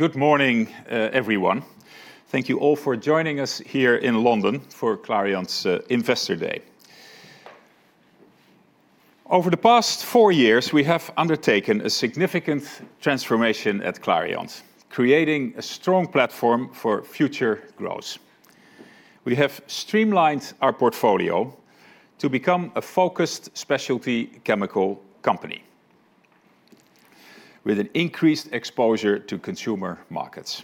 Good morning, everyone. Thank you all for joining us here in London for Clariant's Investor Day. Over the past four years, we have undertaken a significant transformation at Clariant, creating a strong platform for future growth. We have streamlined our portfolio to become a focused specialty chemical company, with an increased exposure to consumer markets.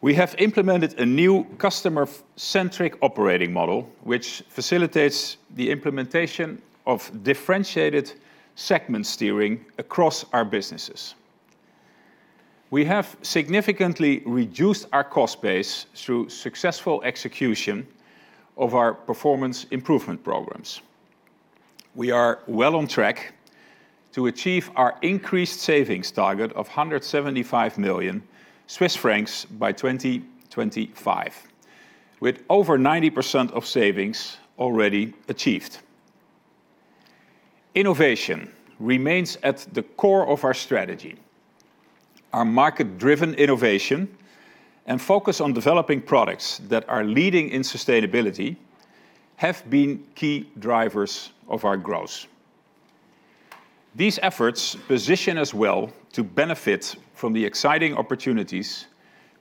We have implemented a new customer-centric operating model, which facilitates the implementation of differentiated segment steering across our businesses. We have significantly reduced our cost base through successful execution of our performance improvement programs. We are well on track to achieve our increased savings target of 175 million Swiss francs by 2025, with over 90% of savings already achieved. Innovation remains at the core of our strategy. Our market-driven innovation and focus on developing products that are leading in sustainability have been key drivers of our growth. These efforts position us well to benefit from the exciting opportunities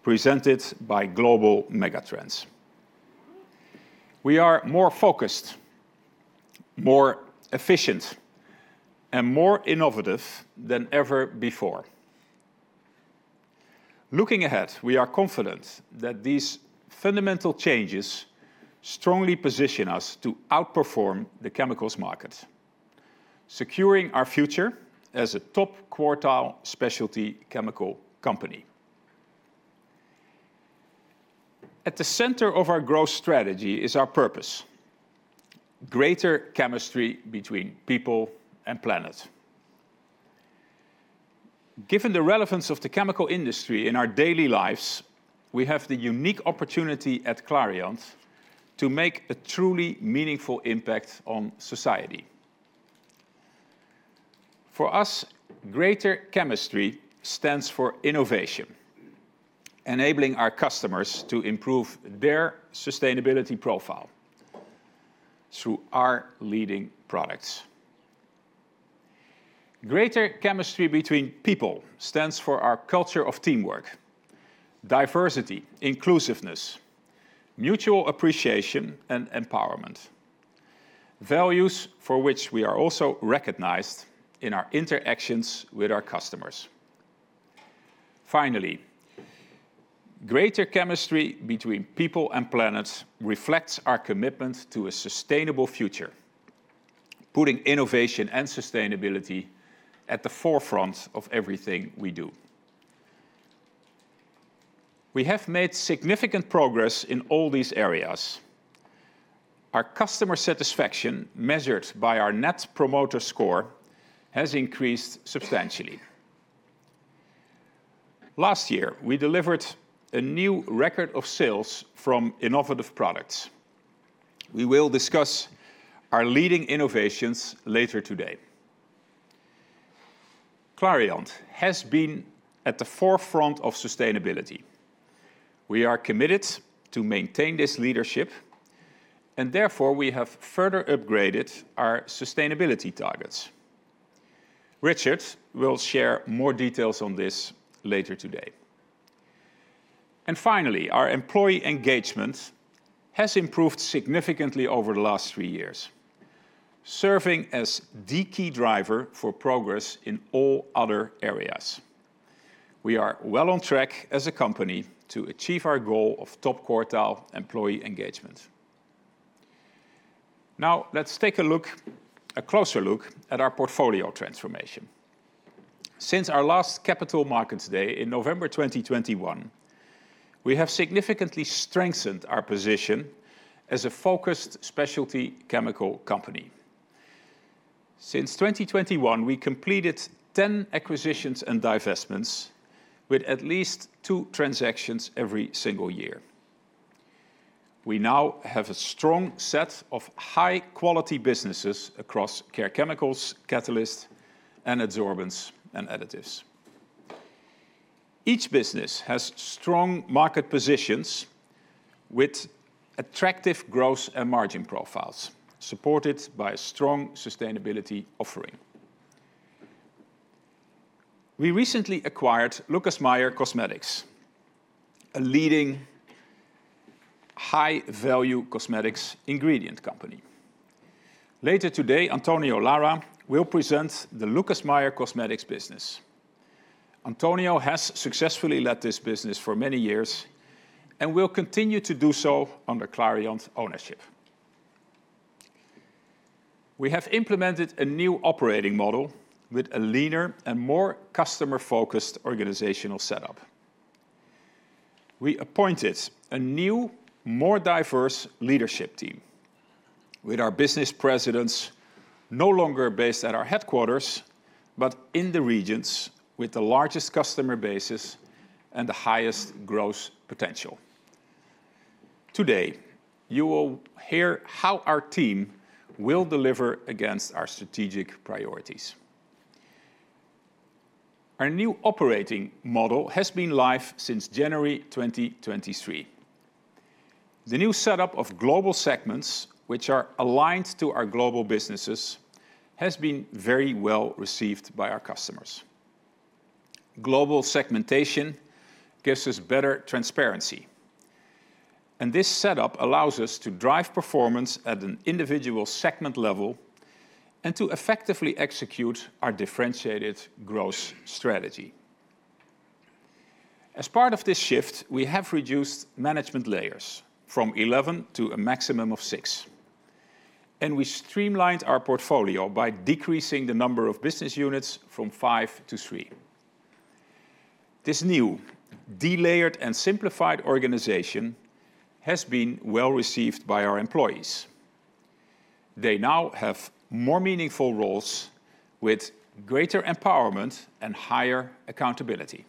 presented by global megatrends. We are more focused, more efficient, and more innovative than ever before. Looking ahead, we are confident that these fundamental changes strongly position us to outperform the chemicals market, securing our future as a top quartile specialty chemical company. At the center of our growth strategy is our purpose: greater chemistry between people and planet. Given the relevance of the chemical industry in our daily lives, we have the unique opportunity at Clariant to make a truly meaningful impact on society. For us, greater chemistry stands for innovation, enabling our customers to improve their sustainability profile through our leading products. Greater chemistry between people stands for our culture of teamwork, diversity, inclusiveness, mutual appreciation, and empowerment, values for which we are also recognized in our interactions with our customers. Finally, greater chemistry between people and planet reflects our commitment to a sustainable future, putting innovation and sustainability at the forefront of everything we do. We have made significant progress in all these areas. Our customer satisfaction, measured by our Net Promoter Score, has increased substantially. Last year, we delivered a new record of sales from innovative products. We will discuss our leading innovations later today. Clariant has been at the forefront of sustainability. We are committed to maintain this leadership, and therefore we have further upgraded our sustainability targets. Richard will share more details on this later today. And finally, our employee engagement has improved significantly over the last three years, serving as the key driver for progress in all other areas. We are well on track as a company to achieve our goal of top quartile employee engagement. Now, let's take a closer look at our portfolio transformation. Since our last Capital Markets Day in November 2021, we have significantly strengthened our position as a focused specialty chemical company. Since 2021, we completed 10 acquisitions and divestments, with at least two transactions every single year. We now have a strong set of high-quality businesses across Care Chemicals, Catalysts, and Adsorbents and Additives. Each business has strong market positions with attractive growth and margin profiles, supported by a strong sustainability offering. We recently acquired Lucas Meyer Cosmetics, a leading high-value Cosmetics ingredient company. Later today, Antonio Lara will present the Lucas Meyer Cosmetics business. Antonio has successfully led this business for many years and will continue to do so under Clariant ownership. We have implemented a new operating model with a leaner and more customer-focused organizational setup. We appointed a new, more diverse leadership team, with our business presidents no longer based at our headquarters, but in the regions with the largest customer bases and the highest growth potential. Today, you will hear how our team will deliver against our strategic priorities. Our new operating model has been live since January 2023. The new setup of global segments, which are aligned to our global businesses, has been very well received by our customers. Global segmentation gives us better transparency, and this setup allows us to drive performance at an individual segment level and to effectively execute our differentiated growth strategy. As part of this shift, we have reduced management layers from 11 to a maximum of six, and we streamlined our portfolio by decreasing the number of business units from five to three. This new, delayered, and simplified organization has been well received by our employees. They now have more meaningful roles with greater empowerment and higher accountability.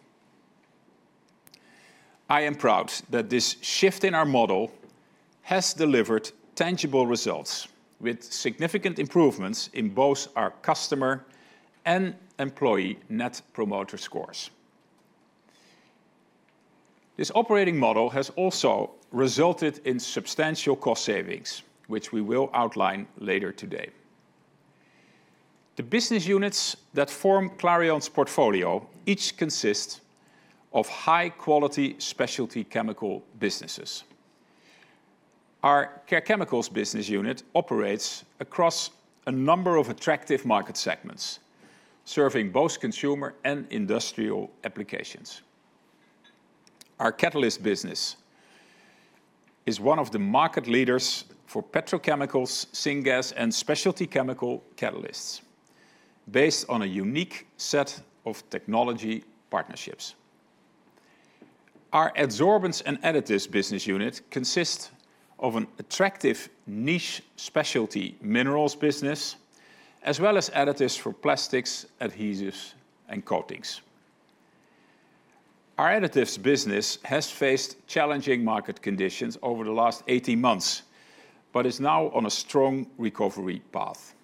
I am proud that this shift in our model has delivered tangible results, with significant improvements in both our customer and employee Net Promoter Scores. This operating model has also resulted in substantial cost savings, which we will outline later today. The business units that form Clariant's portfolio each consist of high-quality specialty chemical businesses. Our Care Chemicals business unit operates across a number of attractive market segments, serving both consumer and industrial applications. Our catalyst business is one of the market leaders for petrochemicals, syngas, and specialty chemical catalysts, based on a unique set of technology partnerships. Our Adsorbents and Additives business unit consists of an attractive niche specialty minerals business, as well as additives for plastics, adhesives, and coatings. Our additives business has faced challenging market conditions over the last 18 months, but is now on a strong recovery path.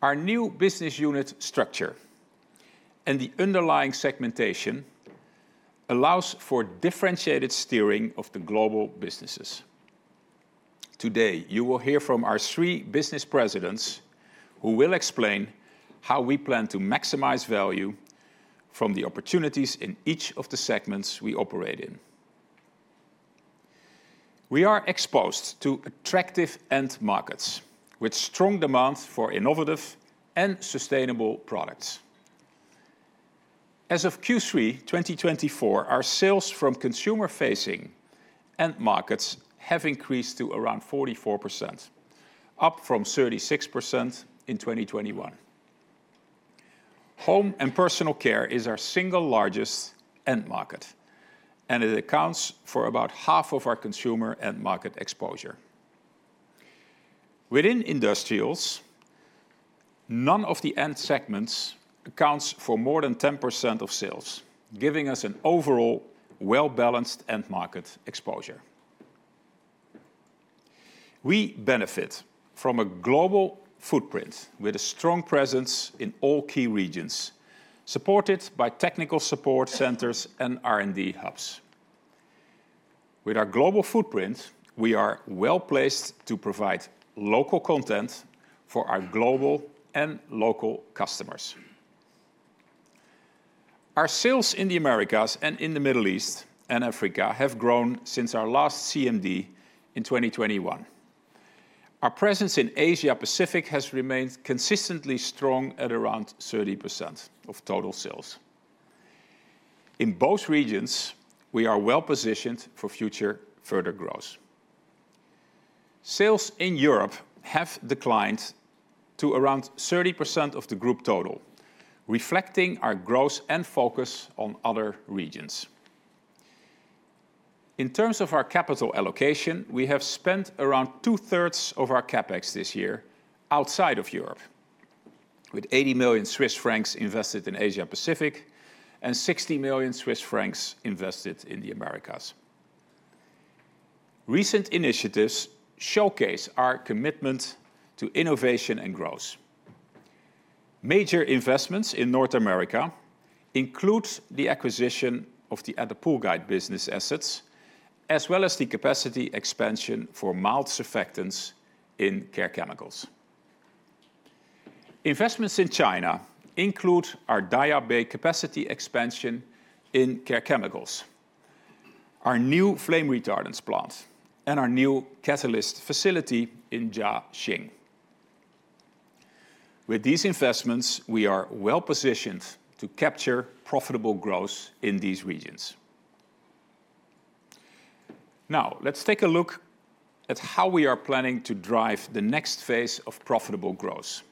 Our new business unit structure and the underlying segmentation allow for differentiated steering of the global businesses. Today, you will hear from our three business presidents who will explain how we plan to maximize value from the opportunities in each of the segments we operate in. We are exposed to attractive end markets, with strong demand for innovative and sustainable products. As of Q3 2024, our sales from consumer-facing end markets have increased to around 44%, up from 36% in 2021. Home and personal care is our single largest end market, and it accounts for about half of our consumer end market exposure. Within industrials, none of the end segments accounts for more than 10% of sales, giving us an overall well-balanced end market exposure. We benefit from a global footprint with a strong presence in all key regions, supported by technical support centers and R&D hubs. With our global footprint, we are well placed to provide local content for our global and local customers. Our sales in the Americas and in the Middle East and Africa have grown since our last CMD in 2021. Our presence in Asia-Pacific has remained consistently strong at around 30% of total sales. In both regions, we are well positioned for future further growth. Sales in Europe have declined to around 30% of the group total, reflecting our growth and focus on other regions. In terms of our capital allocation, we have spent around two-thirds of our CapEx this year outside of Europe, with 80 million Swiss francs invested in Asia-Pacific and 60 million Swiss francs invested in the Americas. Recent initiatives showcase our commitment to innovation and growth. Major investments in North America include the acquisition of the Attapulgite business assets, as well as the capacity expansion for mild surfactants in care chemicals. Investments in China include our Daya Bay capacity expansion in care chemicals, our new Flame Retardants plant, and our new catalyst facility in Jiaxing. With these investments, we are well positioned to capture profitable growth in these regions. Now, let's take a look at how we are planning to drive the next phase of profitable growth.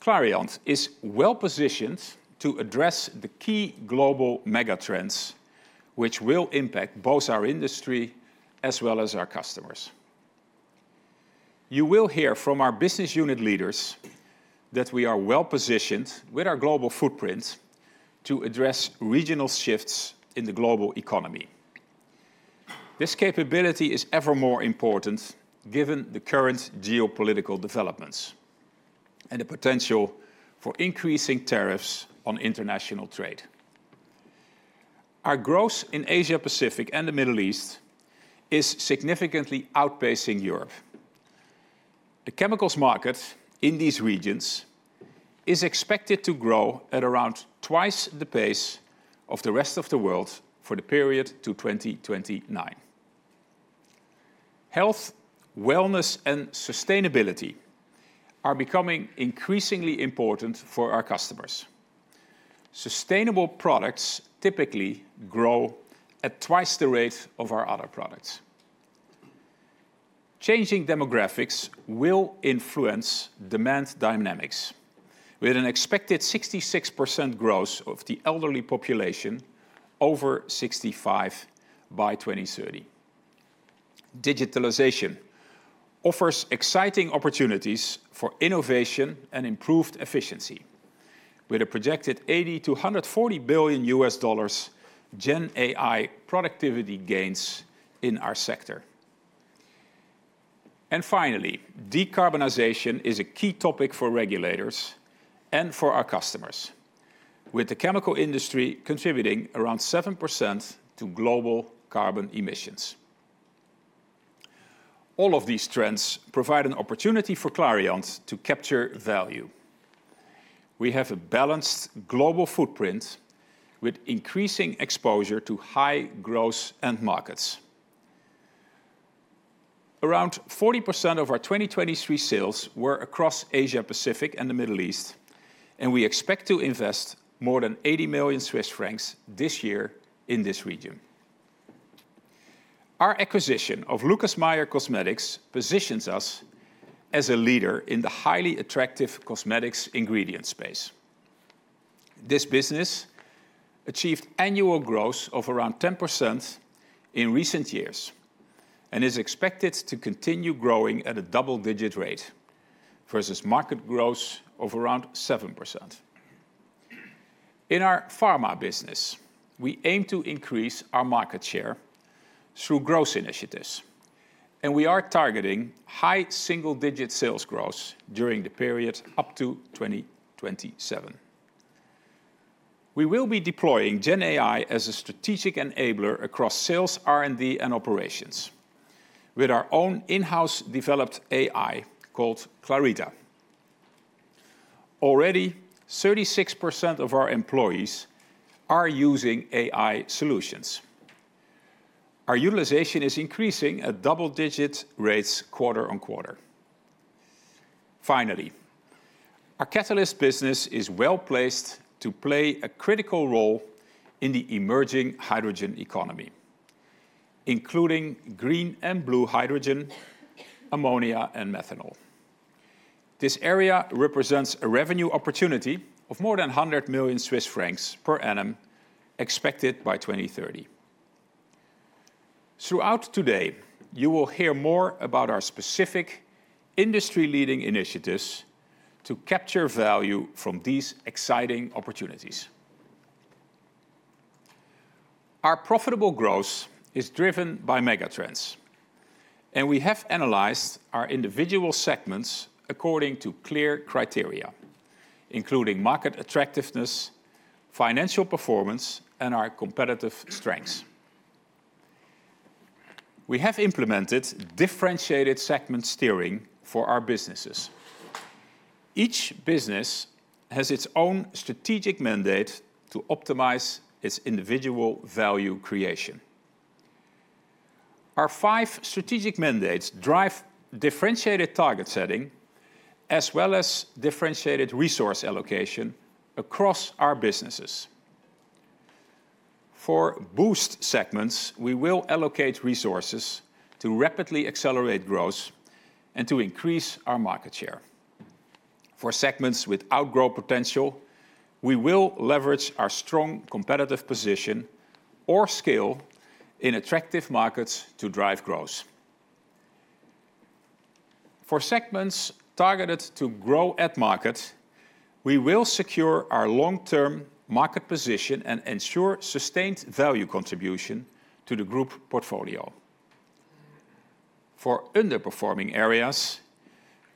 Clariant is well positioned to address the key global megatrends, which will impact both our industry as well as our customers. You will hear from our business unit leaders that we are well positioned with our global footprint to address regional shifts in the global economy. This capability is ever more important given the current geopolitical developments and the potential for increasing tariffs on international trade. Our growth in Asia-Pacific and the Middle East is significantly outpacing Europe. The chemicals market in these regions is expected to grow at around twice the pace of the rest of the world for the period to 2029. Health, wellness, and sustainability are becoming increasingly important for our customers. Sustainable products typically grow at twice the rate of our other products. Changing demographics will influence demand dynamics, with an expected 66% growth of the elderly population over 65 by 2030. Digitalization offers exciting opportunities for innovation and improved efficiency, with a projected $80-140 billion GenAI productivity gains in our sector. Finally, decarbonization is a key topic for regulators and for our customers, with the chemical industry contributing around 7% to global carbon emissions. All of these trends provide an opportunity for Clariant to capture value. We have a balanced global footprint with increasing exposure to high growth end markets. Around 40% of our 2023 sales were across Asia-Pacific and the Middle East, and we expect to invest more than 80 million Swiss francs this year in this region. Our acquisition of Lucas Meyer Cosmetics positions us as a leader in the highly attractive cosmetics ingredient space. This business achieved annual growth of around 10% in recent years and is expected to continue growing at a double-digit rate versus market growth of around 7%. In our Pharma business, we aim to increase our market share through growth initiatives, and we are targeting high single-digit sales growth during the period up to 2027. We will be deploying GenAI as a strategic enabler across sales, R&D, and operations, with our own in-house developed AI called Clarita. Already, 36% of our employees are using AI solutions. Our utilization is increasing at double-digit rates quarter on quarter. Finally, our catalyst business is well placed to play a critical role in the emerging hydrogen economy, including green and blue hydrogen, ammonia, and methanol. This area represents a revenue opportunity of more than 100 million Swiss francs per annum expected by 2030. Throughout today, you will hear more about our specific industry-leading initiatives to capture value from these exciting opportunities. Our profitable growth is driven by megatrends, and we have analyzed our individual segments according to clear criteria, including market attractiveness, financial performance, and our competitive strengths. We have implemented differentiated segment steering for our businesses. Each business has its own strategic mandate to optimize its individual value creation. Our five strategic mandates drive differentiated target setting as well as differentiated resource allocation across our businesses. For boost segments, we will allocate resources to rapidly accelerate growth and to increase our market share. For segments with outgrowth potential, we will leverage our strong competitive position or scale in attractive markets to drive growth. For segments targeted to grow at market, we will secure our long-term market position and ensure sustained value contribution to the group portfolio. For underperforming areas,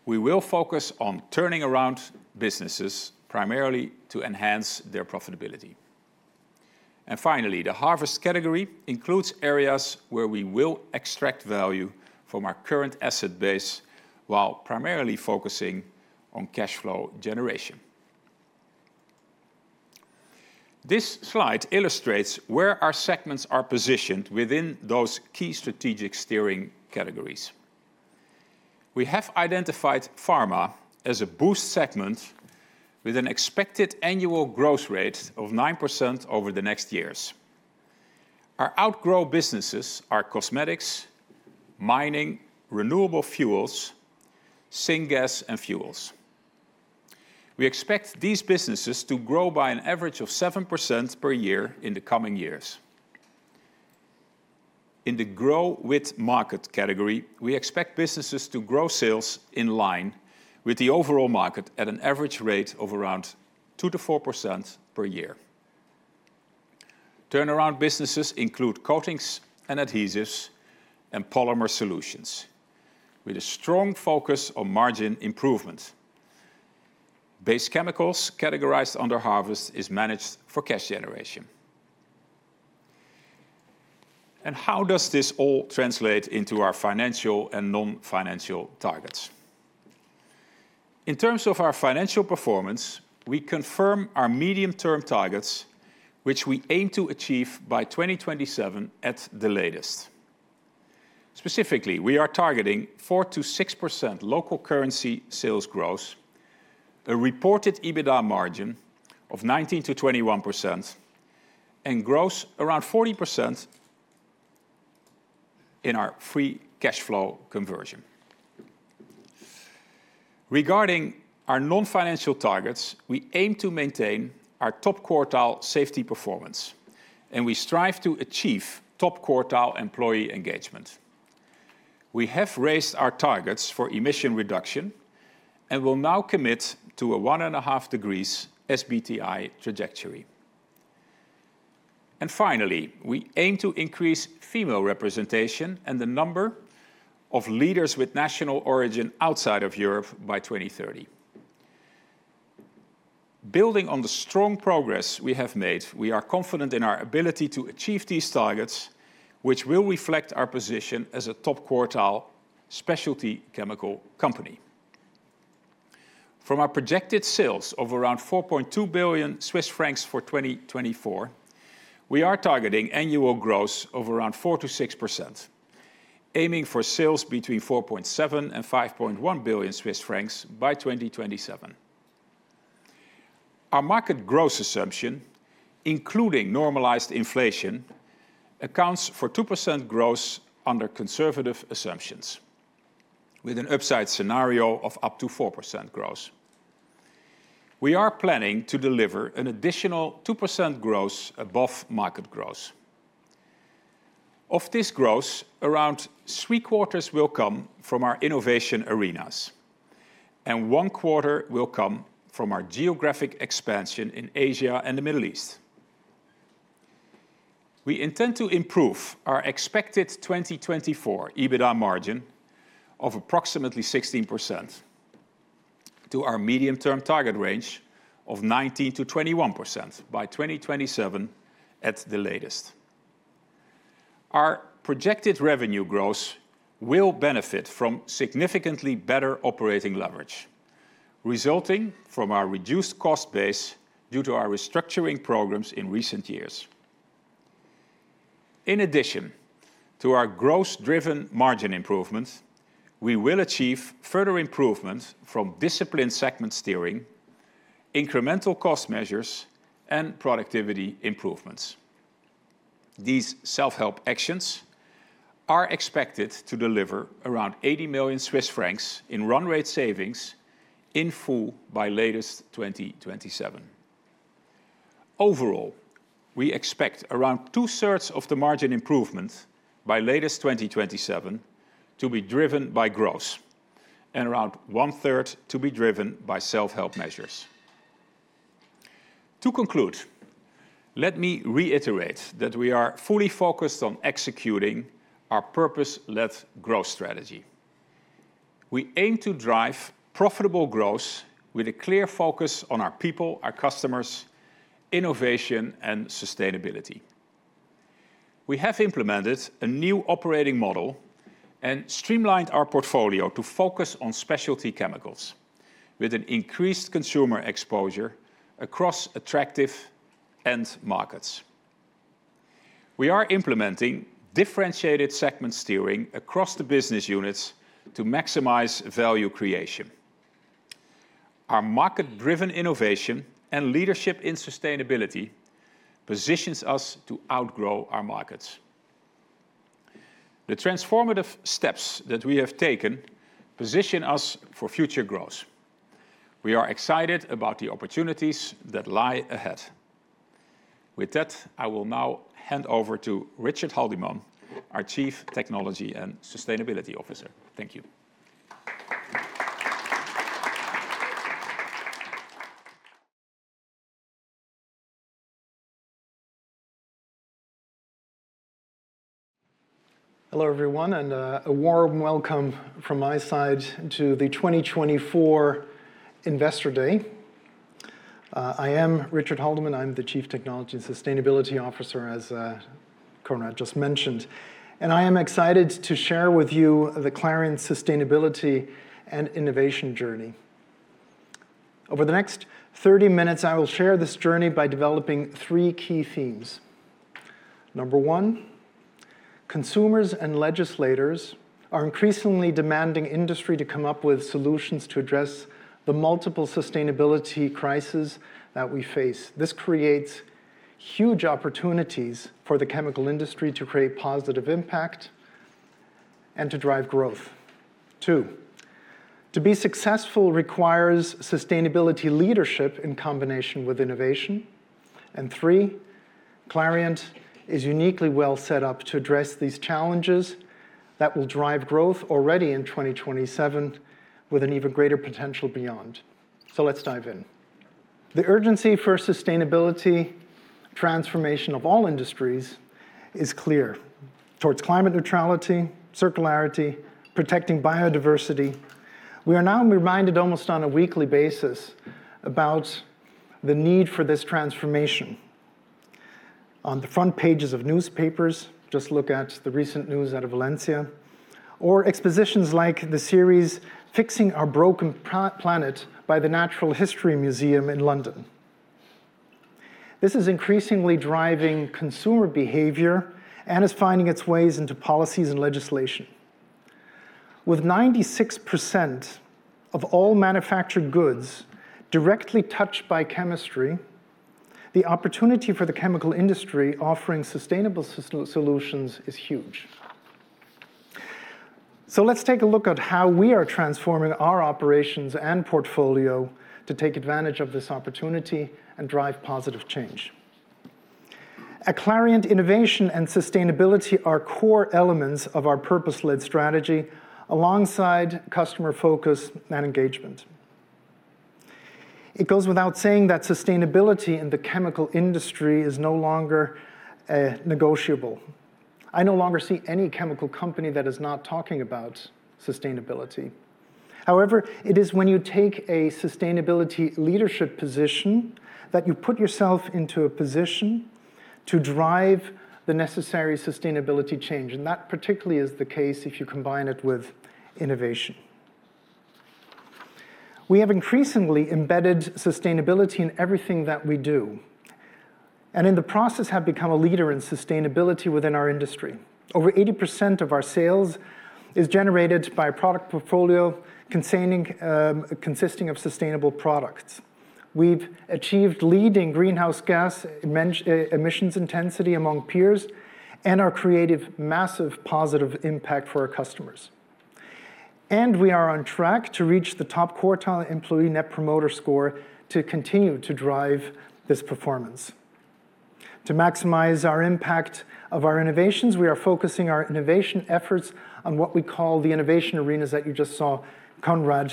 we will focus on turning around businesses primarily to enhance their profitability. And finally, the harvest category includes areas where we will extract value from our current asset base while primarily focusing on cash flow generation. This slide illustrates where our segments are positioned within those key strategic steering categories. We have identified pharma as a boost segment with an expected annual growth rate of 9% over the next years. Our outgrowth businesses are cosmetics, mining, renewable fuels, syngas, and fuels. We expect these businesses to grow by an average of 7% per year in the coming years. In the grow-with-market category, we expect businesses to grow sales in line with the overall market at an average rate of around 2-4% per year. Turnaround businesses include coatings and adhesives and Polymer Solutions with a strong focus on margin improvement. Base Chemicals categorized under harvest are managed for cash generation. And how does this all translate into our financial and non-financial targets? In terms of our financial performance, we confirm our medium-term targets, which we aim to achieve by 2027 at the latest. Specifically, we are targeting 4-6% local currency sales growth, a reported EBITDA margin of 19-21%, and growth around 40% in our free cash flow conversion. Regarding our non-financial targets, we aim to maintain our top-quartile safety performance, and we strive to achieve top-quartile employee engagement. We have raised our targets for emission reduction and will now commit to a one and a half degrees SBTi trajectory. And finally, we aim to increase female representation and the number of leaders with national origin outside of Europe by 2030. Building on the strong progress we have made, we are confident in our ability to achieve these targets, which will reflect our position as a top-quartile specialty chemical company. From our projected sales of around 4.2 billion Swiss francs for 2024, we are targeting annual growth of around 4 to 6%, aiming for sales between 4.7 billion and 5.1 billion Swiss francs by 2027. Our market growth assumption, including normalized inflation, accounts for 2% growth under conservative assumptions, with an upside scenario of up to 4% growth. We are planning to deliver an additional 2% growth above market growth. Of this growth, around three quarters will come from our innovation arenas, and one quarter will come from our geographic expansion in Asia and the Middle East. We intend to improve our expected 2024 EBITDA margin of approximately 16% to our medium-term target range of 19%-21% by 2027 at the latest. Our projected revenue growth will benefit from significantly better operating leverage, resulting from our reduced cost base due to our restructuring programs in recent years. In addition to our growth-driven margin improvements, we will achieve further improvements from disciplined segment steering, incremental cost measures, and productivity improvements. These self-help actions are expected to deliver around 80 million Swiss francs in run rate savings in full by latest 2027. Overall, we expect around two-thirds of the margin improvement by latest 2027 to be driven by growth and around one-third to be driven by self-help measures. To conclude, let me reiterate that we are fully focused on executing our purpose-led growth strategy. We aim to drive profitable growth with a clear focus on our people, our customers, innovation, and sustainability. We have implemented a new operating model and streamlined our portfolio to focus on specialty chemicals, with an increased consumer exposure across attractive end markets. We are implementing differentiated segment steering across the business units to maximize value creation. Our market-driven innovation and leadership in sustainability positions us to outgrow our markets. The transformative steps that we have taken position us for future growth. We are excited about the opportunities that lie ahead. With that, I will now hand over to Richard Haldimann, our Chief Technology and Sustainability Officer Thank you. Hello everyone, and a warm welcome from my side to the 2024 Investor Day. I am Richard Haldimann. I'm the Chief Technology and Sustainability Officer, as Conrad just mentioned, and I am excited to share with you the Clariant Sustainability and Innovation journey. Over the next 30 minutes, I will share this journey by developing three key themes. Number one, consumers and legislators are increasingly demanding industry to come up with solutions to address the multiple sustainability crises that we face. This creates huge opportunities for the chemical industry to create positive impact and to drive growth. Two, to be successful requires sustainability leadership in combination with innovation. And three, Clariant is uniquely well set up to address these challenges that will drive growth already in 2027, with an even greater potential beyond. So let's dive in. The urgency for sustainability transformation of all industries is clear towards climate neutrality, circularity, protecting biodiversity. We are now reminded almost on a weekly basis about the need for this transformation. On the front pages of newspapers, just look at the recent news out of Valencia or expositions like the series Fixing Our Broken Planet by the Natural History Museum in London. This is increasingly driving consumer behavior and is finding its ways into policies and legislation. With 96% of all manufactured goods directly touched by chemistry, the opportunity for the chemical industry offering sustainable solutions is huge. So let's take a look at how we are transforming our operations and portfolio to take advantage of this opportunity and drive positive change. At Clariant, innovation and sustainability are core elements of our purpose-led strategy alongside customer focus and engagement. It goes without saying that sustainability in the chemical industry is no longer negotiable. I no longer see any chemical company that is not talking about sustainability. However, it is when you take a sustainability leadership position that you put yourself into a position to drive the necessary sustainability change, and that particularly is the case if you combine it with innovation. We have increasingly embedded sustainability in everything that we do, and in the process have become a leader in sustainability within our industry. Over 80% of our sales is generated by a product portfolio consisting of sustainable products. We've achieved leading greenhouse gas emissions intensity among peers and are creating massive positive impact for our customers, and we are on track to reach the top-quartile Employee Net Promoter Score to continue to drive this performance. To maximize our impact of our innovations, we are focusing our innovation efforts on what we call the innovation arenas that you just saw Conrad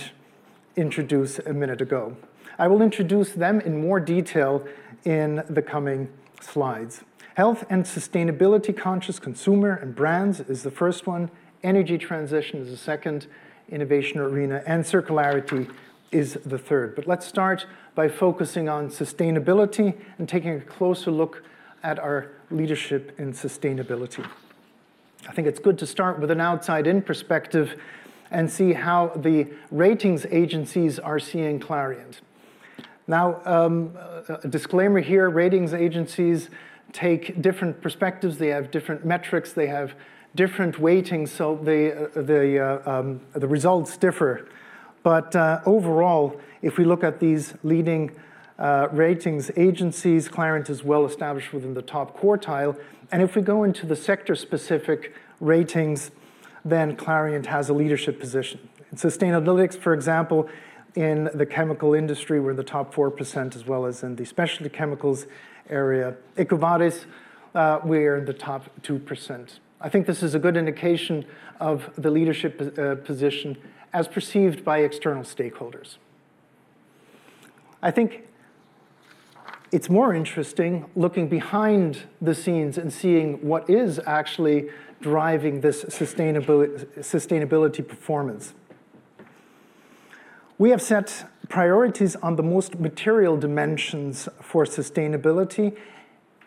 introduce a minute ago. I will introduce them in more detail in the coming slides. Health and sustainability-conscious consumer and brands is the first one. Energy transition is the second innovation arena, and circularity is the third. But let's start by focusing on sustainability and taking a closer look at our leadership in sustainability. I think it's good to start with an outside-in perspective and see how the ratings agencies are seeing Clariant. Now, a disclaimer here: ratings agencies take different perspectives. They have different metrics. They have different weightings, so the results differ. But overall, if we look at these leading ratings agencies, Clariant is well established within the top quartile. If we go into the sector-specific ratings, then Clariant has a leadership position. In sustainability, for example, in the chemical industry, we're in the top 4%, as well as in the specialty chemicals area. EcoVadis, we're in the top 2%. I think this is a good indication of the leadership position as perceived by external stakeholders. I think it's more interesting looking behind the scenes and seeing what is actually driving this sustainability performance. We have set priorities on the most material dimensions for sustainability,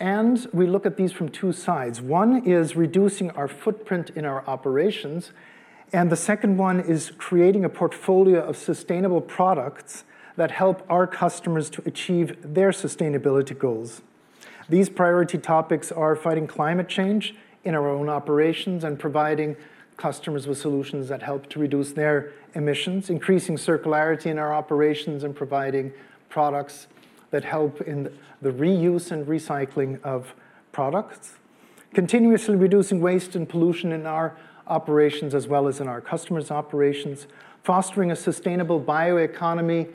and we look at these from two sides. One is reducing our footprint in our operations, and the second one is creating a portfolio of sustainable products that help our customers to achieve their sustainability goals. These priority topics are fighting climate change in our own operations and providing customers with solutions that help to reduce their emissions, increasing circularity in our operations, and providing products that help in the reuse and recycling of products, continuously reducing waste and pollution in our operations, as well as in our customers' operations, fostering a sustainable bioeconomy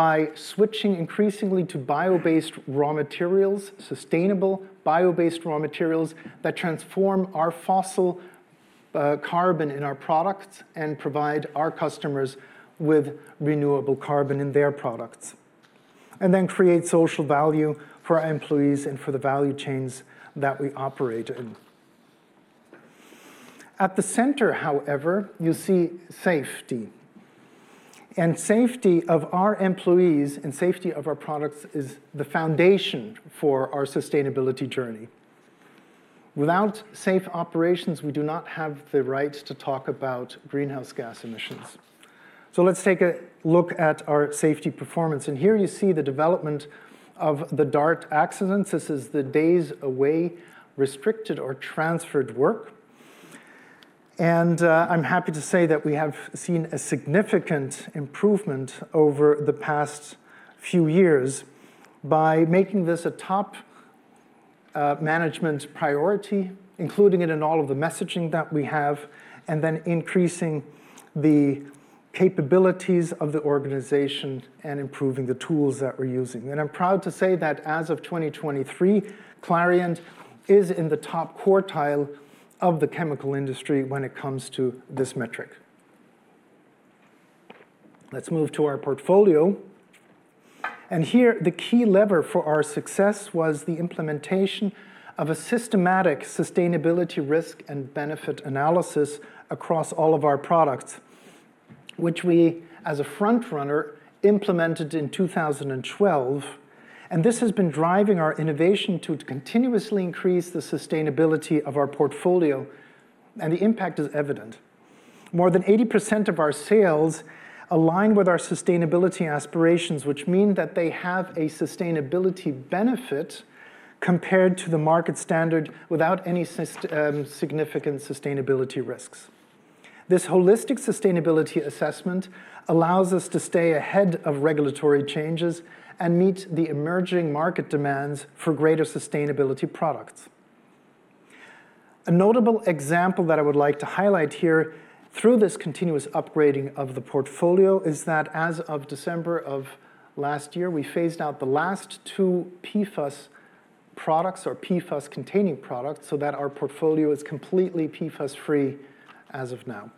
by switching increasingly to bio-based raw materials, sustainable bio-based raw materials that transform our fossil carbon in our products and provide our customers with renewable carbon in their products, and then create social value for our employees and for the value chains that we operate in. At the center, however, you see safety and safety of our employees and safety of our products is the foundation for our sustainability journey. Without safe operations, we do not have the right to talk about greenhouse gas emissions. Let's take a look at our safety performance. Here you see the development of the DART accidents. This is the Days Away, Restricted, or Transferred work. I'm happy to say that we have seen a significant improvement over the past few years by making this a top management priority, including it in all of the messaging that we have, and then increasing the capabilities of the organization and improving the tools that we're using. I'm proud to say that as of 2023, Clariant is in the top quartile of the chemical industry when it comes to this metric. Let's move to our portfolio. Here, the key lever for our success was the implementation of a systematic sustainability risk and benefit analysis across all of our products, which we, as a frontrunner, implemented in 2012. This has been driving our innovation to continuously increase the sustainability of our portfolio, and the impact is evident. More than 80% of our sales align with our sustainability aspirations, which means that they have a sustainability benefit compared to the market standard without any significant sustainability risks. This holistic sustainability assessment allows us to stay ahead of regulatory changes and meet the emerging market demands for greater sustainability products. A notable example that I would like to highlight here through this continuous upgrading of the portfolio is that as of December of last year, we phased out the last two PFAS products or PFAS-containing products so that our portfolio is completely PFAS-free as of now.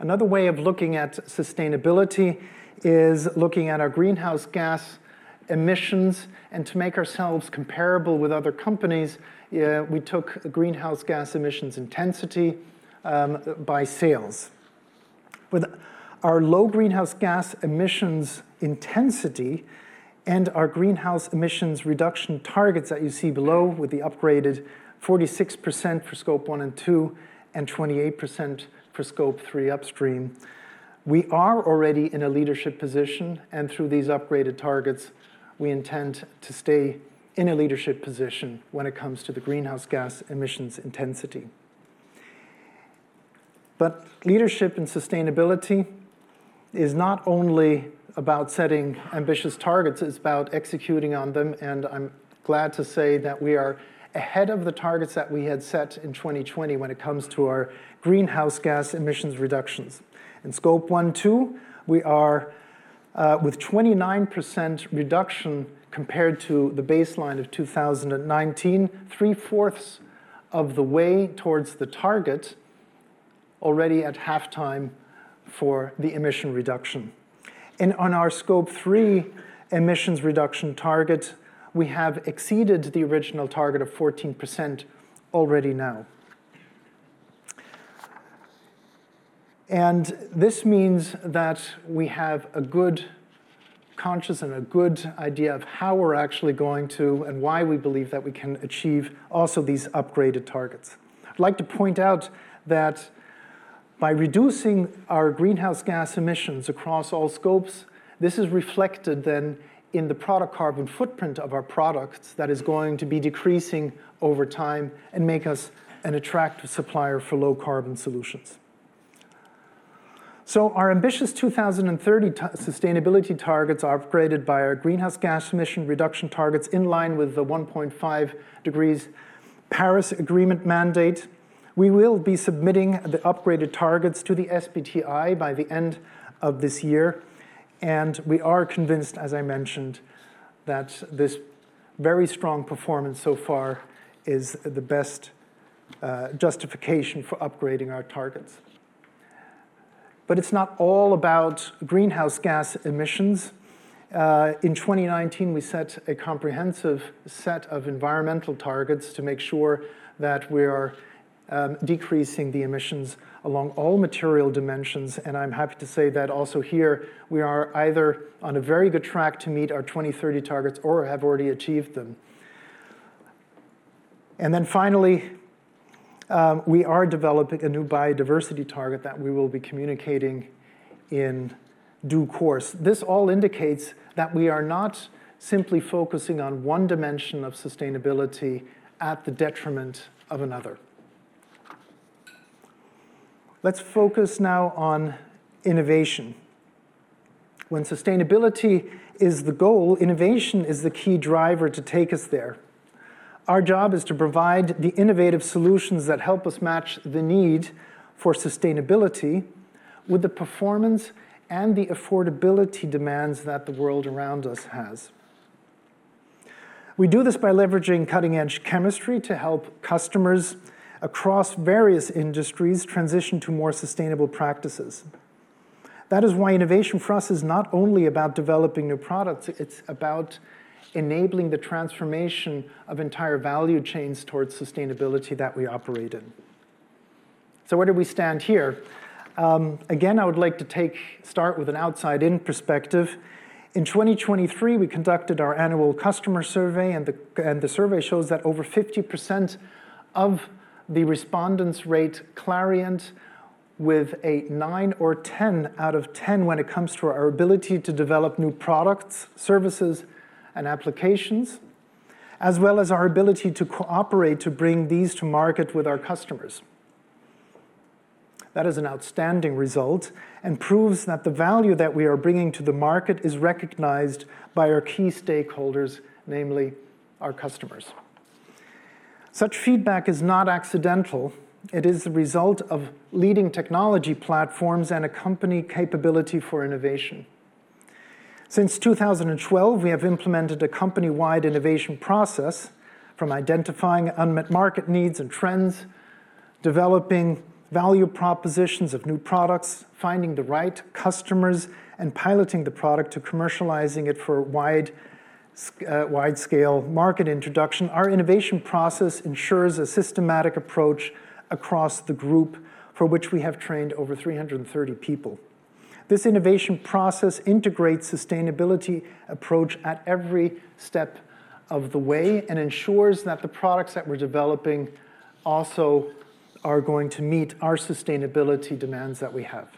Another way of looking at sustainability is looking at our greenhouse gas emissions. To make ourselves comparable with other companies, we took greenhouse gas emissions intensity by sales. With our low greenhouse gas emissions intensity and our greenhouse emissions reduction targets that you see below, with the upgraded 46% for Scope 1 and 2 and 28% for Scope 3 upstream, we are already in a leadership position. And through these upgraded targets, we intend to stay in a leadership position when it comes to the greenhouse gas emissions intensity. But leadership and sustainability is not only about setting ambitious targets; it's about executing on them. And I'm glad to say that we are ahead of the targets that we had set in 2020 when it comes to our greenhouse gas emissions reductions. In Scope 1 and 2, we are with 29% reduction compared to the baseline of 2019, three-fourths of the way towards the target, already at halftime for the emission reduction. And on our Scope 3 emissions reduction target, we have exceeded the original target of 14% already now. And this means that we have a good conscience and a good idea of how we're actually going to and why we believe that we can achieve also these upgraded targets. I'd like to point out that by reducing our greenhouse gas emissions across all scopes, this is reflected then in the product carbon footprint of our products that is going to be decreasing over time and make us an attractive supplier for low carbon solutions. So our ambitious 2030 sustainability targets are upgraded by our greenhouse gas emission reduction targets in line with the 1.5 degrees Paris Agreement mandate. We will be submitting the upgraded targets to the SBTi by the end of this year. We are convinced, as I mentioned, that this very strong performance so far is the best justification for upgrading our targets. It's not all about greenhouse gas emissions. In 2019, we set a comprehensive set of environmental targets to make sure that we are decreasing the emissions along all material dimensions. I'm happy to say that also here, we are either on a very good track to meet our 2030 targets or have already achieved them. Then finally, we are developing a new biodiversity target that we will be communicating in due course. This all indicates that we are not simply focusing on one dimension of sustainability at the detriment of another. Let's focus now on innovation. When sustainability is the goal, innovation is the key driver to take us there. Our job is to provide the innovative solutions that help us match the need for sustainability with the performance and the affordability demands that the world around us has. We do this by leveraging cutting-edge chemistry to help customers across various industries transition to more sustainable practices. That is why innovation for us is not only about developing new products. It's about enabling the transformation of entire value chains towards sustainability that we operate in. So where do we stand here? Again, I would like to start with an outside-in perspective. In 2023, we conducted our annual customer survey, and the survey shows that over 50% of the respondents rate Clariant with a 9 or 10 out of 10 when it comes to our ability to develop new products, services, and applications, as well as our ability to cooperate to bring these to market with our customers. That is an outstanding result and proves that the value that we are bringing to the market is recognized by our key stakeholders, namely our customers. Such feedback is not accidental. It is the result of leading technology platforms and a company capability for innovation. Since 2012, we have implemented a company-wide innovation process from identifying unmet market needs and trends, developing value propositions of new products, finding the right customers, and piloting the product to commercializing it for wide-scale market introduction. Our innovation process ensures a systematic approach across the group for which we have trained over 330 people. This innovation process integrates sustainability approach at every step of the way and ensures that the products that we're developing also are going to meet our sustainability demands that we have.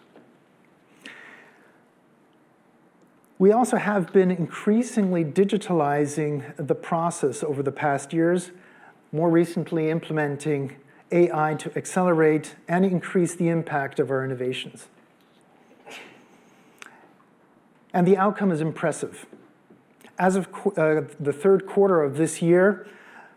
We also have been increasingly digitalizing the process over the past years, more recently implementing AI to accelerate and increase the impact of our innovations. The outcome is impressive. As of the third quarter of this year,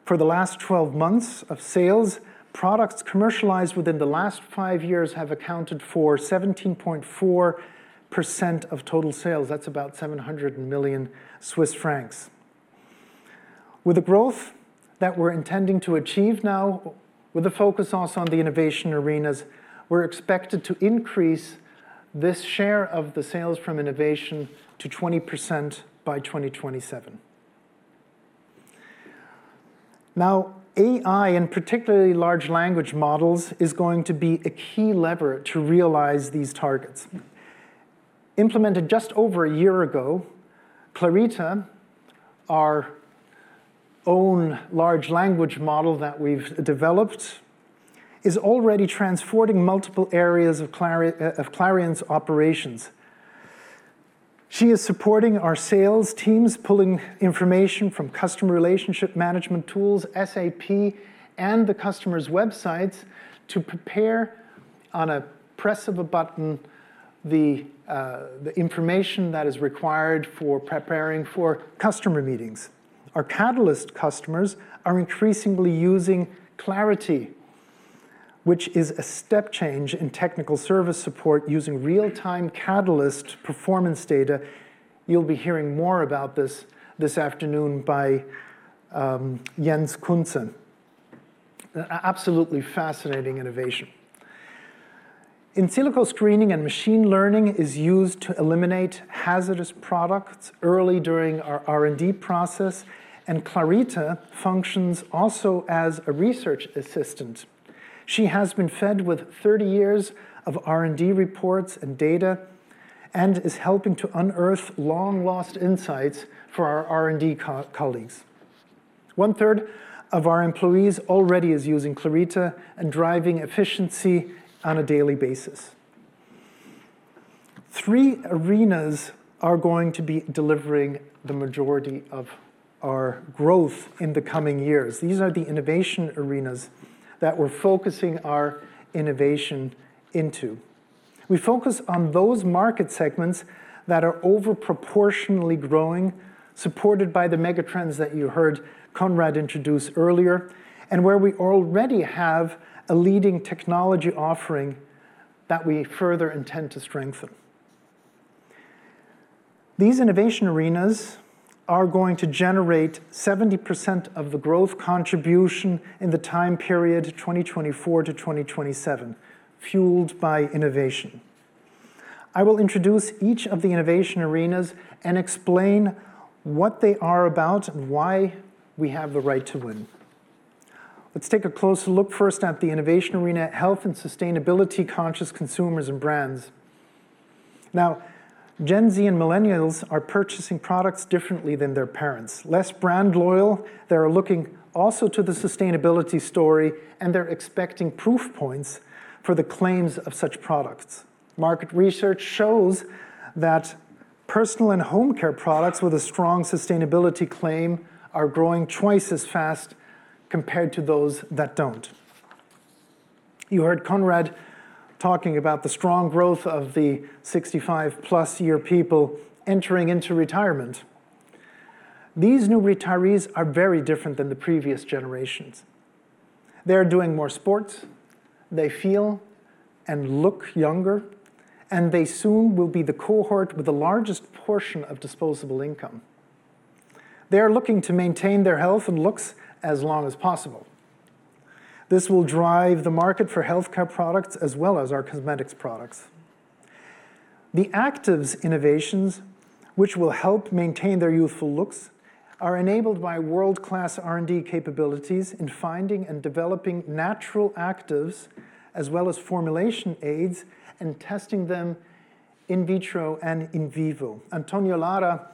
for the last 12 months of sales, products commercialized within the last five years have accounted for 17.4% of total sales. That's about 700 million Swiss francs. With the growth that we're intending to achieve now, with a focus also on the innovation arenas, we're expected to increase this share of the sales from innovation to 20% by 2027. Now, AI, and particularly large language models, is going to be a key lever to realize these targets. Implemented just over a year ago, Clarita, our own large language model that we've developed, is already transporting multiple areas of Clariant's operations. She is supporting our sales teams, pulling information from customer relationship management tools, SAP, and the customer's websites to prepare on a press of a button the information that is required for preparing for customer meetings. Our Catalysts customers are increasingly using Clariant, which is a step change in technical service support using real-time catalyst performance data. You'll be hearing more about this afternoon by Jens Cuntze. Absolutely fascinating innovation. In silico screening and machine learning is used to eliminate hazardous products early during our R&D process, and Clarita functions also as a research assistant. She has been fed with 30 years of R&D reports and data and is helping to unearth long-lost insights for our R&D colleagues. One third of our employees already is using Clarita and driving efficiency on a daily basis. Three arenas are going to be delivering the majority of our growth in the coming years. These are the innovation arenas that we're focusing our innovation into. We focus on those market segments that are overproportionally growing, supported by the megatrends that you heard Conrad introduce earlier, and where we already have a leading technology offering that we further intend to strengthen. These innovation arenas are going to generate 70% of the growth contribution in the time period 2024 to 2027, fueled by innovation. I will introduce each of the innovation arenas and explain what they are about and why we have the right to win. Let's take a closer look first at the innovation arena, health and sustainability-conscious consumers and brands. Now, Gen Z and Millennials are purchasing products differently than their parents. Less brand loyal, they're looking also to the sustainability story, and they're expecting proof points for the claims of such products. Market research shows that personal and Home Care products with a strong sustainability claim are growing twice as fast compared to those that don't. You heard Conrad talking about the strong growth of the 65-plus year people entering into retirement. These new retirees are very different than the previous generations. They're doing more sports, they feel and look younger, and they soon will be the cohort with the largest portion of disposable income. They are looking to maintain their health and looks as long as possible. This will drive the market for healthcare products as well as our cosmetics products. The actives innovations, which will help maintain their youthful looks, are enabled by world-class R&D capabilities in finding and developing natural actives as well as formulation aids and testing them in vitro and in vivo. Antonio Lara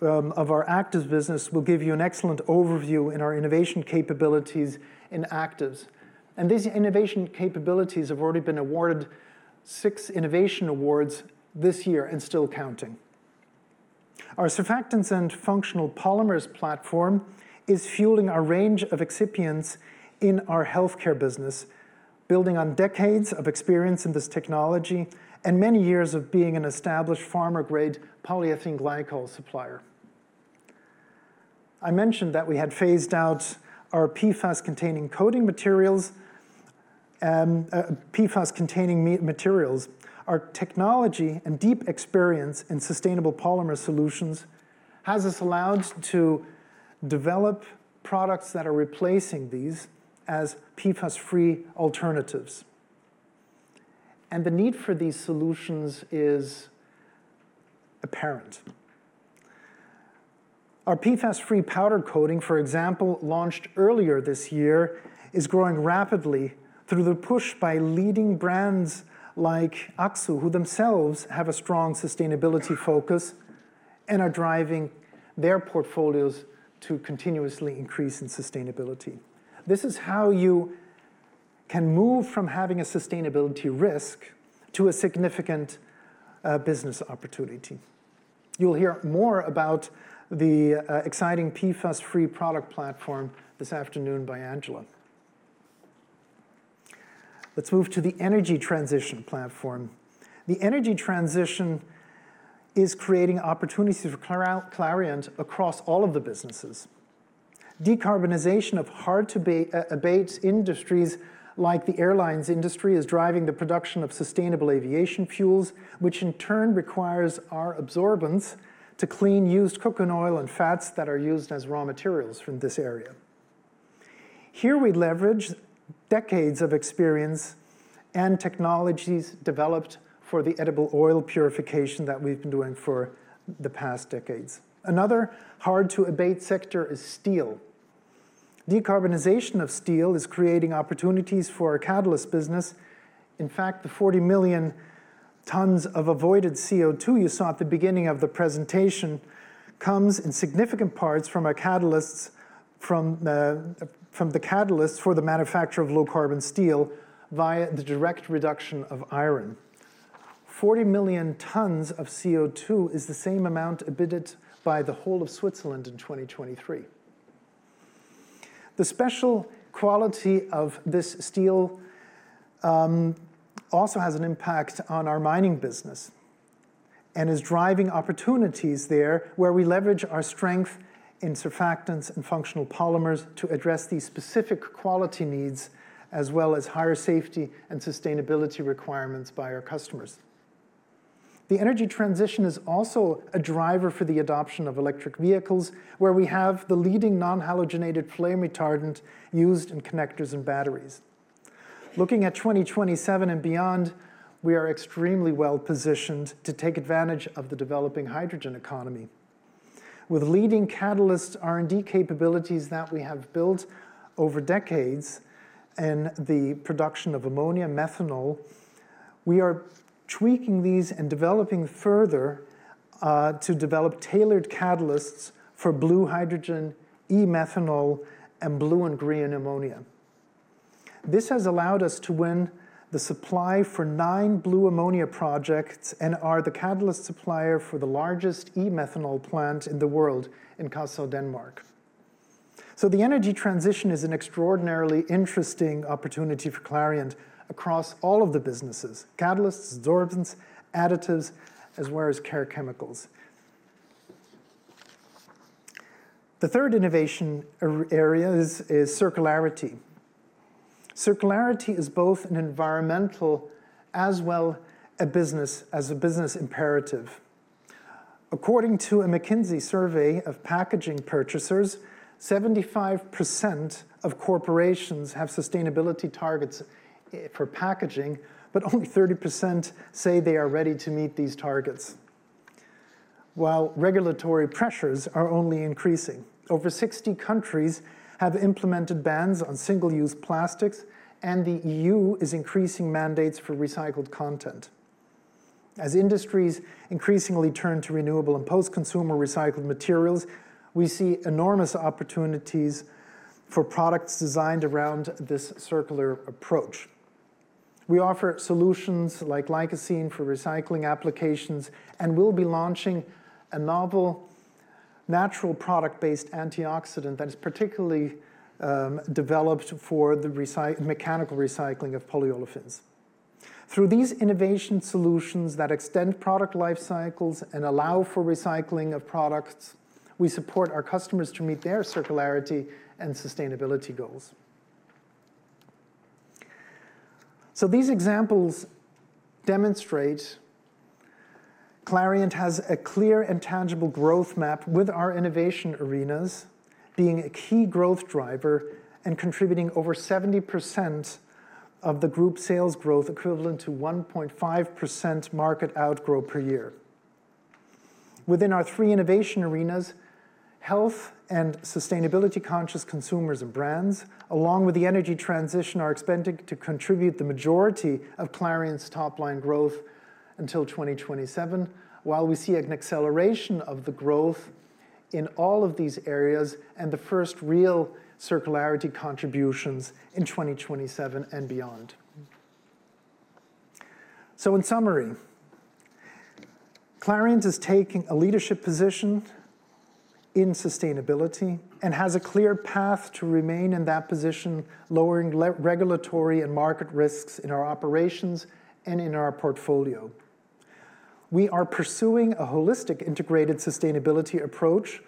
of our actives business will give you an excellent overview in our innovation capabilities in actives. These innovation capabilities have already been awarded six innovation awards this year and still counting. Our surfactants and functional polymers platform is fueling our range of excipients in our healthcare business, building on decades of experience in this technology and many years of being an established pharma-grade polyethylene glycol supplier. I mentioned that we had phased out our PFAS-containing coating materials. Our technology and deep experience in sustainable polymer solutions has allowed us to develop products that are replacing these as PFAS-free alternatives. The need for these solutions is apparent. Our PFAS-free powder coating, for example, launched earlier this year, is growing rapidly through the push by leading brands like Akzo, who themselves have a strong sustainability focus and are driving their portfolios to continuously increase in sustainability. This is how you can move from having a sustainability risk to a significant business opportunity. You'll hear more about the exciting PFAS-free product platform this afternoon by Angela. Let's move to the energy transition platform. The energy transition is creating opportunities for Clariant across all of the businesses. Decarbonization of hard-to-abate industries like the airlines industry is driving the production of sustainable aviation fuels, which in turn requires our adsorbents to clean used coconut oil and fats that are used as raw materials from this area. Here we leverage decades of experience and technologies developed for the edible oil purification that we've been doing for the past decades. Another hard-to-abate sector is steel. Decarbonization of steel is creating opportunities for our Catalysts business. In fact, the 40 million tons of avoided CO2 you saw at the beginning of the presentation comes in significant parts from the Catalysts for the manufacture of low-carbon steel via the direct reduction of iron. 40 million tons of CO2 is the same amount emitted by the whole of Switzerland in 2023. The special quality of this steel also has an impact on our mining business and is driving opportunities there where we leverage our strength in surfactants and functional polymers to address these specific quality needs as well as higher safety and sustainability requirements by our customers. The energy transition is also a driver for the adoption of electric vehicles where we have the leading non-halogenated flame retardant used in connectors and batteries. Looking at 2027 and beyond, we are extremely well positioned to take advantage of the developing hydrogen economy. With leading catalyst R&D capabilities that we have built over decades and the production of ammonia, methanol, we are tweaking these and developing further to develop tailored catalysts for blue hydrogen, e-methanol, and blue and green ammonia. This has allowed us to win the supply for nine blue ammonia projects and are the catalyst supplier for the largest e-methanol plant in the world in Kassø, Denmark. The energy transition is an extraordinarily interesting opportunity for Clariant across all of the businesses: Catalysts, Adsorbents, Additives, as well as Care Chemicals. The third innovation area is circularity. Circularity is both an environmental as well as a business imperative. According to a McKinsey survey of packaging purchasers, 75% of corporations have sustainability targets for packaging, but only 30% say they are ready to meet these targets, while regulatory pressures are only increasing. Over 60 countries have implemented bans on single-use plastics, and the EU is increasing mandates for recycled content. As industries increasingly turn to renewable and post-consumer recycled materials, we see enormous opportunities for products designed around this circular approach. We offer solutions like Licocene for recycling applications and will be launching a novel natural product-based antioxidant that is particularly developed for the mechanical recycling of polyolefins. Through these innovation solutions that extend product life cycles and allow for recycling of products, we support our customers to meet their circularity and sustainability goals. These examples demonstrate Clariant has a clear and tangible growth map with our innovation arenas being a key growth driver and contributing over 70% of the group sales growth, equivalent to 1.5% market outgrow per year. Within our three innovation arenas, health and sustainability-conscious consumers and brands, along with the energy transition, are expected to contribute the majority of Clariant's top-line growth until 2027, while we see an acceleration of the growth in all of these areas and the first real circularity contributions in 2027 and beyond. In summary, Clariant is taking a leadership position in sustainability and has a clear path to remain in that position, lowering regulatory and market risks in our operations and in our portfolio. We are pursuing a holistic integrated sustainability approach,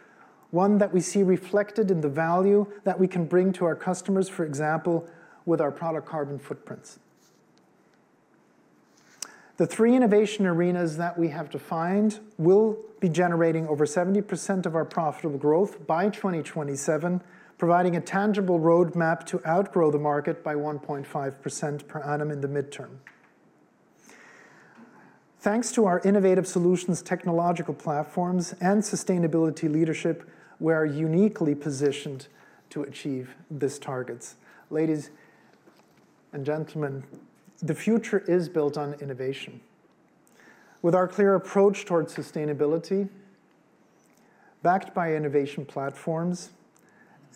one that we see reflected in the value that we can bring to our customers, for example, with our product carbon footprints. The three innovation arenas that we have defined will be generating over 70% of our profitable growth by 2027, providing a tangible roadmap to outgrow the market by 1.5% per annum in the midterm. Thanks to our innovative solutions, technological platforms, and sustainability leadership, we are uniquely positioned to achieve these targets. Ladies and gentlemen, the future is built on innovation. With our clear approach towards sustainability, backed by innovation platforms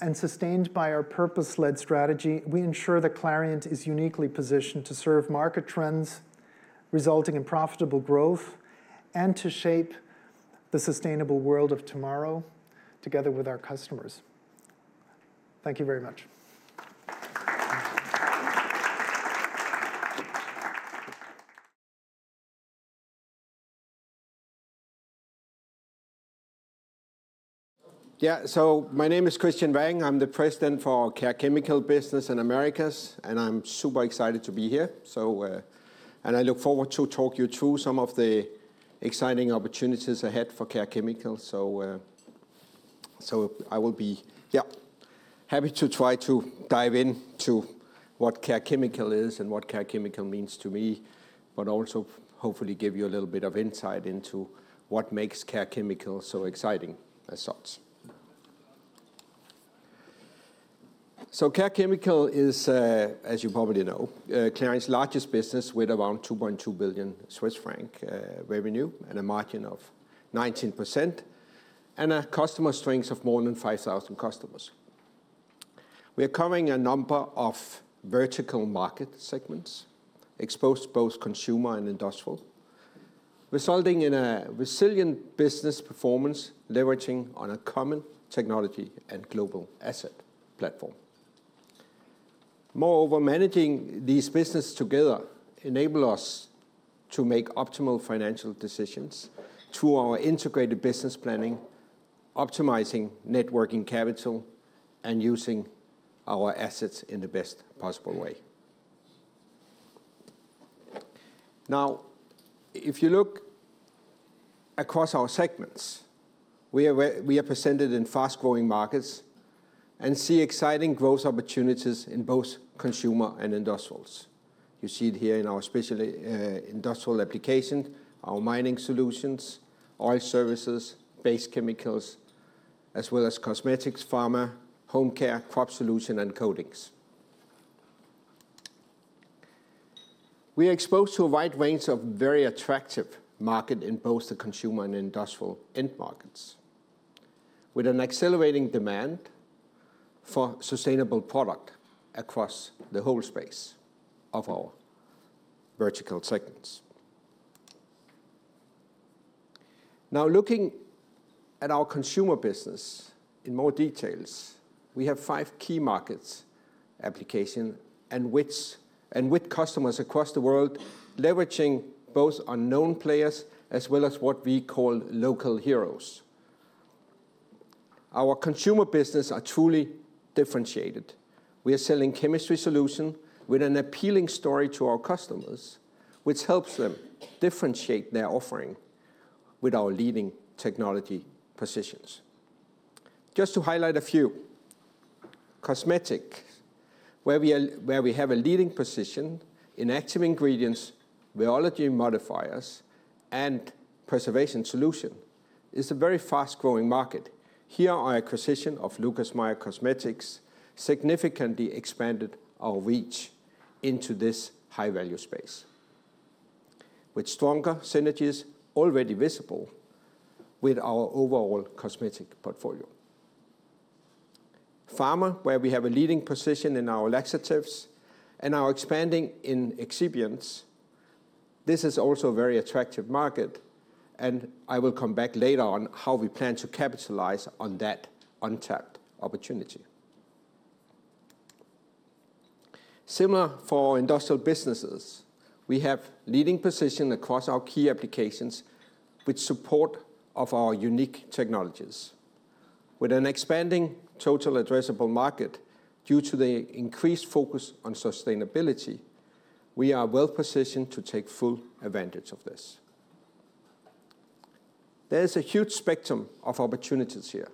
and sustained by our purpose-led strategy, we ensure that Clariant is uniquely positioned to serve market trends resulting in profitable growth and to shape the sustainable world of tomorrow together with our customers. Thank you very much. Yeah, so my name is Christian Vang. I'm the president for Care Chemicals Business and Americas, and I'm super excited to be here. And I look forward to talking you through some of the exciting opportunities ahead for Care Chemicals. So I will be, yeah, happy to try to dive into what Care Chemicals is and what Care Chemicals means to me, but also hopefully give you a little bit of insight into what makes Care Chemicals so exciting as such. So Care Chemicals is, as you probably know, Clariant's largest business with around 2.2 billion Swiss franc revenue and a margin of 19% and a customer strength of more than 5,000 customers. We are covering a number of vertical market segments exposed to both consumer and industrial, resulting in a resilient business performance leveraging on a common technology and global asset platform. Moreover, managing these businesses together enables us to make optimal financial decisions through our integrated business planning, optimizing working capital, and using our assets in the best possible way. Now, if you look across our segments, we are present in fast-growing markets and see exciting growth opportunities in both consumer and industrials. You see it here in our specialty industrial applications, our Mining Solutions, Oil Services, Base Chemicals, as well as cosmetics, pharma, home care, Crop Solutions, and coatings. We are exposed to a wide range of very attractive markets in both the consumer and industrial end markets, with an accelerating demand for sustainable products across the whole space of our vertical segments. Now, looking at our consumer business in more detail, we have five key market applications, and with customers across the world leveraging both our global players as well as what we call local heroes. Our consumer businesses are truly differentiated. We are selling chemistry solutions with an appealing story to our customers, which helps them differentiate their offering with our leading technology positions. Just to highlight a few, cosmetics, where we have a leading position in active ingredients, rheology modifiers, and preservation solutions, is a very fast-growing market. Here, our acquisition of Lucas Meyer Cosmetics significantly expanded our reach into this high-value space, with stronger synergies already visible with our overall cosmetic portfolio. Pharma, where we have a leading position in our laxatives and are expanding in excipients. This is also a very attractive market, and I will come back later on how we plan to capitalize on that untapped opportunity. Similar for industrial businesses, we have a leading position across our key applications with support of our unique technologies. With an expanding total addressable market due to the increased focus on sustainability, we are well positioned to take full advantage of this. There is a huge spectrum of opportunities here,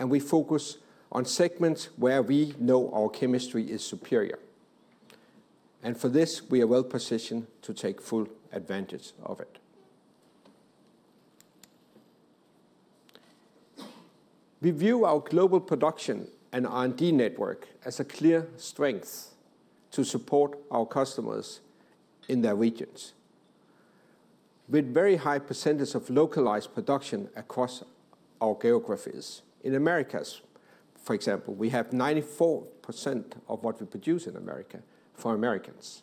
and we focus on segments where we know our chemistry is superior. And for this, we are well positioned to take full advantage of it. We view our global production and R&D network as a clear strength to support our customers in their regions, with very high percentages of localized production across our geographies. In Americas, for example, we have 94% of what we produce in America for Americans,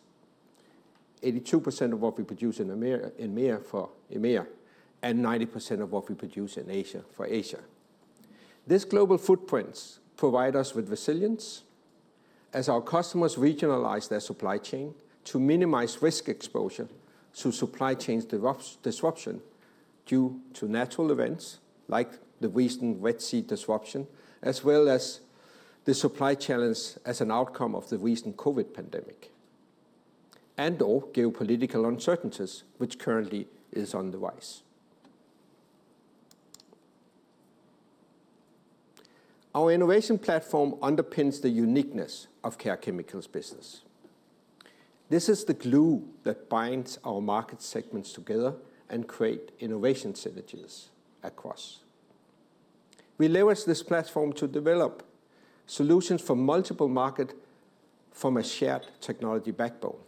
82% of what we produce in India for India, and 90% of what we produce in Asia for Asia. These global footprints provide us with resilience as our customers regionalize their supply chain to minimize risk exposure to supply chain disruption due to natural events like the recent Red Sea disruption, as well as the supply challenge as an outcome of the recent COVID pandemic and/or geopolitical uncertainties, which currently is on the rise. Our innovation platform underpins the uniqueness of Care Chemicals' business. This is the glue that binds our market segments together and creates innovation synergies across. We leverage this platform to develop solutions for multiple markets from a shared technology backbone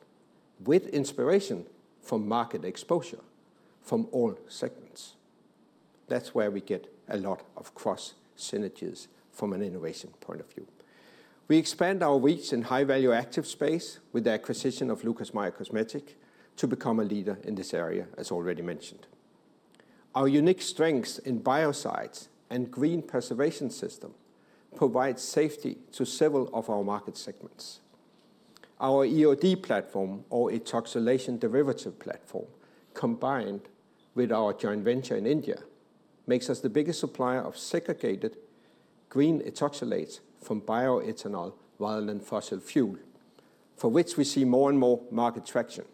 with inspiration from market exposure from all segments. That's where we get a lot of cross-synergies from an innovation point of view. We expand our reach in high-value actives space with the acquisition of Lucas Meyer Cosmetics to become a leader in this area, as already mentioned. Our unique strengths in biocides and green preservation systems provide safety to several of our market segments. Our EOD platform, or ethoxylation derivative platform, combined with our joint venture in India, makes us the biggest supplier of segregated green ethoxylates from bioethanol rather than fossil fuel, for which we see more and more market traction,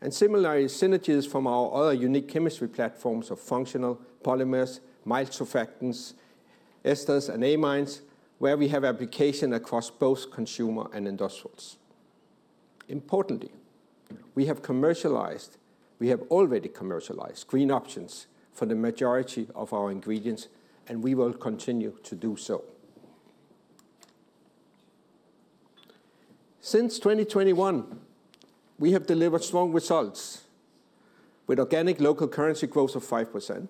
and similarly, synergies from our other unique chemistry platforms of functional polymers, mild surfactants, esters, and amines, where we have applications across both consumer and industrials. Importantly, we have commercialized. We have already commercialized green options for the majority of our ingredients, and we will continue to do so. Since 2021, we have delivered strong results with organic local currency growth of 5%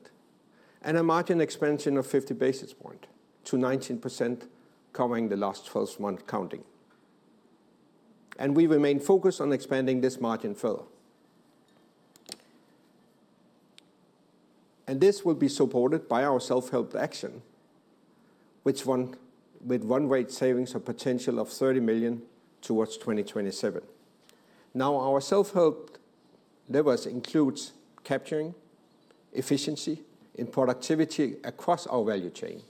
and a margin expansion of 50 basis points to 19% covering the last 12 months counting, and we remain focused on expanding this margin further. This will be supported by our self-help action, which comes with run-rate savings potential of 30 million towards 2027. Our self-help levers include capturing efficiency in productivity across our value chain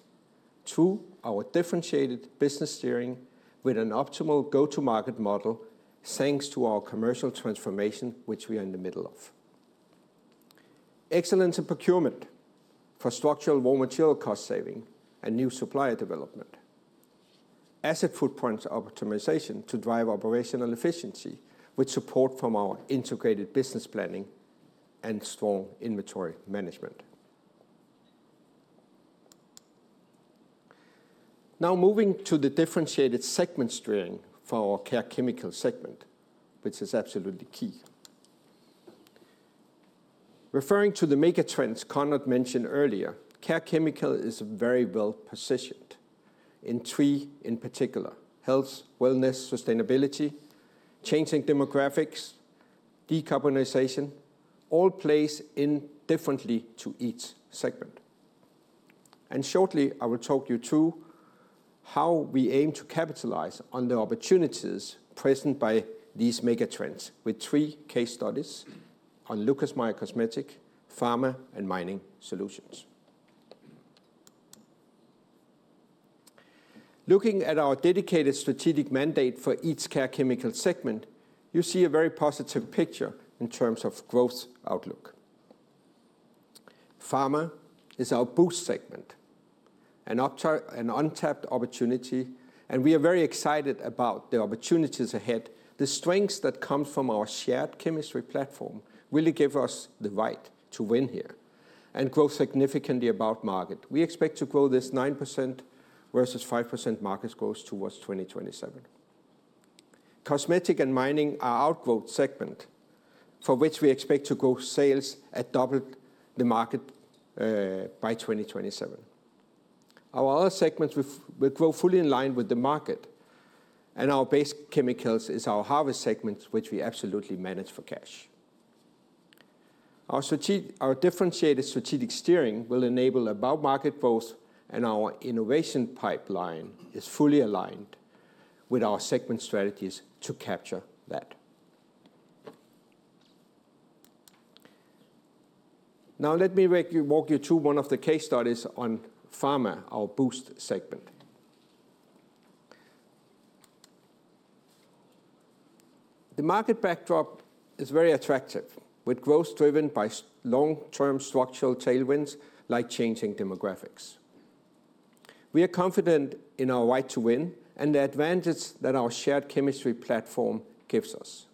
through our differentiated business steering with an optimal go-to-market model, thanks to our commercial transformation, which we are in the middle of. Excellence in procurement for structural raw material cost saving and new supplier development. Asset footprint optimization to drive operational efficiency with support from our integrated business planning and strong inventory management. Moving to the differentiated segment steering for our Care Chemicals segment, which is absolutely key. Referring to the megatrends Conrad mentioned earlier, Care Chemicals is very well positioned in three in particular: health, wellness, sustainability, changing demographics, decarbonization, all plays differently to each segment. Shortly, I will talk you through how we aim to capitalize on the opportunities present by these megatrends with three case studies on Lucas Meyer Cosmetics, pharma, and mining solutions. Looking at our dedicated strategic mandate for each Care Chemicals segment, you see a very positive picture in terms of growth outlook. Pharma is our boost segment, an untapped opportunity, and we are very excited about the opportunities ahead. The strengths that come from our shared chemistry platform really give us the right to win here and grow significantly above market. We expect to grow this 9% versus 5% market growth towards 2027. Cosmetics and mining are our outgrowth segment for which we expect to grow sales at double the market by 2027. Our other segments will grow fully in line with the market, and our base chemicals is our harvest segment, which we absolutely manage for cash. Our differentiated strategic steering will enable above-market growth, and our innovation pipeline is fully aligned with our segment strategies to capture that. Now, let me walk you through one of the case studies on pharma, our boost segment. The market backdrop is very attractive, with growth driven by long-term structural tailwinds like changing demographics. We are confident in our right to win and the advantage that our shared chemistry platform gives us.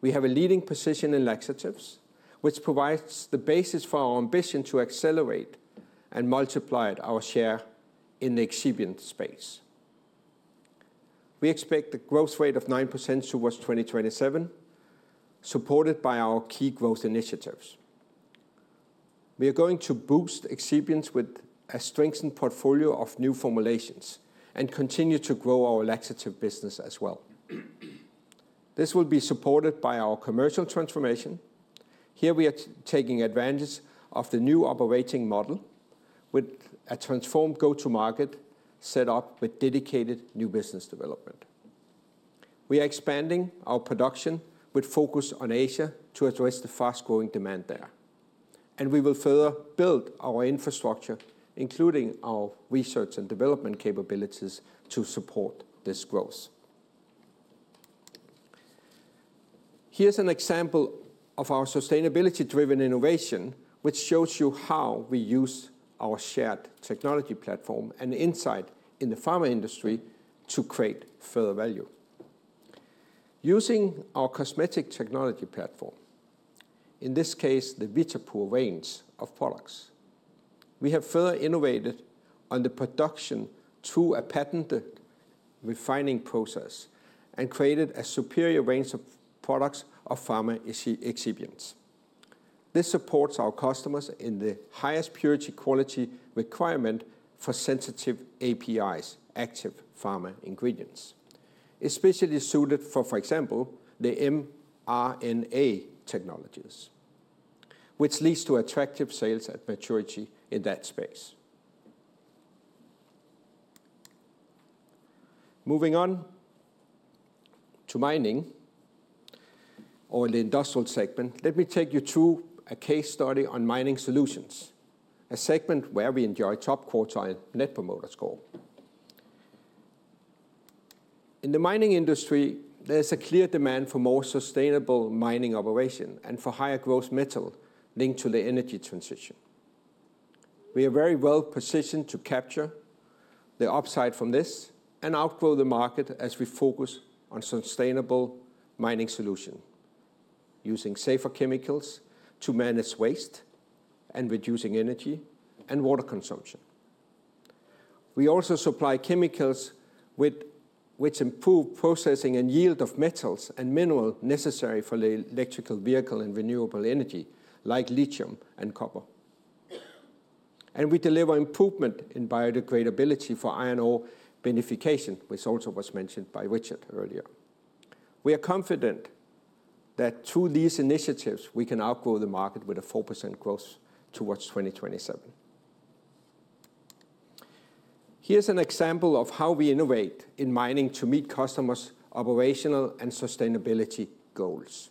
We have a leading position in laxatives, which provides the basis for our ambition to accelerate and multiply our share in the excipient space. We expect a growth rate of 9% towards 2027, supported by our key growth initiatives. We are going to boost excipients with a strengthened portfolio of new formulations and continue to grow our laxative business as well. This will be supported by our commercial transformation. Here, we are taking advantage of the new operating model with a transformed go-to-market set up with dedicated new business development. We are expanding our production with focus on Asia to address the fast-growing demand there. And we will further build our infrastructure, including our research and development capabilities to support this growth. Here's an example of our sustainability-driven innovation, which shows you how we use our shared technology platform and insight in the pharma industry to create further value. Using our cosmetic technology platform, in this case, the VitiPure range of products, we have further innovated on the production through a patented refining process and created a superior range of products of pharma excipients. This supports our customers in the highest purity quality requirement for sensitive APIs, active pharma ingredients, especially suited for, for example, the mRNA technologies, which leads to attractive sales at maturity in that space. Moving on to mining or the industrial segment, let me take you through a case study on mining solutions, a segment where we enjoy top quartile Net Promoter Score. In the mining industry, there is a clear demand for more sustainable mining operations and for higher-grade metals linked to the energy transition. We are very well positioned to capture the upside from this and outgrow the market as we focus on sustainable mining solutions, using safer chemicals to manage waste and reducing energy and water consumption. We also supply chemicals which improve processing and yield of metals and minerals necessary for electric vehicles and renewable energy like lithium and copper. We deliver improvement in biodegradability for iron ore beneficiation, which also was mentioned by Richard earlier. We are confident that through these initiatives, we can outgrow the market with a 4% growth towards 2027. Here's an example of how we innovate in mining to meet customers' operational and sustainability goals.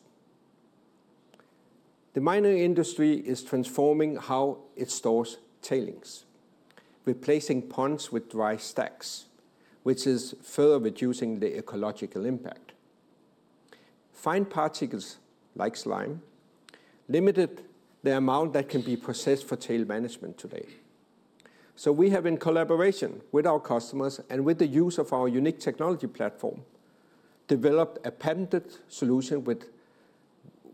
The mining industry is transforming how it stores tailings, replacing ponds with dry stacks, which is further reducing the ecological impact. Fine particles like slime limit the amount that can be processed for tailings management today. So we have, in collaboration with our customers and with the use of our unique technology platform, developed a patented solution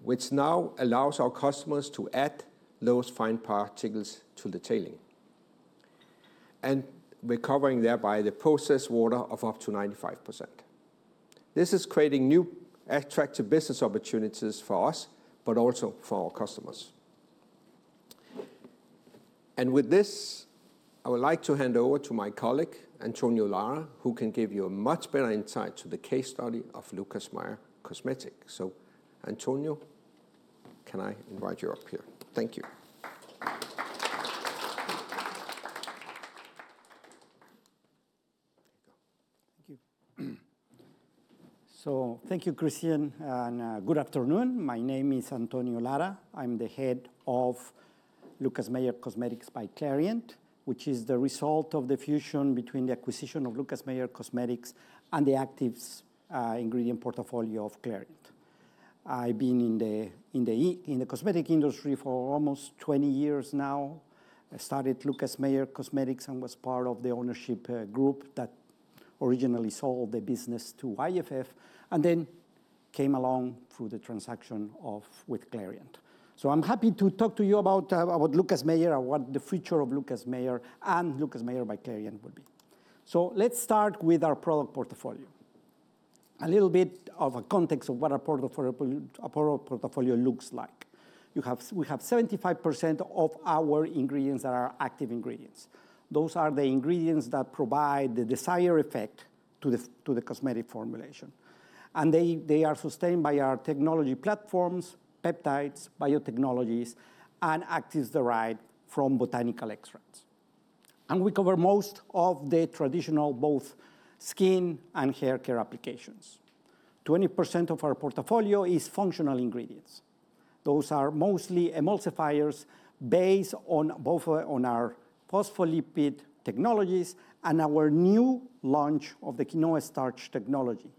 which now allows our customers to add those fine particles to the tailings, and we're recovering thereby the processed water of up to 95%. This is creating new attractive business opportunities for us, but also for our customers. And with this, I would like to hand over to my colleague, Antonio Lara, who can give you a much better insight into the case study of Lucas Meyer Cosmetics. So, Antonio, can I invite you up here? Thank you. Thank you. So thank you, Christian, and good afternoon. My name is Antonio Lara. I'm the head of Lucas Meyer Cosmetics by Clariant, which is the result of the fusion between the acquisition of Lucas Meyer Cosmetics and the active ingredient portfolio of Clariant. I've been in the cosmetic industry for almost 20 years now. I started Lucas Meyer Cosmetics and was part of the ownership group that originally sold the business to IFF and then came along through the transaction with Clariant. So I'm happy to talk to you about Lucas Meyer, what the future of Lucas Meyer, and Lucas Meyer by Clariant will be. So let's start with our product portfolio. A little bit of a context of what our product portfolio looks like. We have 75% of our ingredients that are active ingredients. Those are the ingredients that provide the desired effect to the cosmetic formulation. They are sustained by our technology platforms, peptides, biotechnologies, and actives derived from botanical extracts. We cover most of the traditional, both skin and hair care applications. 20% of our portfolio is functional ingredients. Those are mostly emulsifiers based on our phospholipid technologies and our new launch of the quinoa starch technology.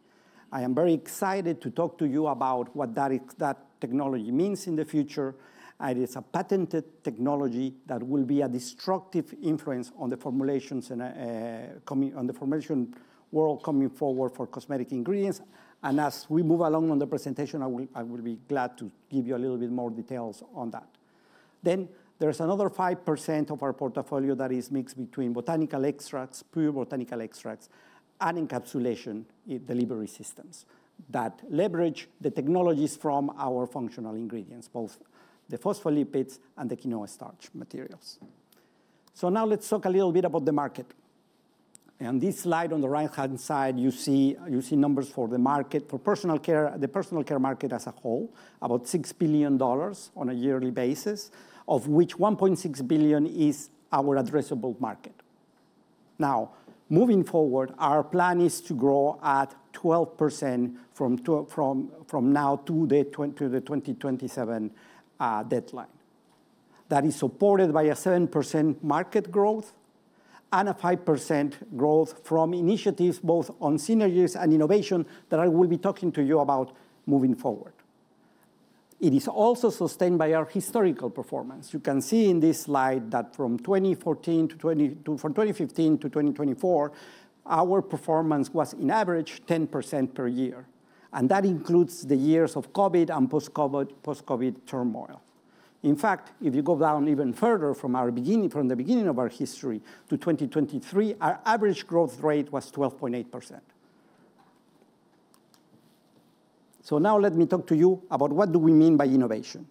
I am very excited to talk to you about what that technology means in the future. It is a patented technology that will be a disruptive influence on the formulations and on the formulation world going forward for cosmetic ingredients. As we move along on the presentation, I will be glad to give you a little bit more details on that. Then there's another 5% of our portfolio that is mixed between botanical extracts, pure botanical extracts, and encapsulation delivery systems that leverage the technologies from our functional ingredients, both the phospholipids and the quinoa starch materials. So now let's talk a little bit about the market. On this slide on the right-hand side, you see numbers for the market for personal care, the personal care market as a whole, about $6 billion on a yearly basis, of which $1.6 billion is our addressable market. Now, moving forward, our plan is to grow at 12% from now to the 2027 deadline. That is supported by a 7% market growth and a 5% growth from initiatives both on synergies and innovation that I will be talking to you about moving forward. It is also sustained by our historical performance. You can see in this slide that from 2014 to 2015 to 2024, our performance was, on average, 10% per year. And that includes the years of COVID and post-COVID turmoil. In fact, if you go down even further from the beginning of our history to 2023, our average growth rate was 12.8%. So now let me talk to you about what do we mean by innovation.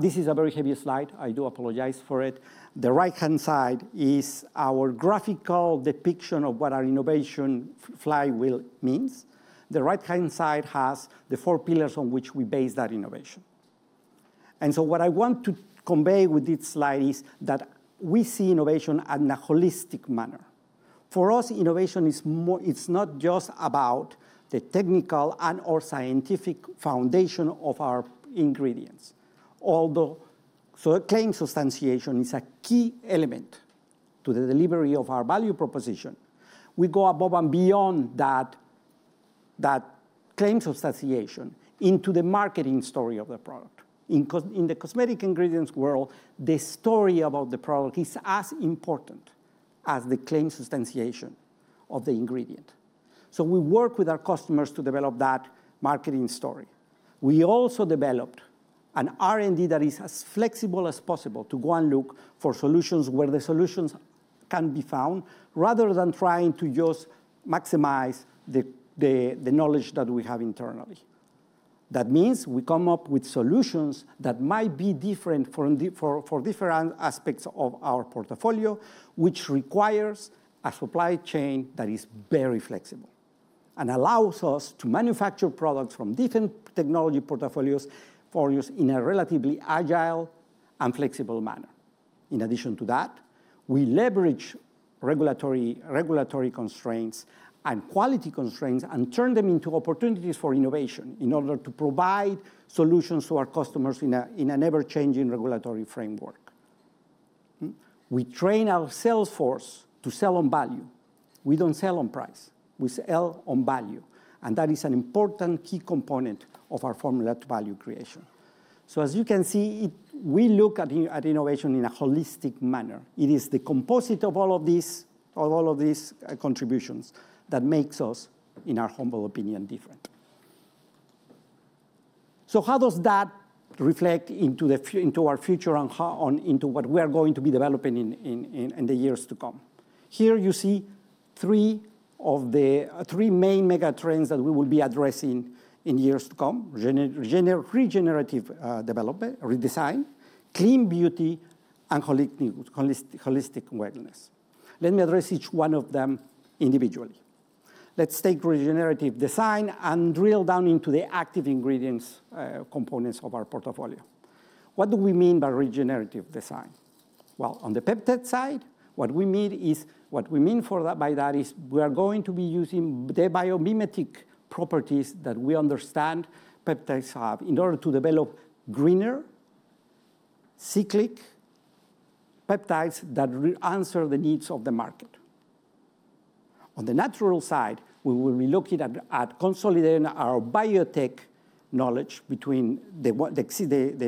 This is a very heavy slide. I do apologize for it. The right-hand side is our graphical depiction of what our innovation flywheel means. The right-hand side has the four pillars on which we base that innovation. And so what I want to convey with this slide is that we see innovation in a holistic manner. For us, innovation is not just about the technical and/or scientific foundation of our ingredients. Although, so claim substantiation is a key element to the delivery of our value proposition. We go above and beyond that claim substantiation into the marketing story of the product. In the cosmetic ingredients world, the story about the product is as important as the claim substantiation of the ingredient. So we work with our customers to develop that marketing story. We also developed an R&D that is as flexible as possible to go and look for solutions where the solutions can be found, rather than trying to just maximize the knowledge that we have internally. That means we come up with solutions that might be different for different aspects of our portfolio, which requires a supply chain that is very flexible and allows us to manufacture products from different technology portfolios for use in a relatively agile and flexible manner. In addition to that, we leverage regulatory constraints and quality constraints and turn them into opportunities for innovation in order to provide solutions to our customers in an ever-changing regulatory framework. We train our sales force to sell on value. We don't sell on price. We sell on value. And that is an important key component of our formula to value creation. So as you can see, we look at innovation in a holistic manner. It is the composite of all of these contributions that makes us, in our humble opinion, different. So how does that reflect into our future and into what we are going to be developing in the years to come? Here you see three main megatrends that we will be addressing in the years to come: regenerative development, redesign, clean beauty, and holistic awareness. Let me address each one of them individually. Let's take regenerative design and drill down into the active ingredients components of our portfolio. What do we mean by regenerative design? Well, on the peptide side, what we mean by that is we are going to be using the biomimetic properties that we understand peptides have in order to develop greener, cyclic peptides that answer the needs of the market. On the natural side, we will be looking at consolidating our biotech knowledge between the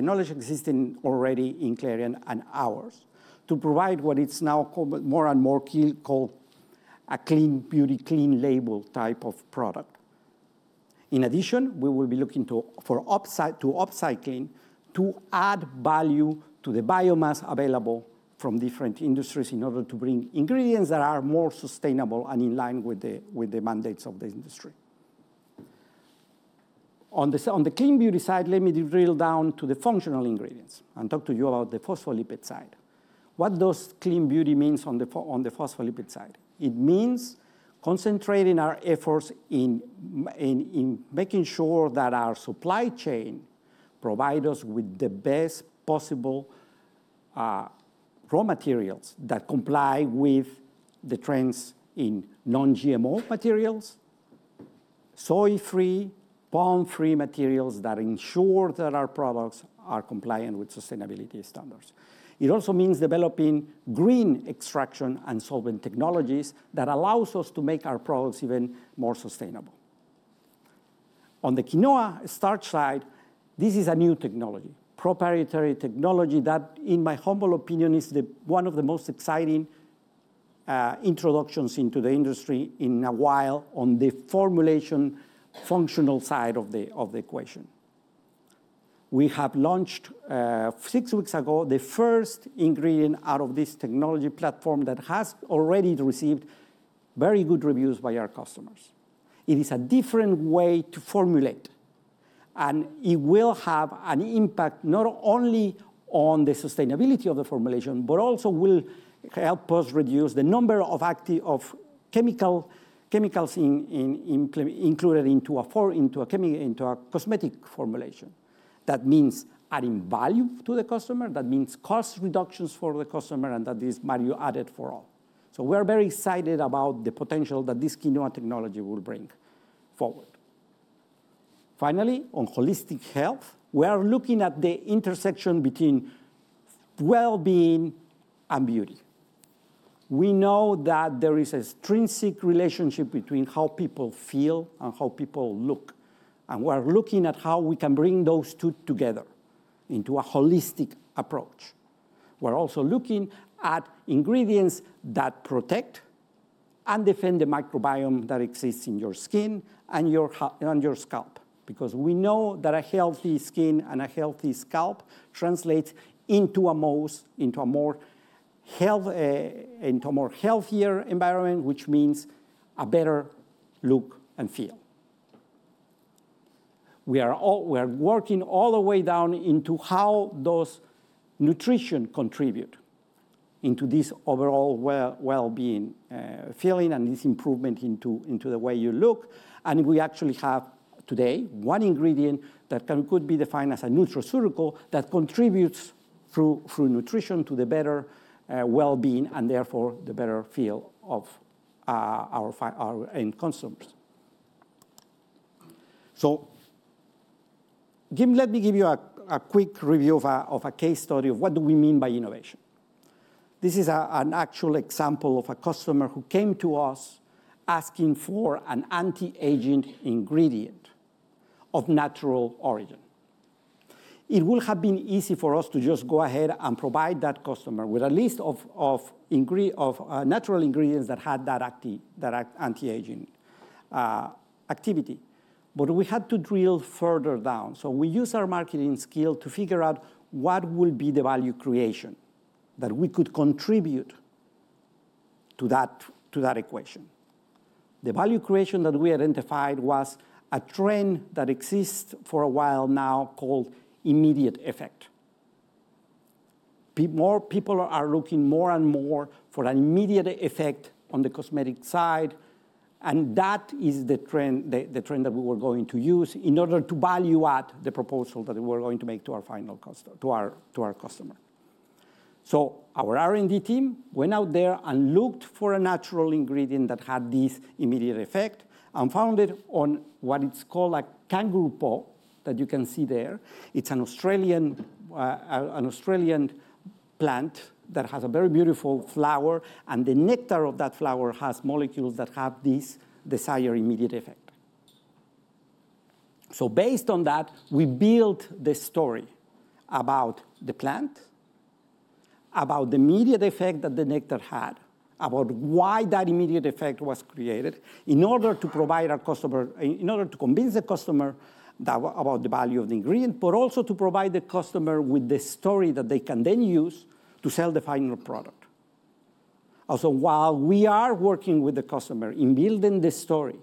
knowledge existing already in Clariant and ours to provide what it's now more and more called a clean beauty, clean label type of product. In addition, we will be looking to upcycling to add value to the biomass available from different industries in order to bring ingredients that are more sustainable and in line with the mandates of the industry. On the clean beauty side, let me drill down to the functional ingredients and talk to you about the phospholipid side. What does clean beauty mean on the phospholipid side? It means concentrating our efforts in making sure that our supply chain provides us with the best possible raw materials that comply with the trends in non-GMO materials, soy-free, palm-free materials that ensure that our products are compliant with sustainability standards. It also means developing green extraction and solvent technologies that allow us to make our products even more sustainable. On the quinoa starch side, this is a new technology, proprietary technology that, in my humble opinion, is one of the most exciting introductions into the industry in a while on the formulation functional side of the equation. We have launched six weeks ago the first ingredient out of this technology platform that has already received very good reviews by our customers. It is a different way to formulate, and it will have an impact not only on the sustainability of the formulation, but also will help us reduce the number of chemicals included into a cosmetic formulation. That means adding value to the customer. That means cost reductions for the customer and that is value added for all, so we are very excited about the potential that this quinoa technology will bring forward. Finally, on holistic health, we are looking at the intersection between well-being and beauty. We know that there is an intrinsic relationship between how people feel and how people look, and we're looking at how we can bring those two together into a holistic approach. We're also looking at ingredients that protect and defend the microbiome that exists in your skin and your scalp because we know that a healthy skin and a healthy scalp translates into a more healthier environment, which means a better look and feel. We are working all the way down into how those nutrition contribute into this overall well-being feeling and this improvement into the way you look. And we actually have today one ingredient that could be defined as a nutraceutical that contributes through nutrition to the better well-being and therefore the better feel of our end consumers. So let me give you a quick review of a case study of what do we mean by innovation. This is an actual example of a customer who came to us asking for an anti-aging ingredient of natural origin. It will have been easy for us to just go ahead and provide that customer with a list of natural ingredients that had that anti-aging activity. But we had to drill further down. So we used our marketing skill to figure out what will be the value creation that we could contribute to that equation. The value creation that we identified was a trend that exists for a while now called immediate effect. More people are looking more and more for an immediate effect on the cosmetic side. And that is the trend that we were going to use in order to value add the proposal that we were going to make to our final customer. So our R&D team went out there and looked for a natural ingredient that had this immediate effect and found it on what it's called a kangaroo paw that you can see there. It's an Australian plant that has a very beautiful flower, and the nectar of that flower has molecules that have this desired immediate effect, so based on that, we built the story about the plant, about the immediate effect that the nectar had, about why that immediate effect was created in order to provide our customer, in order to convince the customer about the value of the ingredient, but also to provide the customer with the story that they can then use to sell the final product. While we are working with the customer in building the story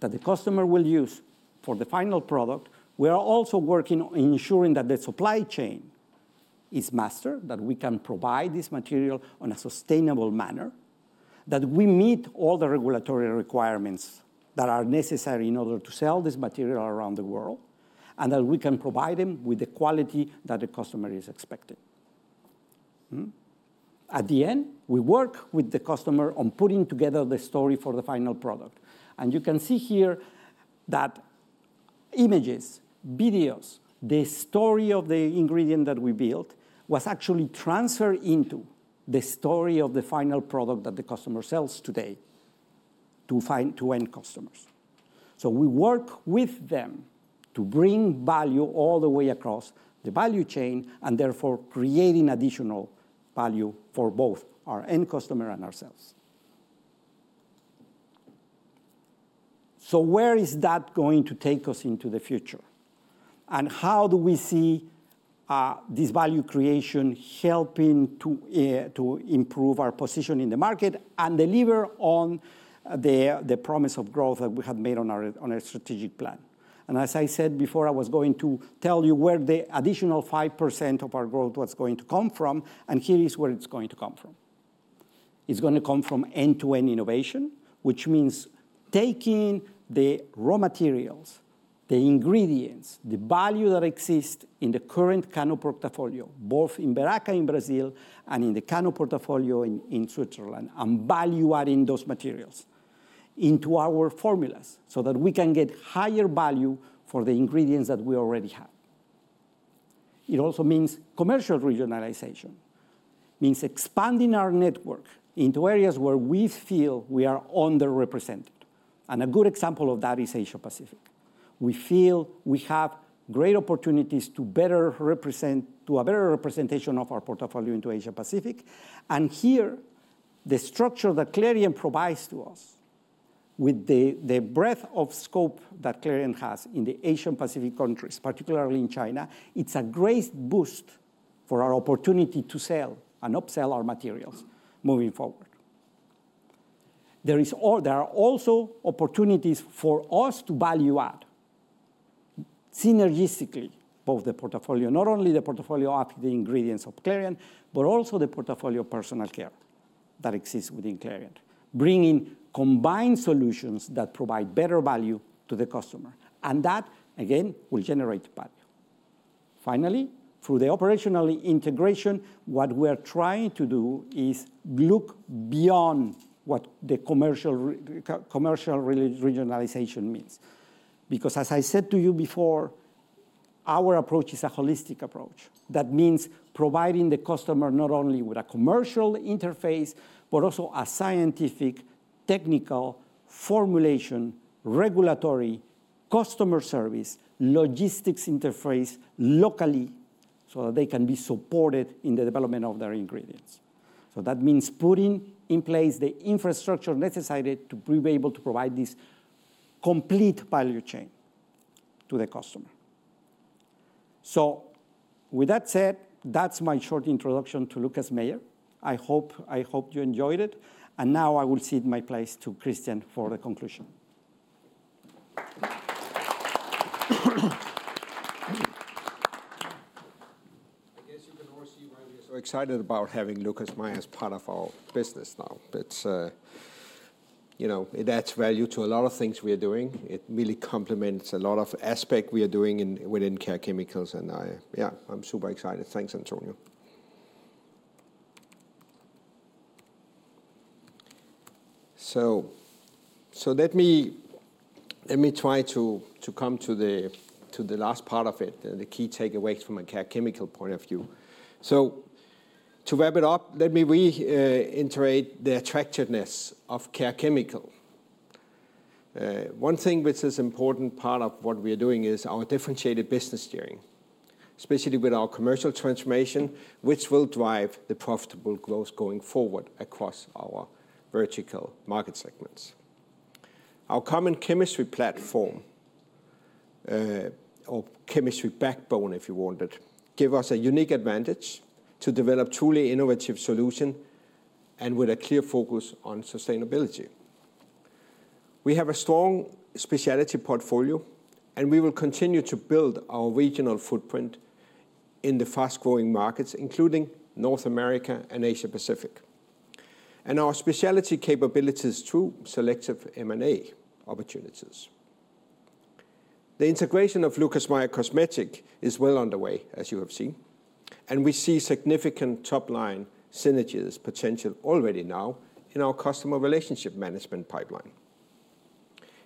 that the customer will use for the final product, we are also working on ensuring that the supply chain is mastered, that we can provide this material on a sustainable manner, that we meet all the regulatory requirements that are necessary in order to sell this material around the world, and that we can provide them with the quality that the customer is expecting. At the end, we work with the customer on putting together the story for the final product. You can see here that images, videos, the story of the ingredient that we built was actually transferred into the story of the final product that the customer sells today to end customers. So we work with them to bring value all the way across the value chain and therefore creating additional value for both our end customer and ourselves. So where is that going to take us into the future? And how do we see this value creation helping to improve our position in the market and deliver on the promise of growth that we had made on our strategic plan? And as I said before, I was going to tell you where the additional 5% of our growth was going to come from. And here is where it's going to come from. It's going to come from end-to-end innovation, which means taking the raw materials, the ingredients, the value that exists in the current Lucas Meyer portfolio, both in Beraca, in Brazil, and in the Lucas Meyer portfolio in Switzerland, and value adding those materials into our formulas so that we can get higher value for the ingredients that we already have. It also means commercial regionalization, means expanding our network into areas where we feel we are underrepresented, and a good example of that is Asia-Pacific. We feel we have great opportunities to a better representation of our portfolio into Asia-Pacific, and here, the structure that Clariant provides to us with the breadth of scope that Clariant has in the Asia-Pacific countries, particularly in China, it's a great boost for our opportunity to sell and upsell our materials moving forward. There are also opportunities for us to value add synergistically both the portfolio, not only the portfolio of the ingredients of Clariant, but also the portfolio of personal care that exists within Clariant, bringing combined solutions that provide better value to the customer, and that, again, will generate value. Finally, through the operational integration, what we are trying to do is look beyond what the commercial regionalization means. Because as I said to you before, our approach is a holistic approach. That means providing the customer not only with a commercial interface, but also a scientific, technical, formulation, regulatory, customer service, logistics interface locally so that they can be supported in the development of their ingredients, so that means putting in place the infrastructure necessary to be able to provide this complete value chain to the customer, so with that said, that's my short introduction to Lucas Meyer. I hope you enjoyed it. Now I will cede my place to Christian for the conclusion. I guess you can all see why we are so excited about having Lucas Meyer as part of our business now. It adds value to a lot of things we are doing. It really complements a lot of aspects we are doing within Care Chemicals. Yeah, I'm super excited. Thanks, Antonio. Let me try to come to the last part of it, the key takeaways from a Care Chemicals point of view. To wrap it up, let me reiterate the attractiveness of Care Chemicals. One thing which is an important part of what we are doing is our differentiated business steering, especially with our commercial transformation, which will drive the profitable growth going forward across our vertical market segments. Our common chemistry platform or chemistry backbone, if you want it, gives us a unique advantage to develop truly innovative solutions and with a clear focus on sustainability. We have a strong specialty portfolio, and we will continue to build our regional footprint in the fast-growing markets, including North America and Asia-Pacific, and our specialty capabilities through selective M&A opportunities. The integration of Lucas Meyer Cosmetics is well underway, as you have seen, and we see significant top-line synergies potential already now in our customer relationship management pipeline.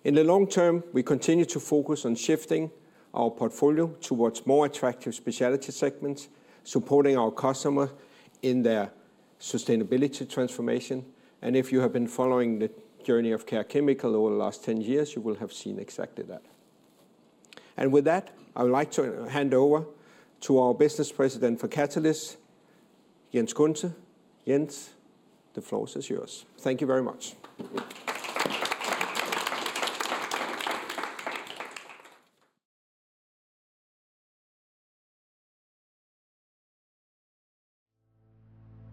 In the long term, we continue to focus on shifting our portfolio towards more attractive specialty segments, supporting our customers in their sustainability transformation. If you have been following the journey of Care Chemicals over the last 10 years, you will have seen exactly that. And with that, I would like to hand over to our business president for Catalysts, Jens Cuntze. Jens, the floor is yours. Thank you very much.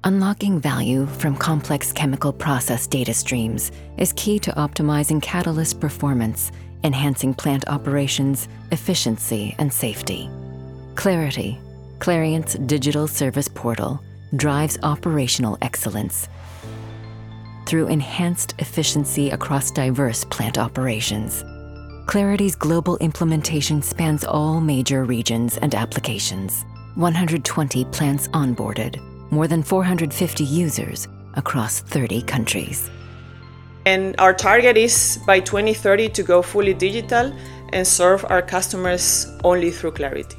Unlocking value from complex chemical process data streams is key to optimizing Catalysts' performance, enhancing plant operations, efficiency, and safety. Clarity, Clariant's digital service portal, drives operational excellence through enhanced efficiency across diverse plant operations. Clarity's global implementation spans all major regions and applications: 120 plants onboarded, more than 450 users across 30 countries. And our target is by 2030 to go fully digital and serve our customers only through Clarity.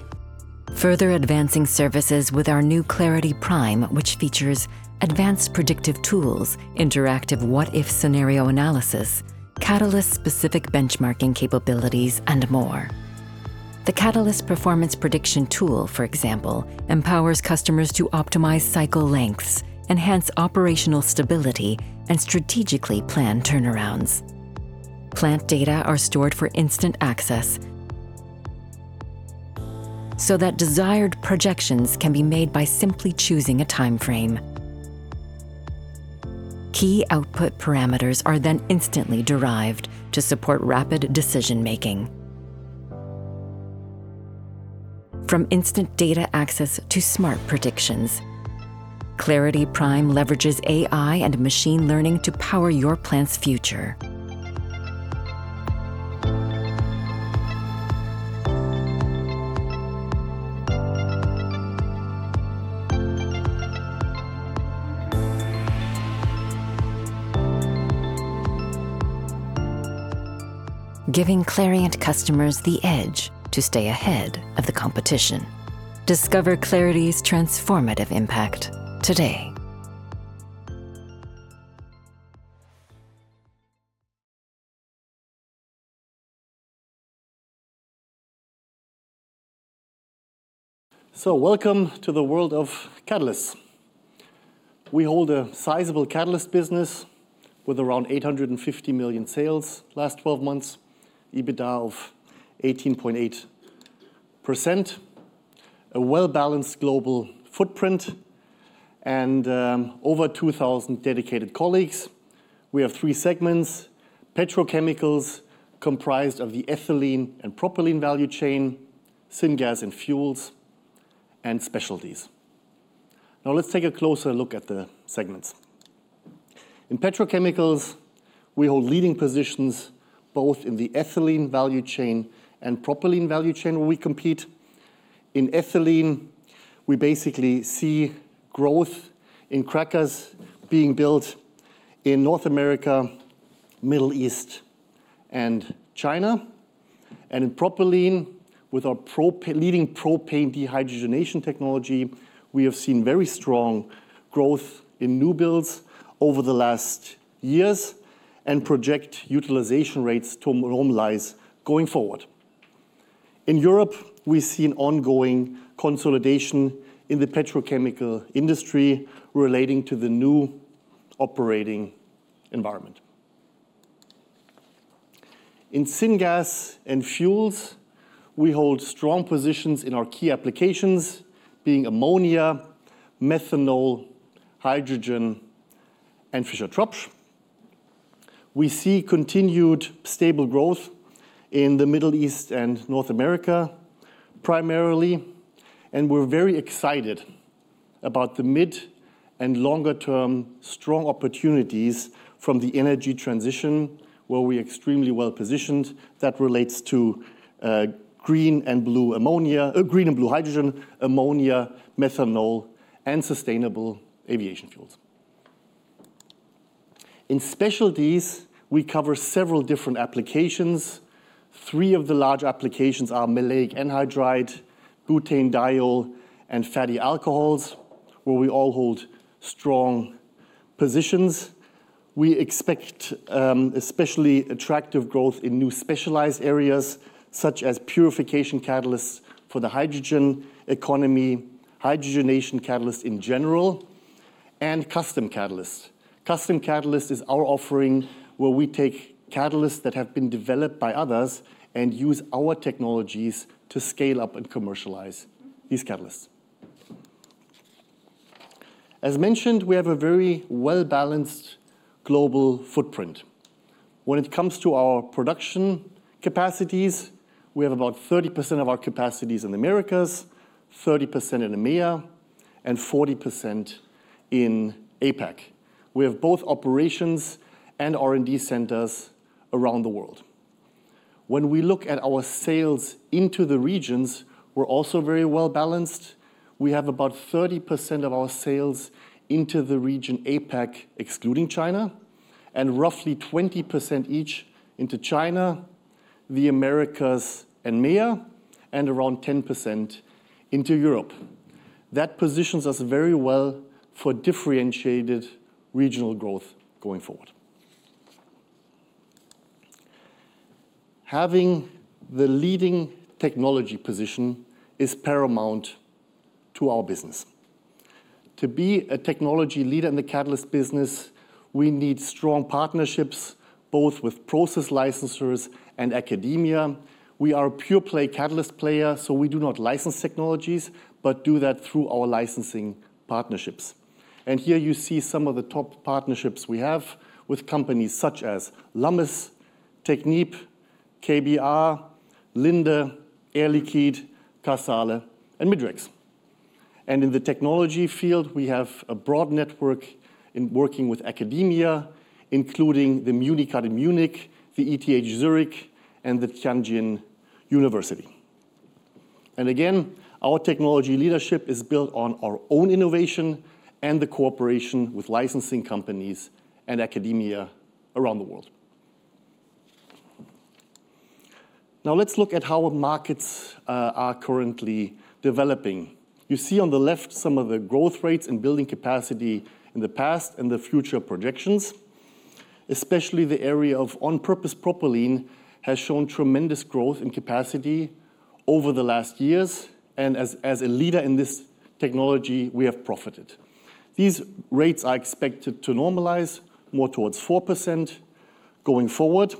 Further advancing services with our new Clarity Prime, which features advanced predictive tools, interactive what-if scenario analysis, Catalysts-specific benchmarking capabilities, and more. The Catalyst performance prediction tool, for example, empowers customers to optimize cycle lengths, enhance operational stability, and strategically plan turnarounds. Plant data are stored for instant access so that desired projections can be made by simply choosing a time frame. Key output parameters are then instantly derived to support rapid decision-making. From instant data access to smart predictions, Clarity Prime leverages AI and machine learning to power your plant's future. Giving Clariant customers the edge to stay ahead of the competition. Discover Clarity's transformative impact today, So welcome to the world of Catalysts. We hold a sizable Catalysts business with around 850 million sales last 12 months, EBITDA of 18.8%, a well-balanced global footprint, and over 2,000 dedicated colleagues. We have three segments: petrochemicals, comprised of the ethylene and propylene value chain, syngas and fuels, and specialties. Now let's take a closer look at the segments. In petrochemicals, we hold leading positions both in the ethylene value chain and propylene value chain, where we compete. In ethylene, we basically see growth in crackers being built in North America, Middle East, and China, and in propylene, with our leading propane dehydrogenation technology, we have seen very strong growth in new builds over the last years and project utilization rates to normalize going forward. In Europe, we see an ongoing consolidation in the petrochemical industry relating to the new operating environment. In syngas and fuels, we hold strong positions in our key applications, being ammonia, methanol, hydrogen, and Fischer-Tropsch. We see continued stable growth in the Middle East and North America primarily, and we're very excited about the mid and longer-term strong opportunities from the energy transition, where we are extremely well positioned that relates to green and blue ammonia, green and blue hydrogen, ammonia, methanol, and sustainable aviation fuels. In specialties, we cover several different applications. Three of the large applications are maleic anhydride, butanediol, and fatty alcohols, where we all hold strong positions. We expect especially attractive growth in new specialized areas such as purification catalysts for the hydrogen economy, hydrogenation catalysts in general, and custom catalysts. Custom catalyst is our offering, where we take catalysts that have been developed by others and use our technologies to scale up and commercialize these catalysts. As mentioned, we have a very well-balanced global footprint. When it comes to our production capacities, we have about 30% of our capacities in the Americas, 30% in EMEA, and 40% in APAC. We have both operations and R&D centers around the world. When we look at our sales into the regions, we're also very well balanced. We have about 30% of our sales into the region APAC, excluding China, and roughly 20% each into China, the Americas, and EMEA, and around 10% into Europe. That positions us very well for differentiated regional growth going forward. Having the leading technology position is paramount to our business. To be a technology leader in the catalyst business, we need strong partnerships both with process licensors and academia. We are a pure-play catalyst player, so we do not license technologies but do that through our licensing partnerships. Here you see some of the top partnerships we have with companies such as Lummus, Technip, KBR, Linde, Air Liquide, Casale, and Midrex. In the technology field, we have a broad network in working with academia, including the Munich Catalysis in Munich, the ETH Zurich, and the Tianjin University. Again, our technology leadership is built on our own innovation and the cooperation with licensing companies and academia around the world. Now let's look at how markets are currently developing. You see on the left some of the growth rates in building capacity in the past and the future projections. Especially the area of on-purpose propylene has shown tremendous growth in capacity over the last years. As a leader in this technology, we have profited. These rates are expected to normalize more towards 4% going forward.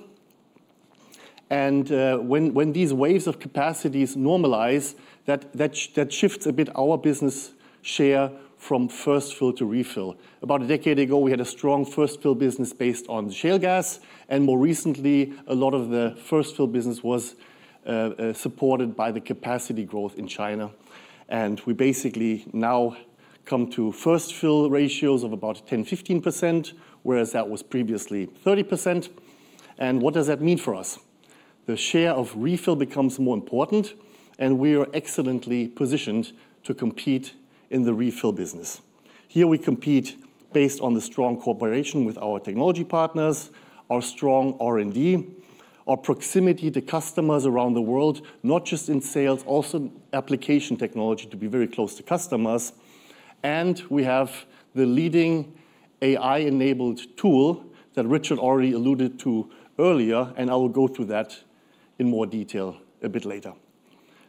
When these waves of capacities normalize, that shifts a bit our business share from first fill to refill. About a decade ago, we had a strong first fill business based on shale gas. More recently, a lot of the first fill business was supported by the capacity growth in China. And we basically now come to first fill ratios of about 10%, 15%, whereas that was previously 30%. And what does that mean for us? The share of refill becomes more important, and we are excellently positioned to compete in the refill business. Here we compete based on the strong cooperation with our technology partners, our strong R&D, our proximity to customers around the world, not just in sales, also application technology to be very close to customers. And we have the leading AI-enabled tool that Richard already alluded to earlier, and I will go through that in more detail a bit later.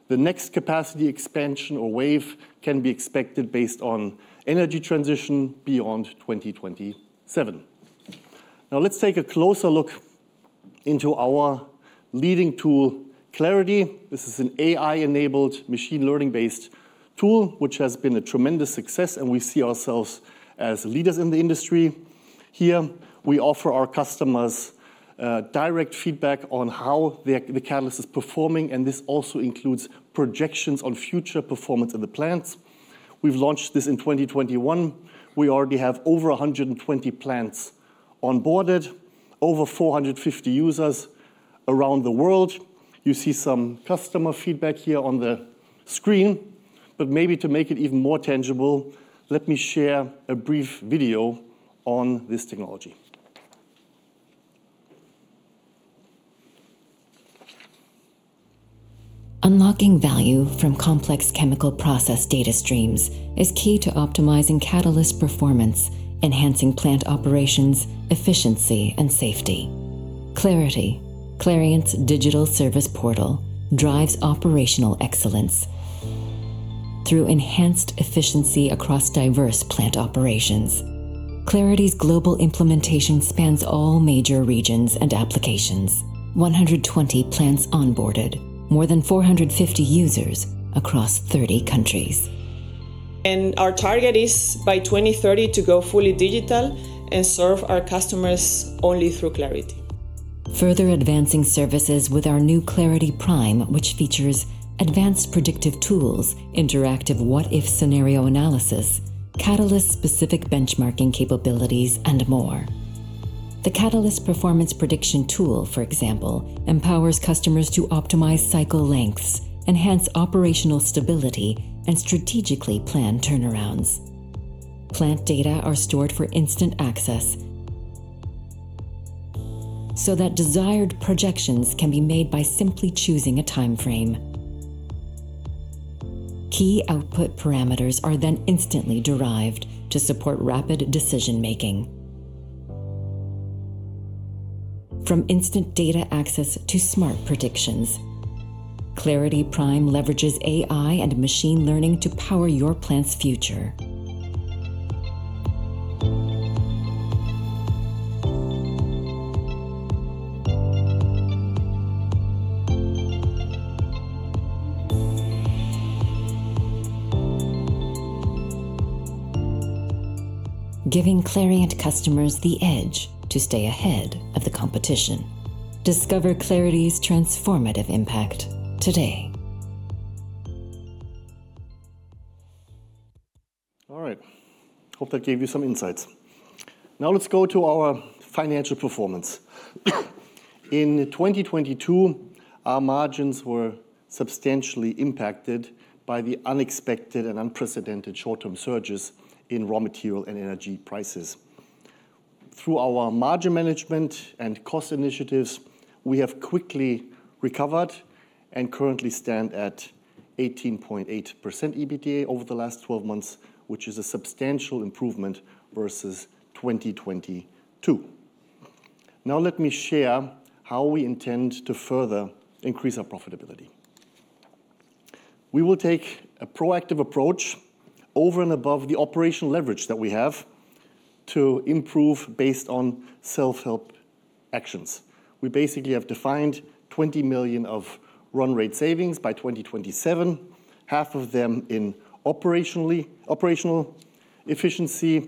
The next capacity expansion or wave can be expected based on energy transition beyond 2027. Now let's take a closer look into our leading tool, Clarity. This is an AI-enabled machine learning-based tool, which has been a tremendous success, and we see ourselves as leaders in the industry. Here we offer our customers direct feedback on how the catalyst is performing, and this also includes projections on future performance of the plants. We've launched this in 2021. We already have over 120 plants onboarded, over 450 users around the world. You see some customer feedback here on the screen. But maybe to make it even more tangible, let me share a brief video on this technology. Unlocking value from complex chemical process data streams is key to optimizing catalyst performance, enhancing plant operations, efficiency, and safety. Clarity, Clariant's digital service portal, drives operational excellence through enhanced efficiency across diverse plant operations. Clarity's global implementation spans all major regions and applications: 120 plants onboarded, more than 450 users across 30 countries. Our target is by 2030 to go fully digital and serve our customers only through Clarity. Further advancing services with our new Clarity Prime, which features advanced predictive tools, interactive what-if scenario analysis, catalyst-specific benchmarking capabilities, and more. The Catalyst performance prediction tool, for example, empowers customers to optimize cycle lengths, enhance operational stability, and strategically plan turnarounds. Plant data are stored for instant access so that desired projections can be made by simply choosing a time frame. Key output parameters are then instantly derived to support rapid decision-making. From instant data access to smart predictions, Clarity Prime leverages AI and machine learning to power your plant's future. Giving Clariant customers the edge to stay ahead of the competition. Discover Clarity's transformative impact today. All right. Hope that gave you some insights. Now let's go to our financial performance. In 2022, our margins were substantially impacted by the unexpected and unprecedented short-term surges in raw material and energy prices. Through our margin management and cost initiatives, we have quickly recovered and currently stand at 18.8% EBITDA over the last 12 months, which is a substantial improvement versus 2022. Now let me share how we intend to further increase our profitability. We will take a proactive approach over and above the operational leverage that we have to improve based on self-help actions. We basically have defined 20 million of run rate savings by 2027, half of them in operational efficiency,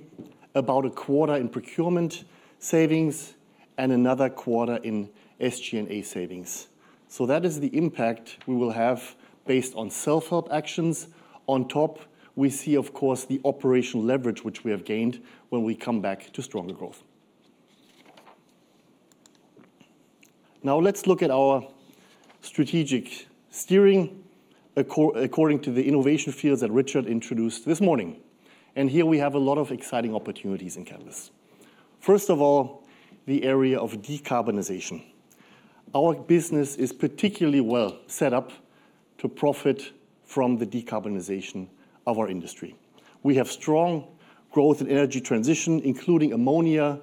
about a quarter in procurement savings, and another quarter in SG&A savings. So that is the impact we will have based on self-help actions. On top, we see, of course, the operational leverage, which we have gained when we come back to stronger growth. Now let's look at our strategic steering according to the innovation fields that Richard introduced this morning, and here we have a lot of exciting opportunities in catalysts. First of all, the area of decarbonization. Our business is particularly well set up to profit from the decarbonization of our industry. We have strong growth in energy transition, including ammonia,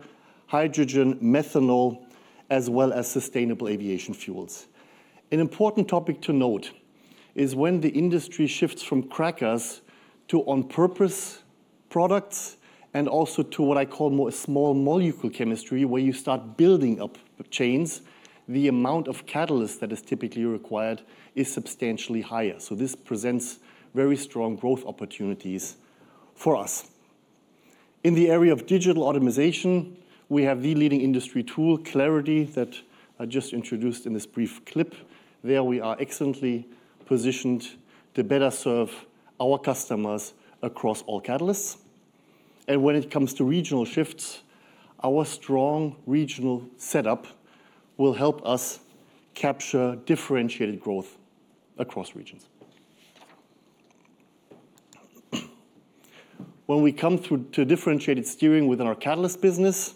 hydrogen, methanol, as well as sustainable aviation fuels. An important topic to note is when the industry shifts from crackers to on-purpose products and also to what I call more small molecule chemistry, where you start building up the chains, the amount of catalyst that is typically required is substantially higher, so this presents very strong growth opportunities for us in the area of digital optimization, we have the leading industry tool, Clarity, that I just introduced in this brief clip. There we are excellently positioned to better serve our customers across all catalysts. When it comes to regional shifts, our strong regional setup will help us capture differentiated growth across regions. When we come to differentiated steering within our catalyst business,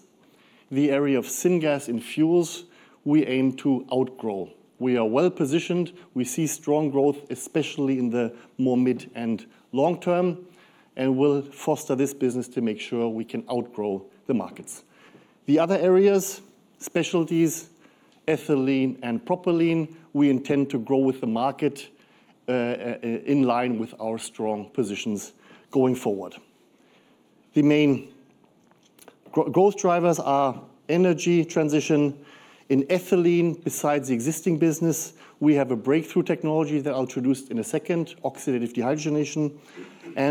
the area of syngas in fuels, we aim to outgrow. We are well positioned. We see strong growth, especially in the more mid and long term, and we'll foster this business to make sure we can outgrow the markets. The other areas, specialties, ethylene and propylene, we intend to grow with the market in line with our strong positions going forward. The main growth drivers are energy transition. In ethylene, besides the existing business, we have a breakthrough technology that I'll introduce in a second, oxidative dehydrogenation.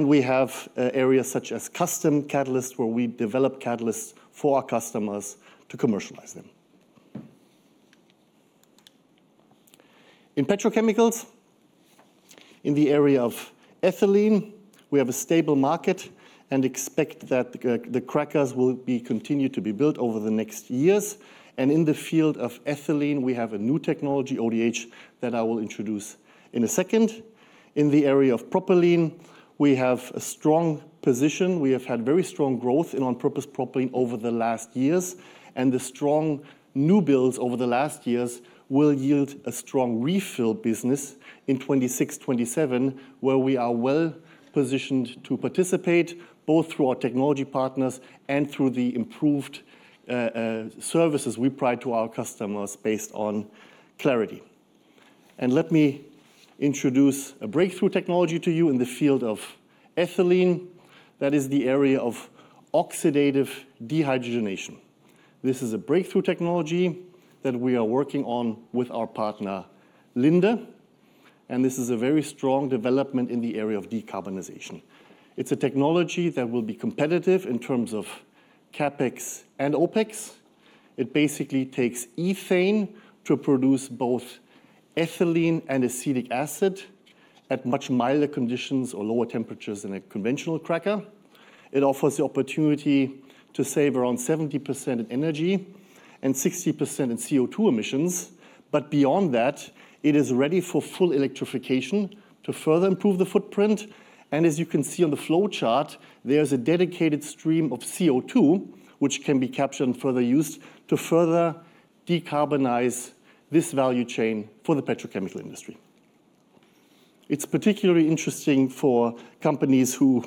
We have areas such as custom catalysts where we develop catalysts for our customers to commercialize them. In petrochemicals, in the area of ethylene, we have a stable market and expect that the crackers will continue to be built over the next years, and in the field of ethylene, we have a new technology, ODH, that I will introduce in a second. In the area of propylene, we have a strong position. We have had very strong growth in on-purpose propylene over the last years, and the strong new builds over the last years will yield a strong refill business in 2026, 2027, where we are well positioned to participate both through our technology partners and through the improved services we provide to our customers based on Clarity, and let me introduce a breakthrough technology to you in the field of ethylene. That is the area of oxidative dehydrogenation. This is a breakthrough technology that we are working on with our partner, Linde. This is a very strong development in the area of decarbonization. It's a technology that will be competitive in terms of CapEx and OpEx. It basically takes ethane to produce both ethylene and acetic acid at much milder conditions or lower temperatures than a conventional cracker. It offers the opportunity to save around 70% in energy and 60% in CO2 emissions. Beyond that, it is ready for full electrification to further improve the footprint. As you can see on the flow chart, there is a dedicated stream of CO2, which can be captured and further used to further decarbonize this value chain for the petrochemical industry. It's particularly interesting for companies who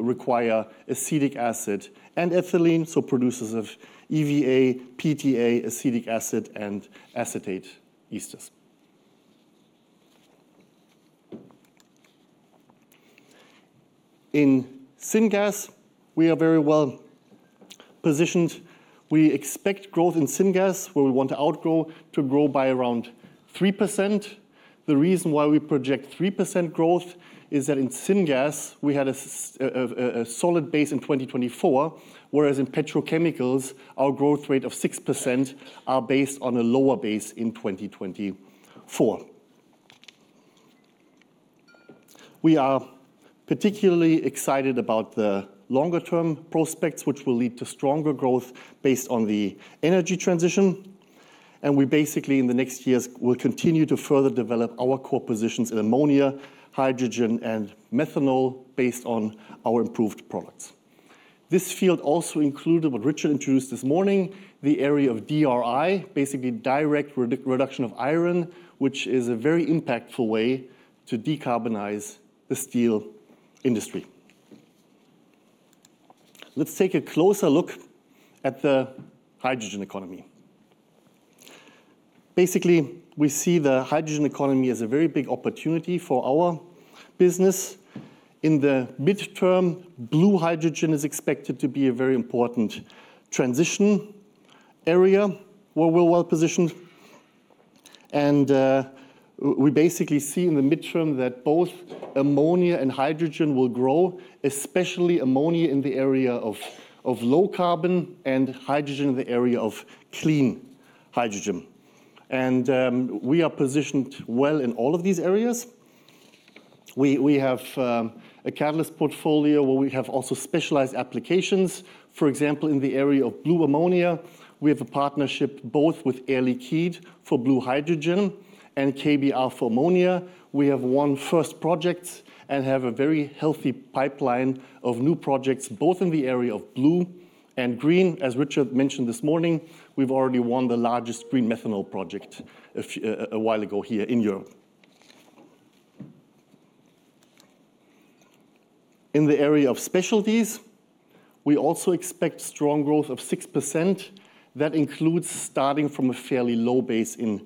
require acetic acid and ethylene, so producers of EVA, PTA, acetic acid, and acetate esters. In syngas, we are very well positioned. We expect growth in syngas, where we want to outgrow, to grow by around 3%. The reason why we project 3% growth is that in syngas, we had a solid base in 2024, whereas in petrochemicals, our growth rate of 6% is based on a lower base in 2024. We are particularly excited about the longer-term prospects, which will lead to stronger growth based on the energy transition, and we basically, in the next years, will continue to further develop our core positions in ammonia, hydrogen, and methanol based on our improved products. This field also included, what Richard introduced this morning, the area of DRI, basically direct reduction of iron, which is a very impactful way to decarbonize the steel industry. Let's take a closer look at the hydrogen economy. Basically, we see the hydrogen economy as a very big opportunity for our business. In the midterm, blue hydrogen is expected to be a very important transition area. We're well positioned, and we basically see in the midterm that both ammonia and hydrogen will grow, especially ammonia in the area of low carbon and hydrogen in the area of clean hydrogen, and we are positioned well in all of these areas. We have a catalyst portfolio where we have also specialized applications. For example, in the area of blue ammonia, we have a partnership both with Air Liquide for blue hydrogen and KBR for ammonia. We have won first projects and have a very healthy pipeline of new projects both in the area of blue and green. As Richard mentioned this morning, we've already won the largest green methanol project a while ago here in Europe. In the area of specialties, we also expect strong growth of 6%. That includes starting from a fairly low base in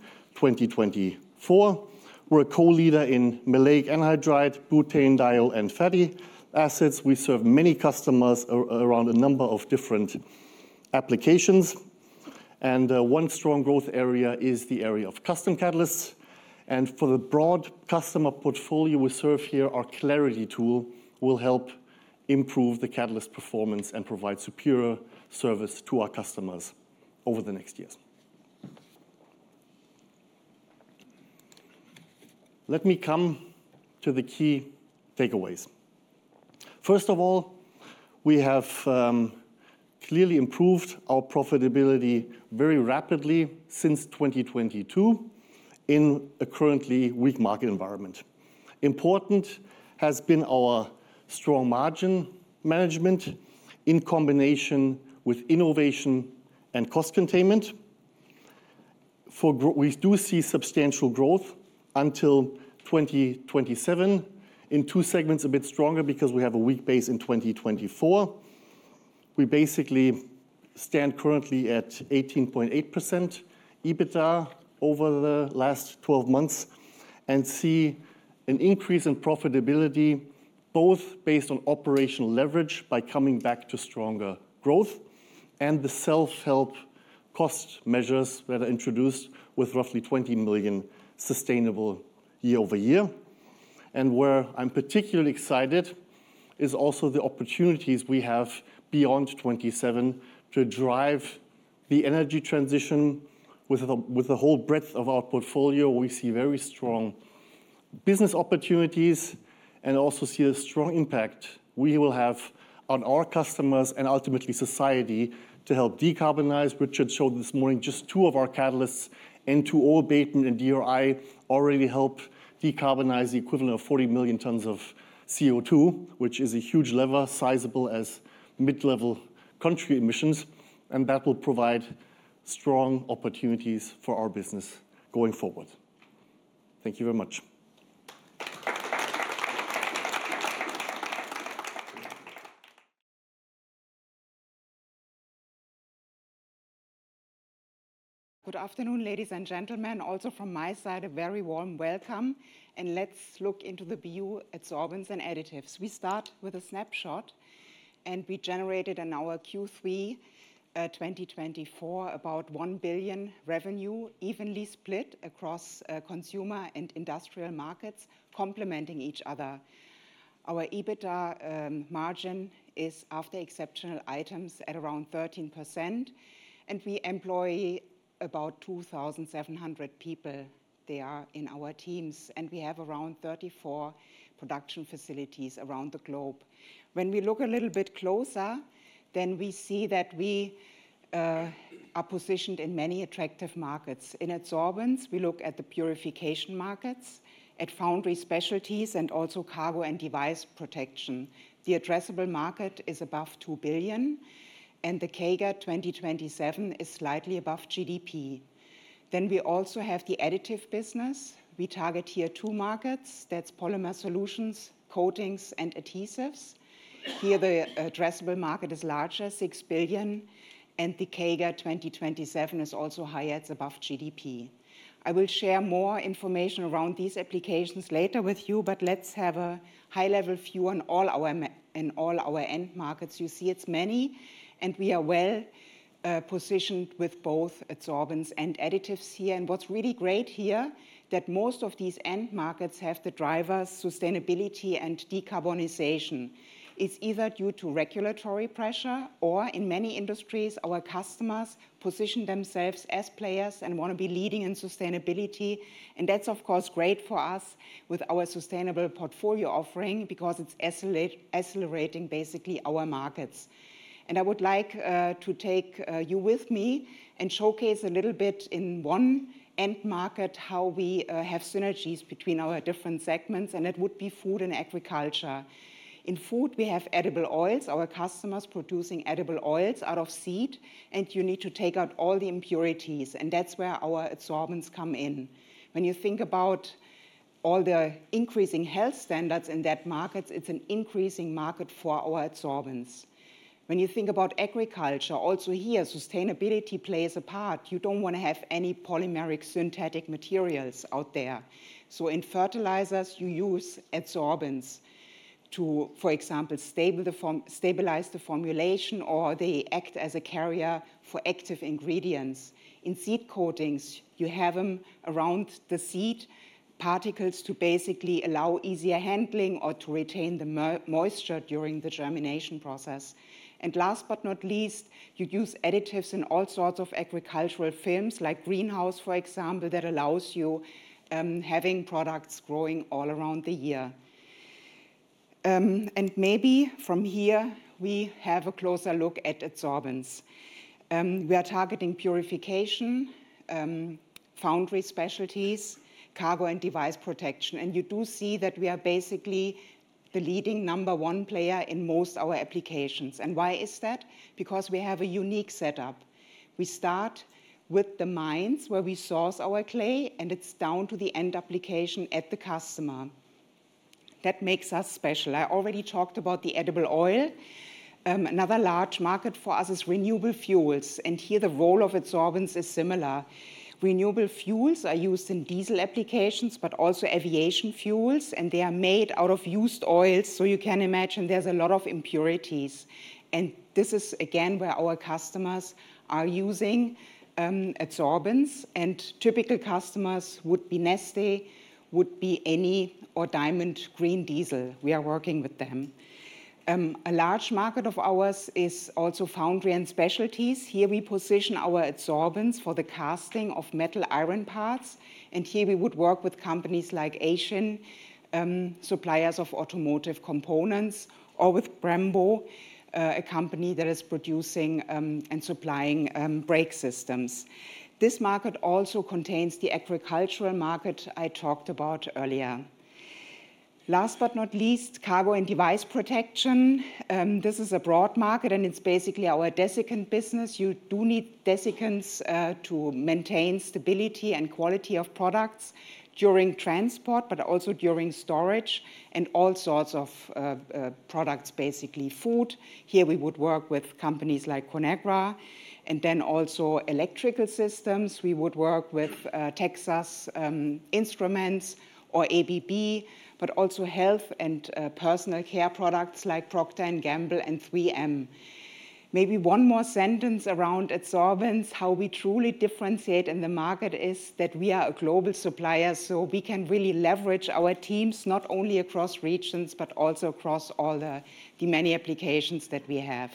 2024. We're a co-leader in maleic anhydride, butanediol, and fatty acids. We serve many customers around a number of different applications. And one strong growth area is the area of custom catalysts. And for the broad customer portfolio we serve here, our Clarity tool will help improve the catalyst performance and provide superior service to our customers over the next years. Let me come to the key takeaways. First of all, we have clearly improved our profitability very rapidly since 2022 in a currently weak market environment. Important has been our strong margin management in combination with innovation and cost containment. We do see substantial growth until 2027 in two segments a bit stronger because we have a weak base in 2024. We basically stand currently at 18.8% EBITDA over the last 12 months and see an increase in profitability both based on operational leverage by coming back to stronger growth and the self-help cost measures that are introduced with roughly 20 million sustainable year over year, and where I'm particularly excited is also the opportunities we have beyond '27 to drive the energy transition with the whole breadth of our portfolio. We see very strong business opportunities and also see a strong impact we will have on our customers and ultimately society to help decarbonize. Richard showed this morning just two of our catalysts, ODH and DRI, already help decarbonize the equivalent of 40 million tons of CO2, which is a huge lever sizable as mid-level country emissions, and that will provide strong opportunities for our business going forward. Thank you very much. Good afternoon, ladies and gentlemen. Also from my side, a very warm welcome, and let's look into the BU Adsorbents and Additives. We start with a snapshot, and we generated in our Q3 2024 about 1 billion revenue evenly split across consumer and industrial markets, complementing each other. Our EBITDA margin is, after exceptional items, at around 13%, and we employ about 2,700 people there in our teams, and we have around 34 production facilities around the globe. When we look a little bit closer, then we see that we are positioned in many attractive markets. In adsorbents, we look at the purification markets, at foundry specialties, and also Cargo and Device Protection. The addressable market is above 2 billion, and the CAGR 2027 is slightly above GDP, then we also have the additive business. We target here two markets. That's polymer solutions, coatings, and adhesives. Here, the addressable market is larger, 6 billion, and the CAGR 2027 is also higher. It's above GDP. I will share more information around these applications later with you, but let's have a high-level view on all our end markets. You see it's many, and we are well positioned with both adsorbents and additives here. What's really great here is that most of these end markets have the drivers, sustainability, and decarbonization. It's either due to regulatory pressure or, in many industries, our customers position themselves as players and want to be leading in sustainability. That's, of course, great for us with our sustainable portfolio offering because it's accelerating basically our markets. I would like to take you with me and showcase a little bit in one end market how we have synergies between our different segments, and it would be food and agriculture. In food, we have edible oils. Our customers are producing edible oils out of seed, and you need to take out all the impurities. And that's where our adsorbents come in. When you think about all the increasing health standards in that market, it's an increasing market for our adsorbents. When you think about agriculture, also here, sustainability plays a part. You don't want to have any polymeric synthetic materials out there. So in fertilizers, you use adsorbents to, for example, stabilize the formulation, or they act as a carrier for active ingredients. In seed coatings, you have them around the seed particles to basically allow easier handling or to retain the moisture during the germination process. And last but not least, you use additives in all sorts of agricultural films, like greenhouse, for example, that allows you having products growing all around the year. And maybe from here, we have a closer look at adsorbents. We are targeting purification, foundry specialties, cargo and device protection. And you do see that we are basically the leading number one player in most of our applications. And why is that? Because we have a unique setup. We start with the mines where we source our clay, and it's down to the end application at the customer. That makes us special. I already talked about the edible oil. Another large market for us is renewable fuels. And here, the role of adsorbents is similar. Renewable fuels are used in diesel applications, but also aviation fuels, and they are made out of used oils. So you can imagine there's a lot of impurities. And this is, again, where our customers are using adsorbents. And typical customers would be Neste, would be Eni, or Diamond Green Stifel. We are working with them. A large market of ours is also Foundry and Specialties. Here, we position our adsorbents for the casting of metal iron parts, and here we would work with companies like Aisin, suppliers of automotive components, or with Brembo, a company that is producing and supplying brake systems. This market also contains the agricultural market I talked about earlier. Last but not least, cargo and device protection. This is a broad market, and it's basically our desiccant business. You do need desiccants to maintain stability and quality of products during transport, but also during storage and all sorts of products, basically food. Here, we would work with companies like Conagra, and then also electrical systems. We would work with Texas Instruments or ABB, but also health and personal care products like Procter & Gamble and 3M. Maybe one more sentence around adsorbents: how we truly differentiate in the market is that we are a global supplier, so we can really leverage our teams not only across regions, but also across all the many applications that we have.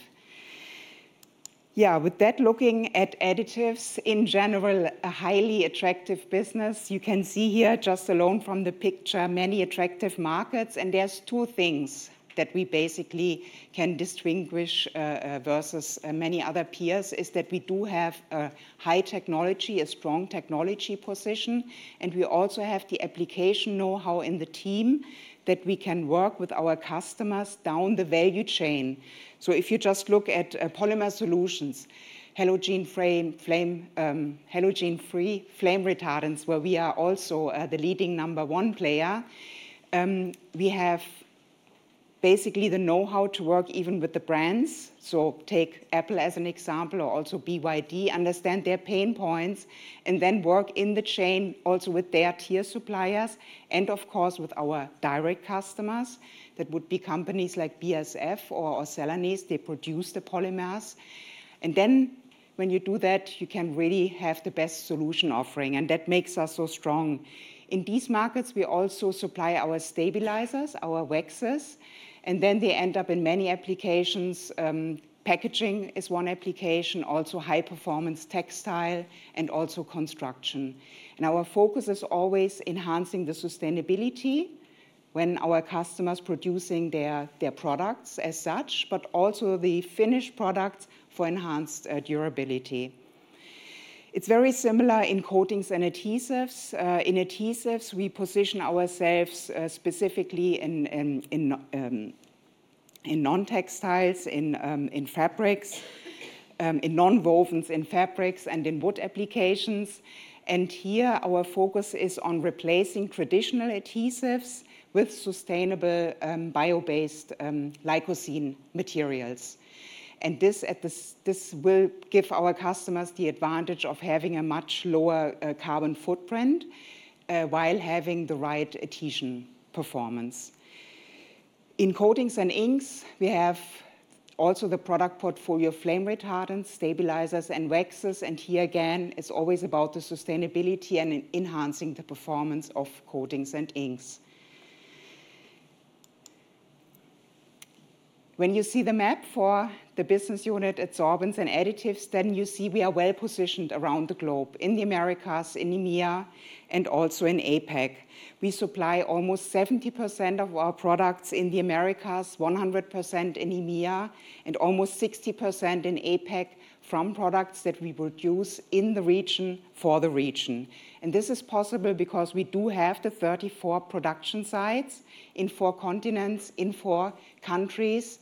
Yeah, with that. Looking at additives in general, a highly attractive business. You can see here, just alone from the picture, many attractive markets. And there's two things that we basically can distinguish versus many other peers is that we do have a high technology, a strong technology position, and we also have the application know-how in the team that we can work with our customers down the value chain. So if you just look at polymer solutions, halogen-free flame retardants, where we are also the leading number one player, we have basically the know-how to work even with the brands. So take Apple as an example, or also BYD, understand their pain points, and then work in the chain also with their tier suppliers, and of course, with our direct customers. That would be companies like BASF or Celanese. They produce the polymers. And then when you do that, you can really have the best solution offering, and that makes us so strong. In these markets, we also supply our stabilizers, our waxes, and then they end up in many applications. Packaging is one application, also high-performance textile and also construction. And our focus is always enhancing the sustainability when our customers are producing their products as such, but also the finished product for enhanced durability. It's very similar in coatings and adhesives. In adhesives, we position ourselves specifically in non-textiles, in fabrics, in nonwovens, in fabrics, and in wood applications. Here, our focus is on replacing traditional adhesives with sustainable bio-based Licocene materials. This will give our customers the advantage of having a much lower carbon footprint while having the right adhesion performance. In coatings and inks, we have also the product portfolio of flame retardants, stabilizers, and waxes. Here, again, it's always about the sustainability and enhancing the performance of coatings and inks. When you see the map for the Business Unit Adsorbents and Additives, then you see we are well positioned around the globe in the Americas, in EMEA, and also in APAC. We supply almost 70% of our products in the Americas, 100% in EMEA, and almost 60% in APAC from products that we produce in the region for the region. This is possible because we do have the 34 production sites in four continents, in four countries,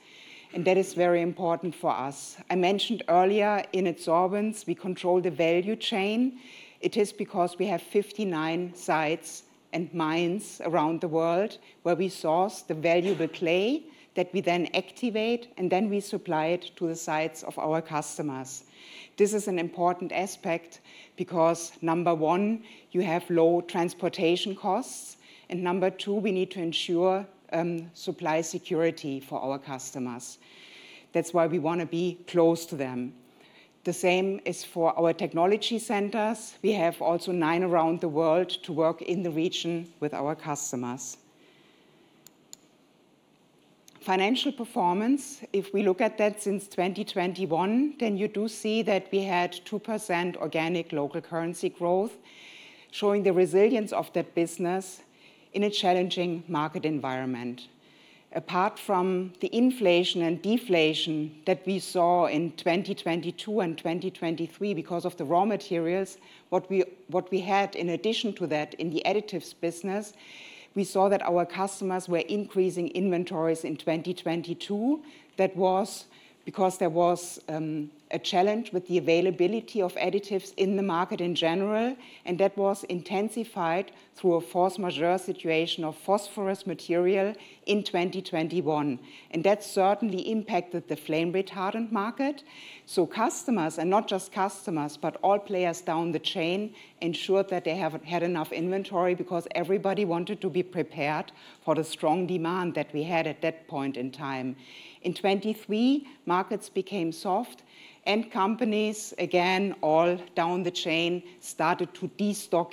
and that is very important for us. I mentioned earlier, in Adsorbents, we control the value chain. It is because we have 59 sites and mines around the world where we source the valuable clay that we then activate, and then we supply it to the sites of our customers. This is an important aspect because, number one, you have low transportation costs, and number two, we need to ensure supply security for our customers. That's why we want to be close to them. The same is for our technology centers. We have also nine around the world to work in the region with our customers. Financial performance, if we look at that since 2021, then you do see that we had 2% organic local currency growth, showing the resilience of that business in a challenging market environment. Apart from the inflation and deflation that we saw in 2022 and 2023 because of the raw materials, what we had in addition to that in the additives business, we saw that our customers were increasing inventories in 2022. That was because there was a challenge with the availability of additives in the market in general, and that was intensified through a force majeure situation of phosphorus material in 2021. And that certainly impacted the flame retardant market. So customers, and not just customers, but all players down the chain ensured that they had enough inventory because everybody wanted to be prepared for the strong demand that we had at that point in time. In 2023, markets became soft, and companies, again, all down the chain started to destock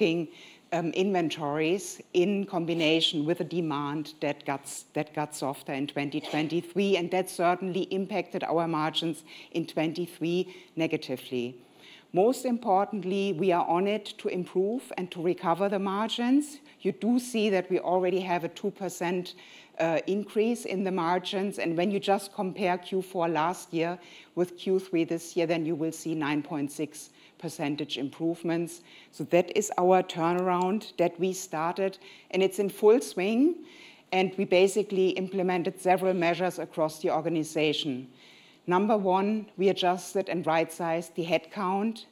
inventories in combination with a demand that got softer in 2023, and that certainly impacted our margins in 2023 negatively. Most importantly, we are on it to improve and to recover the margins. You do see that we already have a 2% increase in the margins. And when you just compare Q4 last year with Q3 this year, then you will see 9.6% improvements. So that is our turnaround that we started, and it's in full swing, and we basically implemented several measures across the organization. Number one, we adjusted and right-sized the headcount.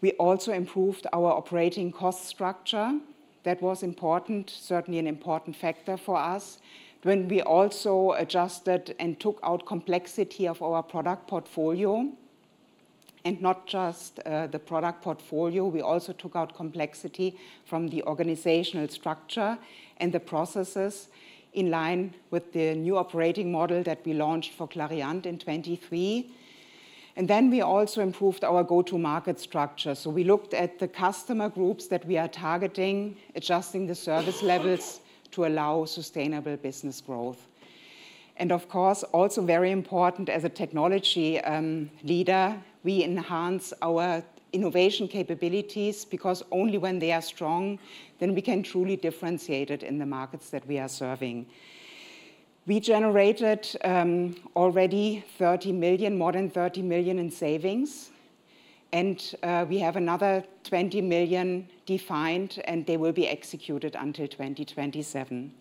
We also improved our operating cost structure. That was important, certainly an important factor for us. When we also adjusted and took out complexity of our product portfolio, and not just the product portfolio, we also took out complexity from the organizational structure and the processes in line with the new operating model that we launched for Clariant in 2023, and then we also improved our go-to-market structure, so we looked at the customer groups that we are targeting, adjusting the service levels to allow sustainable business growth, and of course, also very important as a technology leader, we enhance our innovation capabilities because only when they are strong, then we can truly differentiate it in the markets that we are serving. We generated already 30 million, more than 30 million in savings, and we have another 20 million defined, and they will be executed until 2027.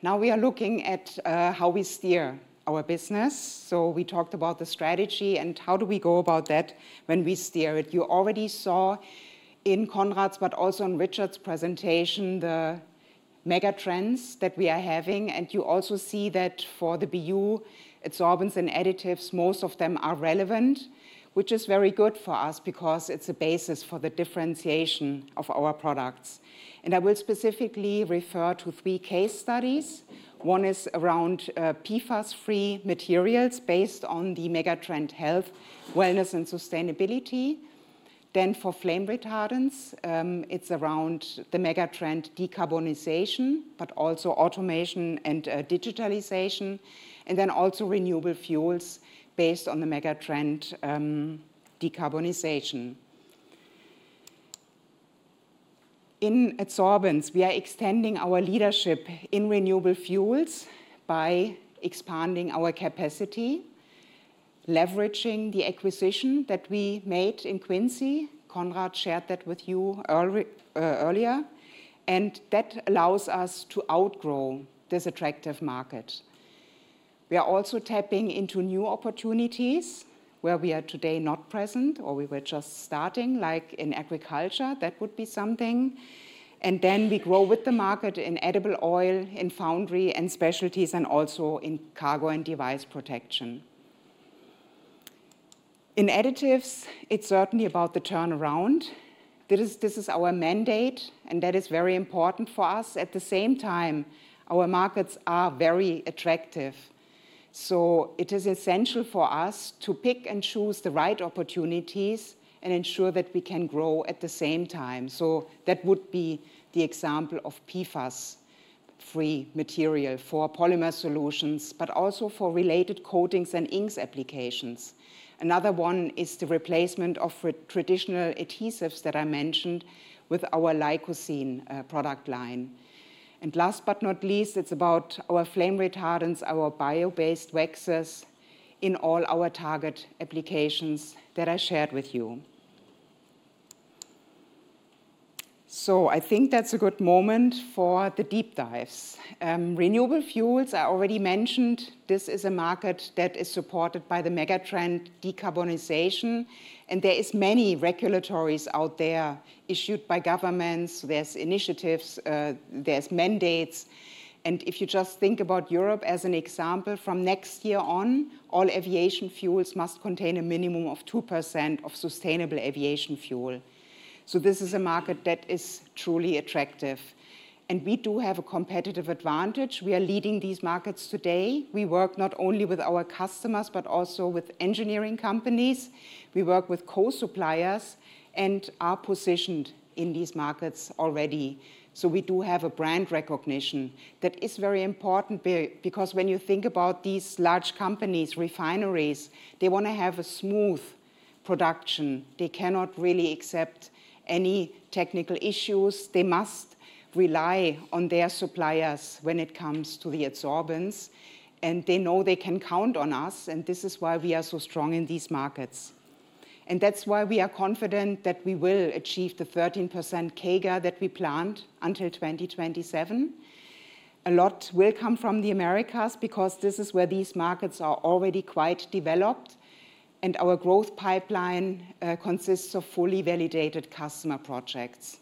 Now we are looking at how we steer our business. So we talked about the strategy and how do we go about that when we steer it. You already saw in Conrad's, but also in Richard's presentation, the megatrends that we are having, and you also see that for the BU Adsorbents and Additives, most of them are relevant, which is very good for us because it's a basis for the differentiation of our products. And I will specifically refer to three case studies. One is around PFAS-free materials based on the megatrend health, wellness, and sustainability. Then for flame retardants, it's around the megatrend decarbonization, but also automation and digitalization, and then also renewable fuels based on the megatrend decarbonization. In adsorbents, we are extending our leadership in renewable fuels by expanding our capacity, leveraging the acquisition that we made in Quincy. Conrad shared that with you earlier, and that allows us to outgrow this attractive market. We are also tapping into new opportunities where we are today not present or we were just starting, like in agriculture. That would be something, and then we grow with the market in edible oil, in foundry and specialties, and also in cargo and device protection. In additives, it's certainly about the turnaround. This is our mandate, and that is very important for us. At the same time, our markets are very attractive, so it is essential for us to pick and choose the right opportunities and ensure that we can grow at the same time, so that would be the example of PFAS-free material for polymer solutions, but also for related coatings and inks applications. Another one is the replacement of traditional adhesives that I mentioned with our Licocene product line. And last but not least, it's about our flame retardants, our bio-based waxes in all our target applications that I shared with you. So I think that's a good moment for the deep dives. Renewable fuels, I already mentioned, this is a market that is supported by the megatrend decarbonization, and there are many regulations out there issued by governments. There's initiatives, there's mandates. And if you just think about Europe as an example, from next year on, all aviation fuels must contain a minimum of 2% of sustainable aviation fuel. So this is a market that is truly attractive. And we do have a competitive advantage. We are leading these markets today. We work not only with our customers, but also with engineering companies. We work with co-suppliers and are positioned in these markets already. So we do have a brand recognition that is very important because when you think about these large companies, refineries, they want to have a smooth production. They cannot really accept any technical issues. They must rely on their suppliers when it comes to the adsorbents, and they know they can count on us, and this is why we are so strong in these markets. And that's why we are confident that we will achieve the 13% CAGR that we planned until 2027. A lot will come from the Americas because this is where these markets are already quite developed, and our growth pipeline consists of fully validated customer projects.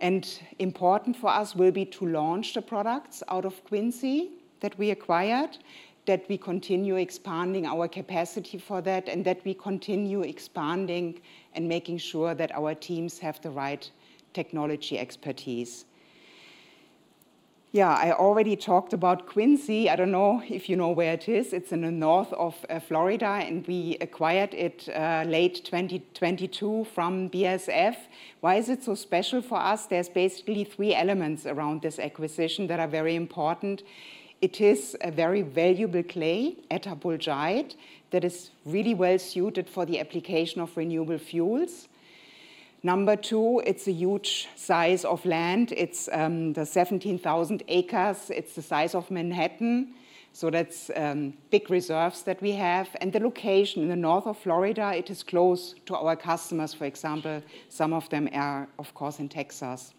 And important for us will be to launch the products out of Quincy that we acquired, that we continue expanding our capacity for that, and that we continue expanding and making sure that our teams have the right technology expertise. Yeah, I already talked about Quincy. I don't know if you know where it is. It's in the north of Florida, and we acquired it late 2022 from BASF. Why is it so special for us? There's basically three elements around this acquisition that are very important. It is a very valuable clay, attapulgite, that is really well suited for the application of renewable fuels. Number two, it's a huge size of land. It's 17,000 acres. It's the size of Manhattan. So that's big reserves that we have, and the location in the north of Florida, it is close to our customers. For example, some of them are, of course, in Texas.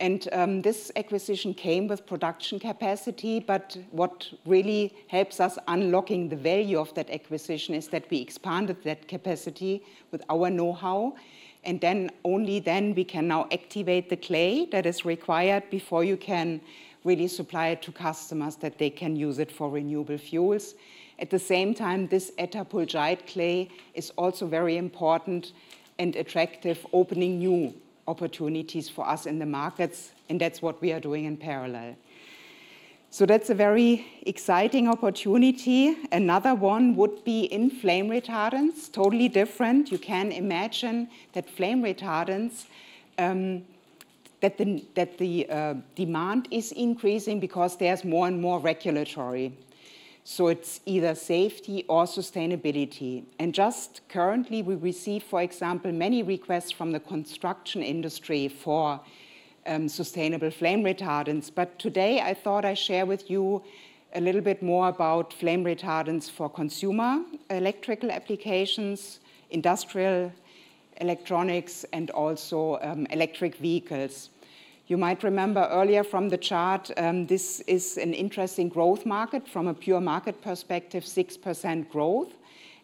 This acquisition came with production capacity, but what really helps us unlocking the value of that acquisition is that we expanded that capacity with our know-how, and then only then we can now activate the clay that is required before you can really supply it to customers that they can use it for renewable fuels. At the same time, this attapulgite clay is also very important and attractive, opening new opportunities for us in the markets, and that's what we are doing in parallel. That's a very exciting opportunity. Another one would be in flame retardants, totally different. You can imagine that flame retardants, that the demand is increasing because there's more and more regulatory. It's either safety or sustainability. Just currently, we receive, for example, many requests from the construction industry for sustainable flame retardants. Today, I thought I'd share with you a little bit more about flame retardants for consumer electrical applications, industrial electronics, and also electric vehicles. You might remember earlier from the chart. This is an interesting growth market from a pure market perspective, 6% growth,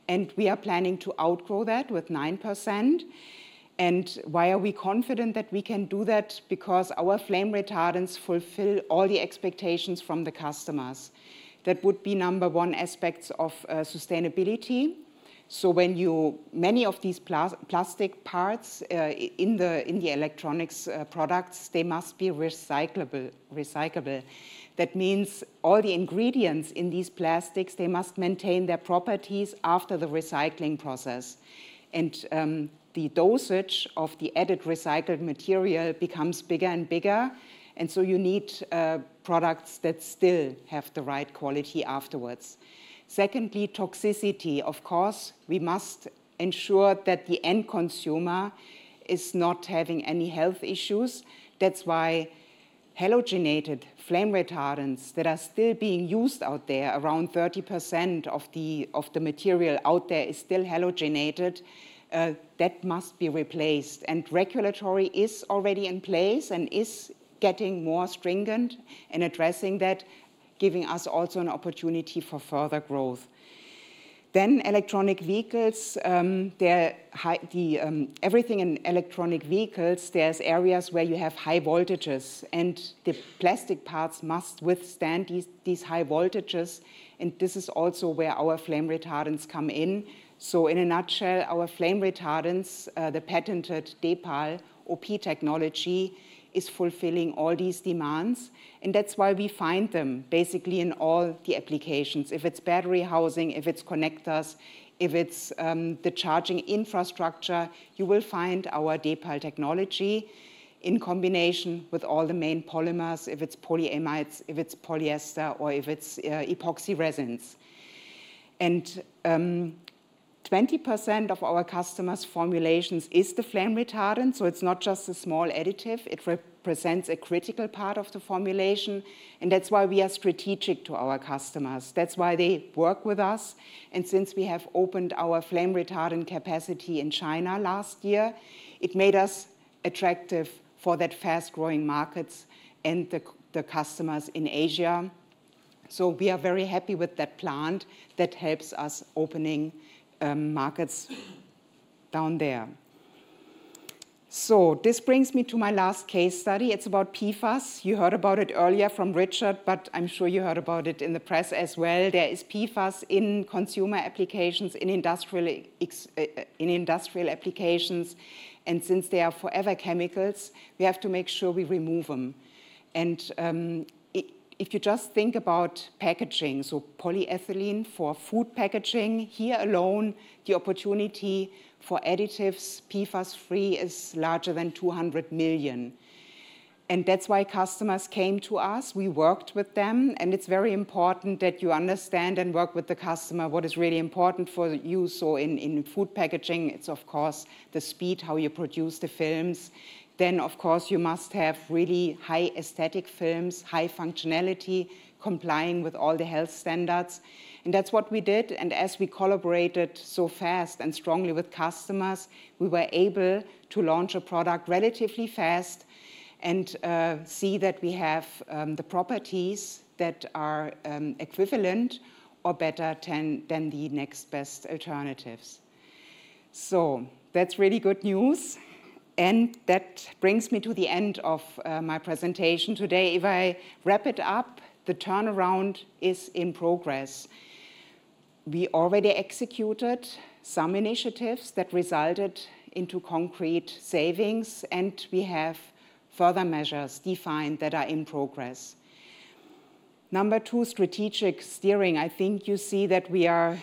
and we are planning to outgrow that with 9%. Why are we confident that we can do that? Because our flame retardants fulfill all the expectations from the customers. That would be number one aspect of sustainability. So many of these plastic parts in the electronics products, they must be recyclable. That means all the ingredients in these plastics, they must maintain their properties after the recycling process. The dosage of the added recycled material becomes bigger and bigger, and so you need products that still have the right quality afterwards. Secondly, toxicity, of course. We must ensure that the end consumer is not having any health issues. That's why halogenated flame retardants that are still being used out there, around 30% of the material out there is still halogenated. That must be replaced, and regulatory is already in place and is getting more stringent in addressing that, giving us also an opportunity for further growth. Then electric vehicles, everything in electric vehicles, there's areas where you have high voltages, and the plastic parts must withstand these high voltages. And this is also where our flame retardants come in, so in a nutshell, our flame retardants, the patented DEPAL OP technology is fulfilling all these demands, and that's why we find them basically in all the applications. If it's battery housing, if it's connectors, if it's the charging infrastructure, you will find our DEPAL technology in combination with all the main polymers, if it's polyamides, if it's polyester, or if it's epoxy resins. And 20% of our customers' formulations is the flame retardant, so it's not just a small additive. It represents a critical part of the formulation, and that's why we are strategic to our customers. That's why they work with us. And since we have opened our flame retardant capacity in China last year, it made us attractive for that fast-growing markets and the customers in Asia. So we are very happy with that plant that helps us open markets down there. So this brings me to my last case study. It's about PFAS. You heard about it earlier from Richard, but I'm sure you heard about it in the press as well. There is PFAS in consumer applications, in industrial applications, and since they are forever chemicals, we have to make sure we remove them. And if you just think about packaging, so polyethylene for food packaging, here alone, the opportunity for additives PFAS-free is larger than 200 million. And that's why customers came to us. We worked with them, and it's very important that you understand and work with the customer what is really important for you. So in food packaging, it's of course the speed, how you produce the films. Then, of course, you must have really high aesthetic films, high functionality, complying with all the health standards. And that's what we did. And as we collaborated so fast and strongly with customers, we were able to launch a product relatively fast and see that we have the properties that are equivalent or better than the next best alternatives. So that's really good news. And that brings me to the end of my presentation today. If I wrap it up, the turnaround is in progress. We already executed some initiatives that resulted in concrete savings, and we have further measures defined that are in progress. Number two, strategic steering. I think you see that we are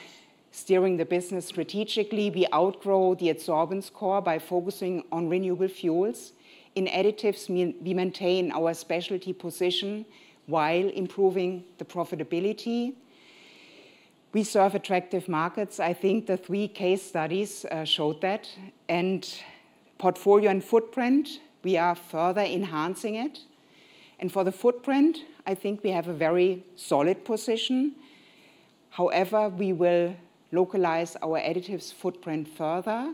steering the business strategically. We outgrow the Adsorbents' core by focusing on renewable fuels. In Additives, we maintain our specialty position while improving the profitability. We serve attractive markets. I think the three case studies showed that. And portfolio and footprint, we are further enhancing it. And for the footprint, I think we have a very solid position. However, we will localize our Additives footprint further.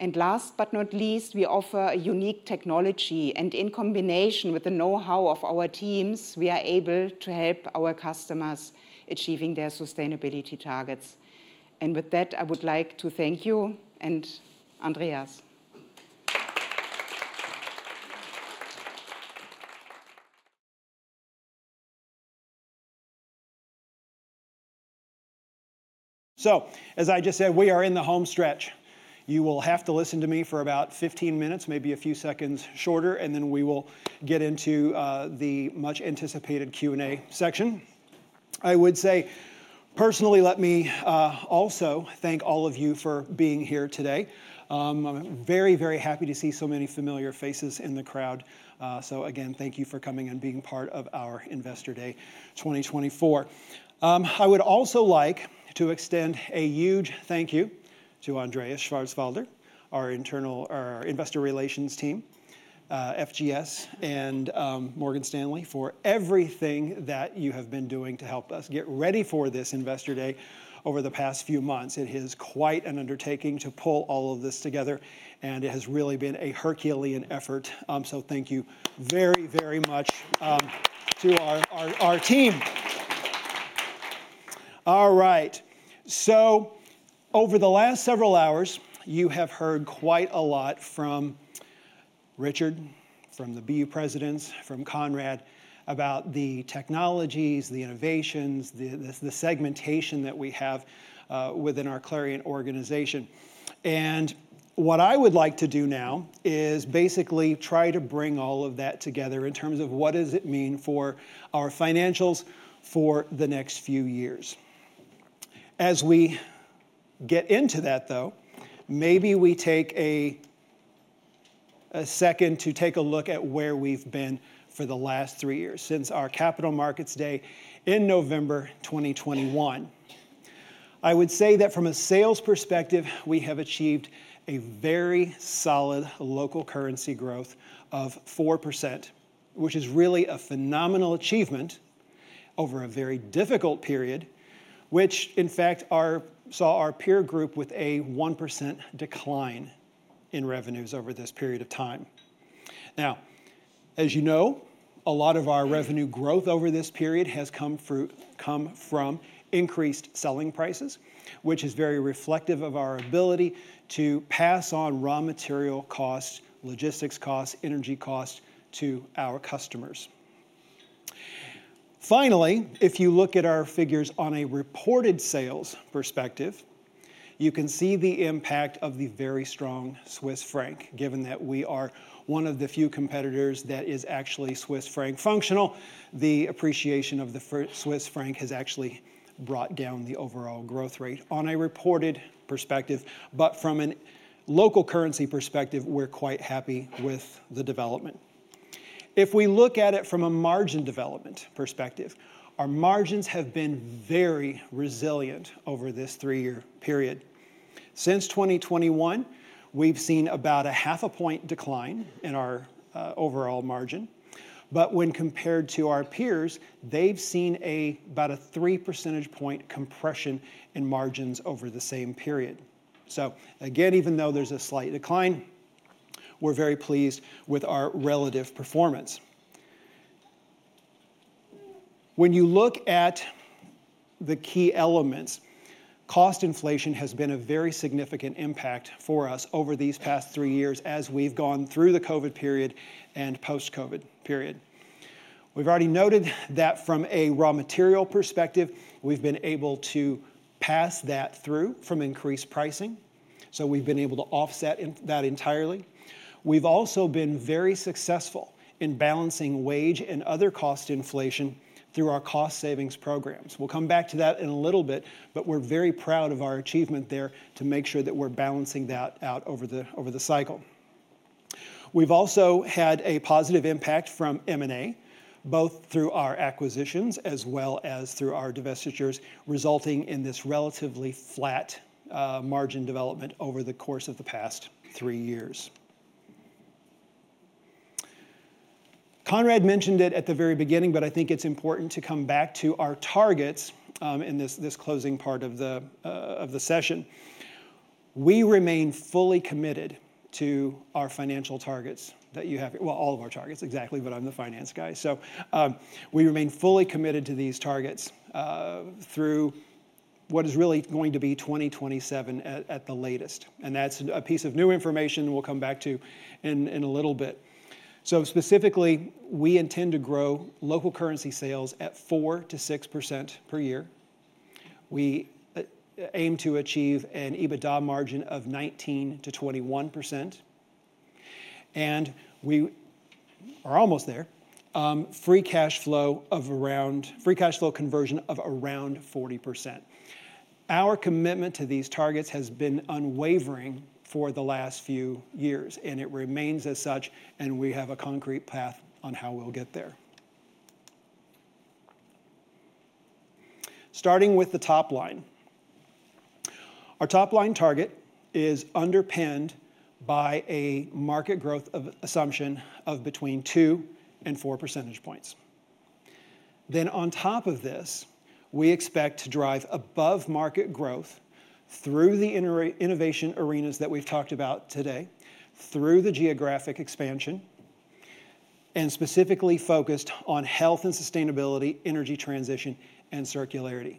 And last but not least, we offer a unique technology. And in combination with the know-how of our teams, we are able to help our customers achieving their sustainability targets. And with that, I would like to thank you and Andreas. So as I just said, we are in the home stretch. You will have to listen to me for about 15 minutes, maybe a few seconds shorter, and then we will get into the much-anticipated Q&A section. I would say, personally, let me also thank all of you for being here today. I'm very, very happy to see so many familiar faces in the crowd. So again, thank you for coming and being part of our Investor Day 2024. I would also like to extend a huge thank you to Andreas Schwarzwälder, our investor relations team, FGS, and Morgan Stanley for everything that you have been doing to help us get ready for this Investor Day over the past few months. It is quite an undertaking to pull all of this together, and it has really been a Herculean effort. So thank you very, very much to our team. All right, so over the last several hours, you have heard quite a lot from Richard, from the BU presidents, from Conrad about the technologies, the innovations, the segmentation that we have within our Clariant organization, and what I would like to do now is basically try to bring all of that together in terms of what does it mean for our financials for the next few years. As we get into that, though, maybe we take a second to take a look at where we've been for the last three years since our Capital Markets Day in November 2021. I would say that from a sales perspective, we have achieved a very solid local currency growth of 4%, which is really a phenomenal achievement over a very difficult period, which, in fact, saw our peer group with a 1% decline in revenues over this period of time. Now, as you know, a lot of our revenue growth over this period has come from increased selling prices, which is very reflective of our ability to pass on raw material costs, logistics costs, energy costs to our customers. Finally, if you look at our figures on a reported sales perspective, you can see the impact of the very strong Swiss franc, given that we are one of the few competitors that is actually Swiss franc functional. The appreciation of the Swiss franc has actually brought down the overall growth rate on a reported perspective. But from a local currency perspective, we're quite happy with the development. If we look at it from a margin development perspective, our margins have been very resilient over this three-year period. Since 2021, we've seen about half a point decline in our overall margin. But when compared to our peers, they've seen about a three percentage point compression in margins over the same period. So again, even though there's a slight decline, we're very pleased with our relative performance. When you look at the key elements, cost inflation has been a very significant impact for us over these past three years as we've gone through the COVID period and post-COVID period. We've already noted that from a raw material perspective, we've been able to pass that through from increased pricing. So we've been able to offset that entirely. We've also been very successful in balancing wage and other cost inflation through our cost savings programs. We'll come back to that in a little bit, but we're very proud of our achievement there to make sure that we're balancing that out over the cycle. We've also had a positive impact from M&A, both through our acquisitions as well as through our divestitures, resulting in this relatively flat margin development over the course of the past three years. Conrad mentioned it at the very beginning, but I think it's important to come back to our targets in this closing part of the session. We remain fully committed to our financial targets that you have, well, all of our targets, exactly, but I'm the finance guy. We remain fully committed to these targets through what is really going to be 2027 at the latest, and that's a piece of new information we'll come back to in a little bit, so specifically, we intend to grow local currency sales at 4%-6% per year. We aim to achieve an EBITDA margin of 19%-21%. We are almost there, free cash flow of around, free cash flow conversion of around 40%. Our commitment to these targets has been unwavering for the last few years, and it remains as such, and we have a concrete path on how we'll get there. Starting with the top line, our top line target is underpinned by a market growth assumption of between 2%-4 percentage points. Then on top of this, we expect to drive above market growth through the innovation arenas that we've talked about today, through the geographic expansion, and specifically focused on health and sustainability, energy transition, and circularity.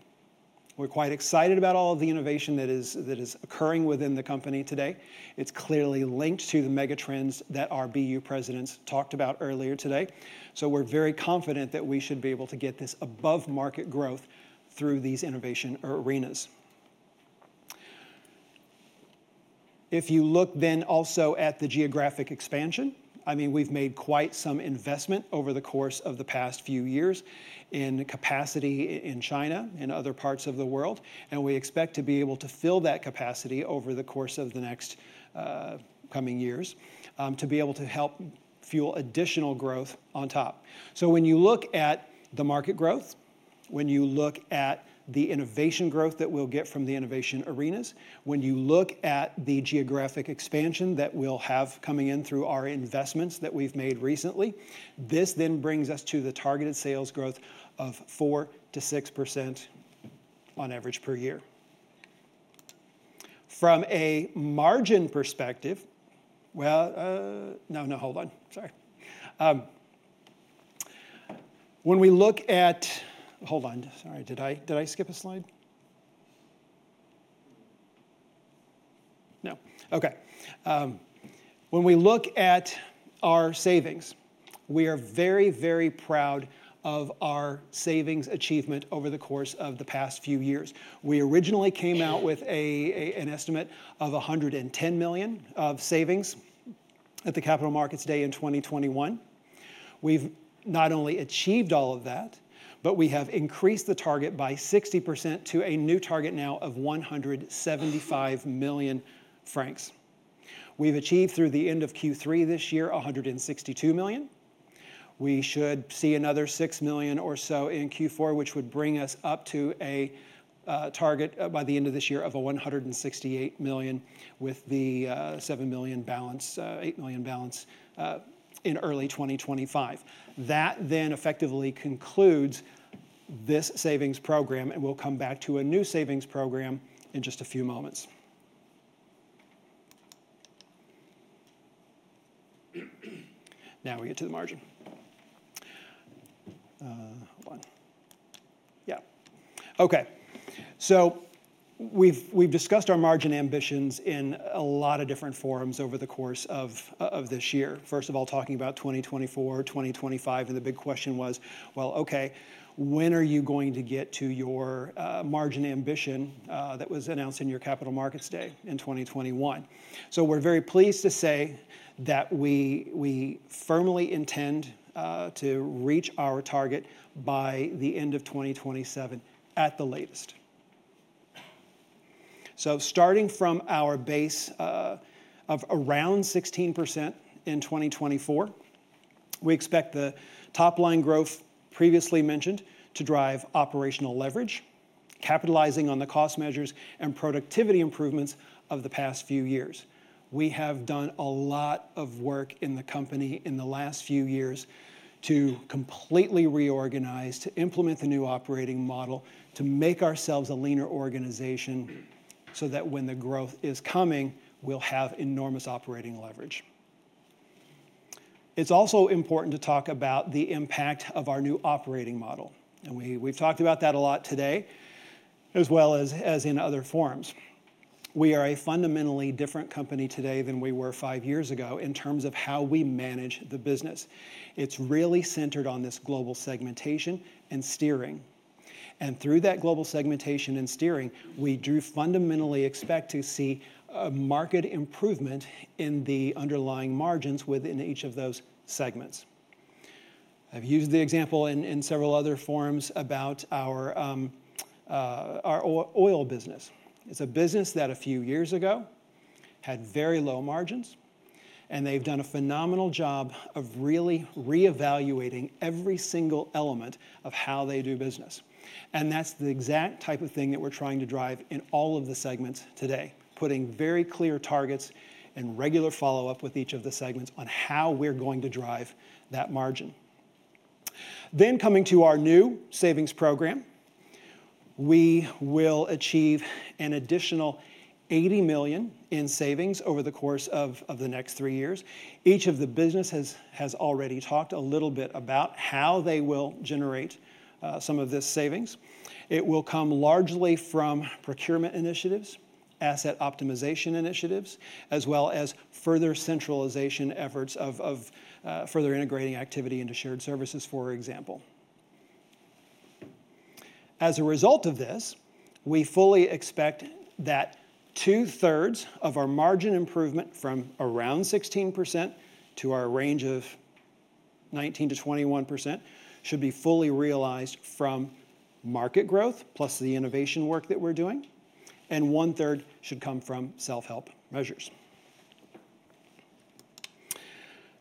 We're quite excited about all of the innovation that is occurring within the company today. It's clearly linked to the megatrends that our BU presidents talked about earlier today. So we're very confident that we should be able to get this above market growth through these innovation arenas. If you look then also at the geographic expansion, I mean, we've made quite some investment over the course of the past few years in capacity in China and other parts of the world, and we expect to be able to fill that capacity over the course of the next coming years to be able to help fuel additional growth on top. So when you look at the market growth, when you look at the innovation growth that we'll get from the innovation arenas, when you look at the geographic expansion that we'll have coming in through our investments that we've made recently, this then brings us to the targeted sales growth of 4%-6% on average per year. From a margin perspective, well, no, no, hold on. Sorry. When we look at, hold on, sorry, did I skip a slide? No. Okay. When we look at our savings, we are very, very proud of our savings achievement over the course of the past few years. We originally came out with an estimate of 110 million of savings at the Capital Markets Day in 2021. We've not only achieved all of that, but we have increased the target by 60% to a new target now of 175 million francs. We've achieved through the end of Q3 this year 162 million. We should see another 6 million or so in Q4, which would bring us up to a target by the end of this year of 168 million with the 7 million balance, 8 million balance in early 2025. That then effectively concludes this savings program, and we'll come back to a new savings program in just a few moments. Now we get to the margin. So we've discussed our margin ambitions in a lot of different forums over the course of this year. First of all, talking about 2024, 2025, and the big question was, well, okay, when are you going to get to your margin ambition that was announced in your Capital Markets Day in 2021? So we're very pleased to say that we firmly intend to reach our target by the end of 2027 at the latest. So starting from our base of around 16% in 2024, we expect the top line growth previously mentioned to drive operational leverage, capitalizing on the cost measures and productivity improvements of the past few years. We have done a lot of work in the company in the last few years to completely reorganize, to implement the new operating model, to make ourselves a leaner organization so that when the growth is coming, we'll have enormous operating leverage. It's also important to talk about the impact of our new operating model, and we've talked about that a lot today, as well as in other forums. We are a fundamentally different company today than we were five years ago in terms of how we manage the business. It's really centered on this global segmentation and steering, and through that global segmentation and steering, we do fundamentally expect to see a market improvement in the underlying margins within each of those segments. I've used the example in several other forums about our oil business. It's a business that a few years ago had very low margins, and they've done a phenomenal job of really reevaluating every single element of how they do business, and that's the exact type of thing that we're trying to drive in all of the segments today, putting very clear targets and regular follow-up with each of the segments on how we're going to drive that margin, then coming to our new savings program, we will achieve an additional 80 million in savings over the course of the next three years. Each of the businesses has already talked a little bit about how they will generate some of this savings. It will come largely from procurement initiatives, asset optimization initiatives, as well as further centralization efforts of further integrating activity into shared services, for example. As a result of this, we fully expect that two-thirds of our margin improvement from around 16% to our range of 19%-21% should be fully realized from market growth plus the innovation work that we're doing, and one-third should come from self-help measures.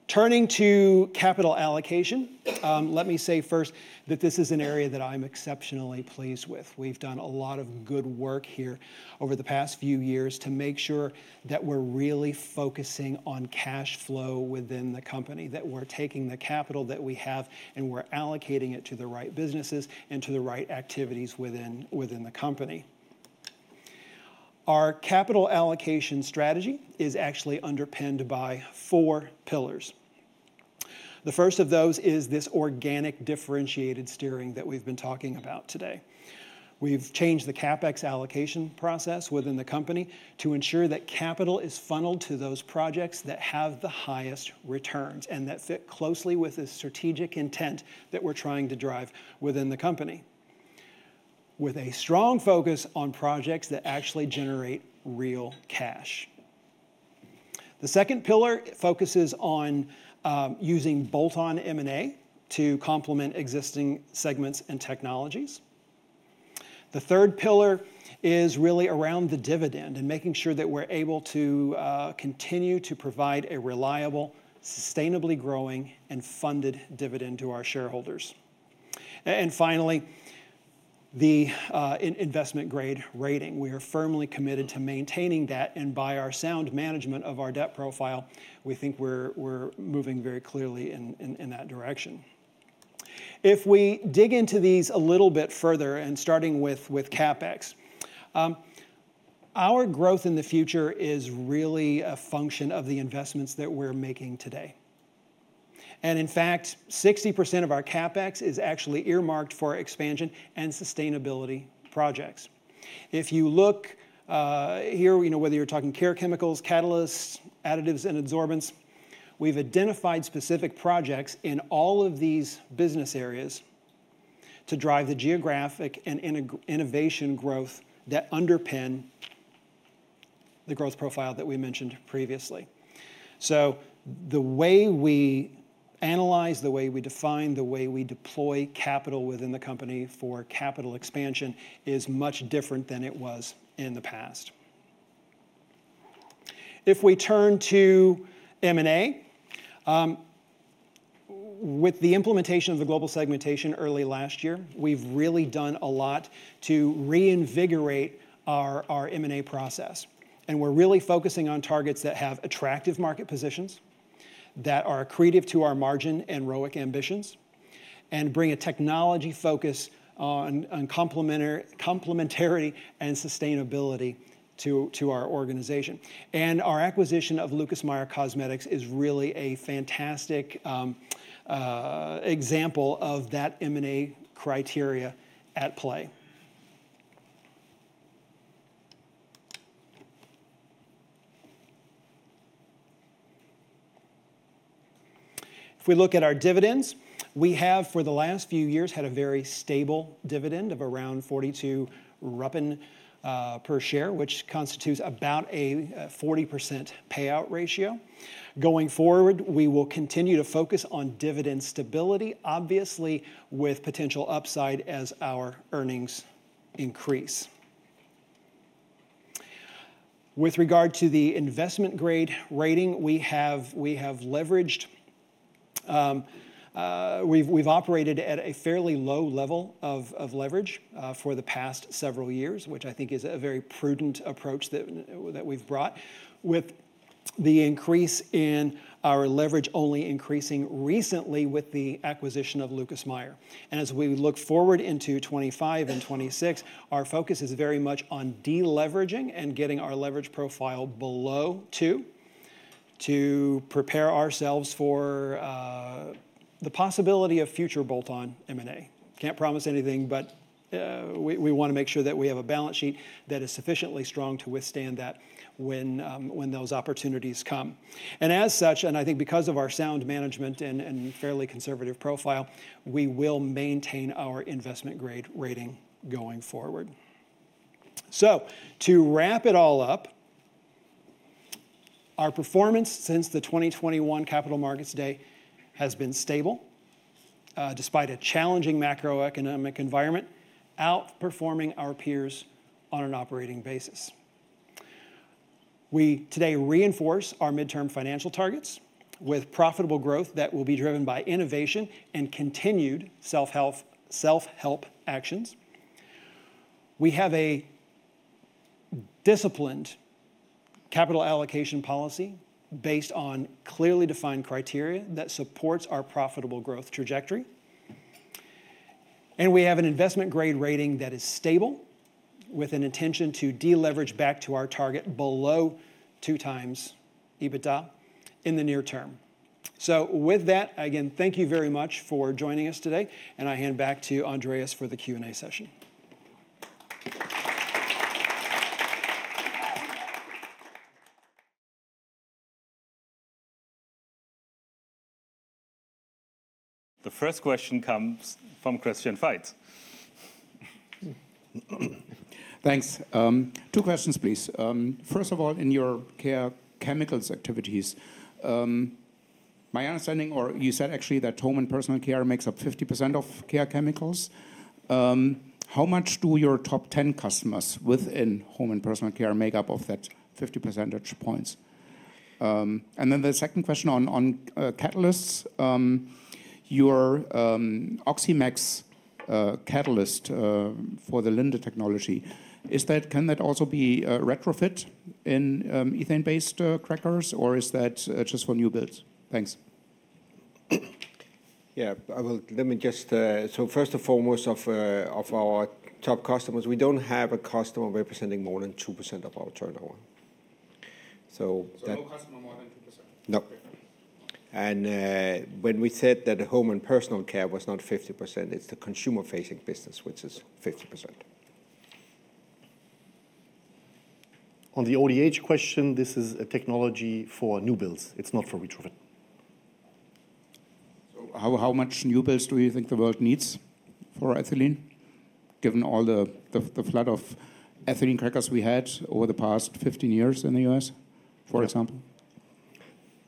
Turning to capital allocation, let me say first that this is an area that I'm exceptionally pleased with. We've done a lot of good work here over the past few years to make sure that we're really focusing on cash flow within the company, that we're taking the capital that we have and we're allocating it to the right businesses and to the right activities within the company. Our capital allocation strategy is actually underpinned by four pillars. The first of those is this organic differentiated steering that we've been talking about today. We've changed the CapEx allocation process within the company to ensure that capital is funneled to those projects that have the highest returns and that fit closely with the strategic intent that we're trying to drive within the company, with a strong focus on projects that actually generate real cash. The second pillar focuses on using bolt-on M&A to complement existing segments and technologies. The third pillar is really around the dividend and making sure that we're able to continue to provide a reliable, sustainably growing, and funded dividend to our shareholders. And finally, the investment-grade rating. We are firmly committed to maintaining that and by our sound management of our debt profile, we think we're moving very clearly in that direction. If we dig into these a little bit further and starting with CapEx, our growth in the future is really a function of the investments that we're making today. And in fact, 60% of our CapEx is actually earmarked for expansion and sustainability projects. If you look here, whether you're talking care chemicals, catalysts, additives, and adsorbents, we've identified specific projects in all of these business areas to drive the geographic and innovation growth that underpin the growth profile that we mentioned previously. So the way we analyze, the way we define, the way we deploy capital within the company for capital expansion is much different than it was in the past. If we turn to M&A, with the implementation of the global segmentation early last year, we've really done a lot to reinvigorate our M&A process. We're really focusing on targets that have attractive market positions that are accretive to our margin and ROIC ambitions and bring a technology focus on complementarity and sustainability to our organization. Our acquisition of Lucas Meyer Cosmetics is really a fantastic example of that M&A criteria at play. If we look at our dividends, we have for the last few years had a very stable dividend of around 42 per share, which constitutes about a 40% payout ratio. Going forward, we will continue to focus on dividend stability, obviously with potential upside as our earnings increase. With regard to the investment-grade rating, we have leveraged. We've operated at a fairly low level of leverage for the past several years, which I think is a very prudent approach that we've brought with the increase in our leverage only increasing recently with the acquisition of Lucas Meyer. As we look forward into 2025 and 2026, our focus is very much on deleveraging and getting our leverage profile below 2% to prepare ourselves for the possibility of future bolt-on M&A. Can't promise anything, but we want to make sure that we have a balance sheet that is sufficiently strong to withstand that when those opportunities come. And as such, and I think because of our sound management and fairly conservative profile, we will maintain our investment-grade rating going forward. So to wrap it all up, our performance since the 2021 Capital Markets Day has been stable despite a challenging macroeconomic environment, outperforming our peers on an operating basis. We today reinforce our midterm financial targets with profitable growth that will be driven by innovation and continued self-help actions. We have a disciplined capital allocation policy based on clearly defined criteria that supports our profitable growth trajectory. We have an investment-grade rating that is stable with an intention to deleverage back to our target below 2 times EBITDA in the near term. With that, again, thank you very much for joining us today. I hand back to Andreas for the Q&A session. The first question comes from Christian Faitz. Thanks. Two questions, please. First of all, in your care chemicals activities, my understanding, or you said actually that home and personal care makes up 50% of care chemicals. How much do your top 10 customers within home and personal care make up of that 50 percentage points? And then the second question on catalysts, your EDHOX catalyst for the Linde technology, can that also be retrofit in ethane-based crackers, or is that just for new builds? Thanks. Yeah, let me just, so first and foremost of our top customers, we don't have a customer representing more than 2% of our turnover. So no customer more than 2%. No. And when we said that home and personal care was not 50%, it's the consumer-facing business, which is 50%. On the ODH question, this is a technology for new builds. It's not for retrofit. So how much new builds do you think the world needs for ethylene, given all the flood of ethylene crackers we had over the past 15 years in the U.S., for example?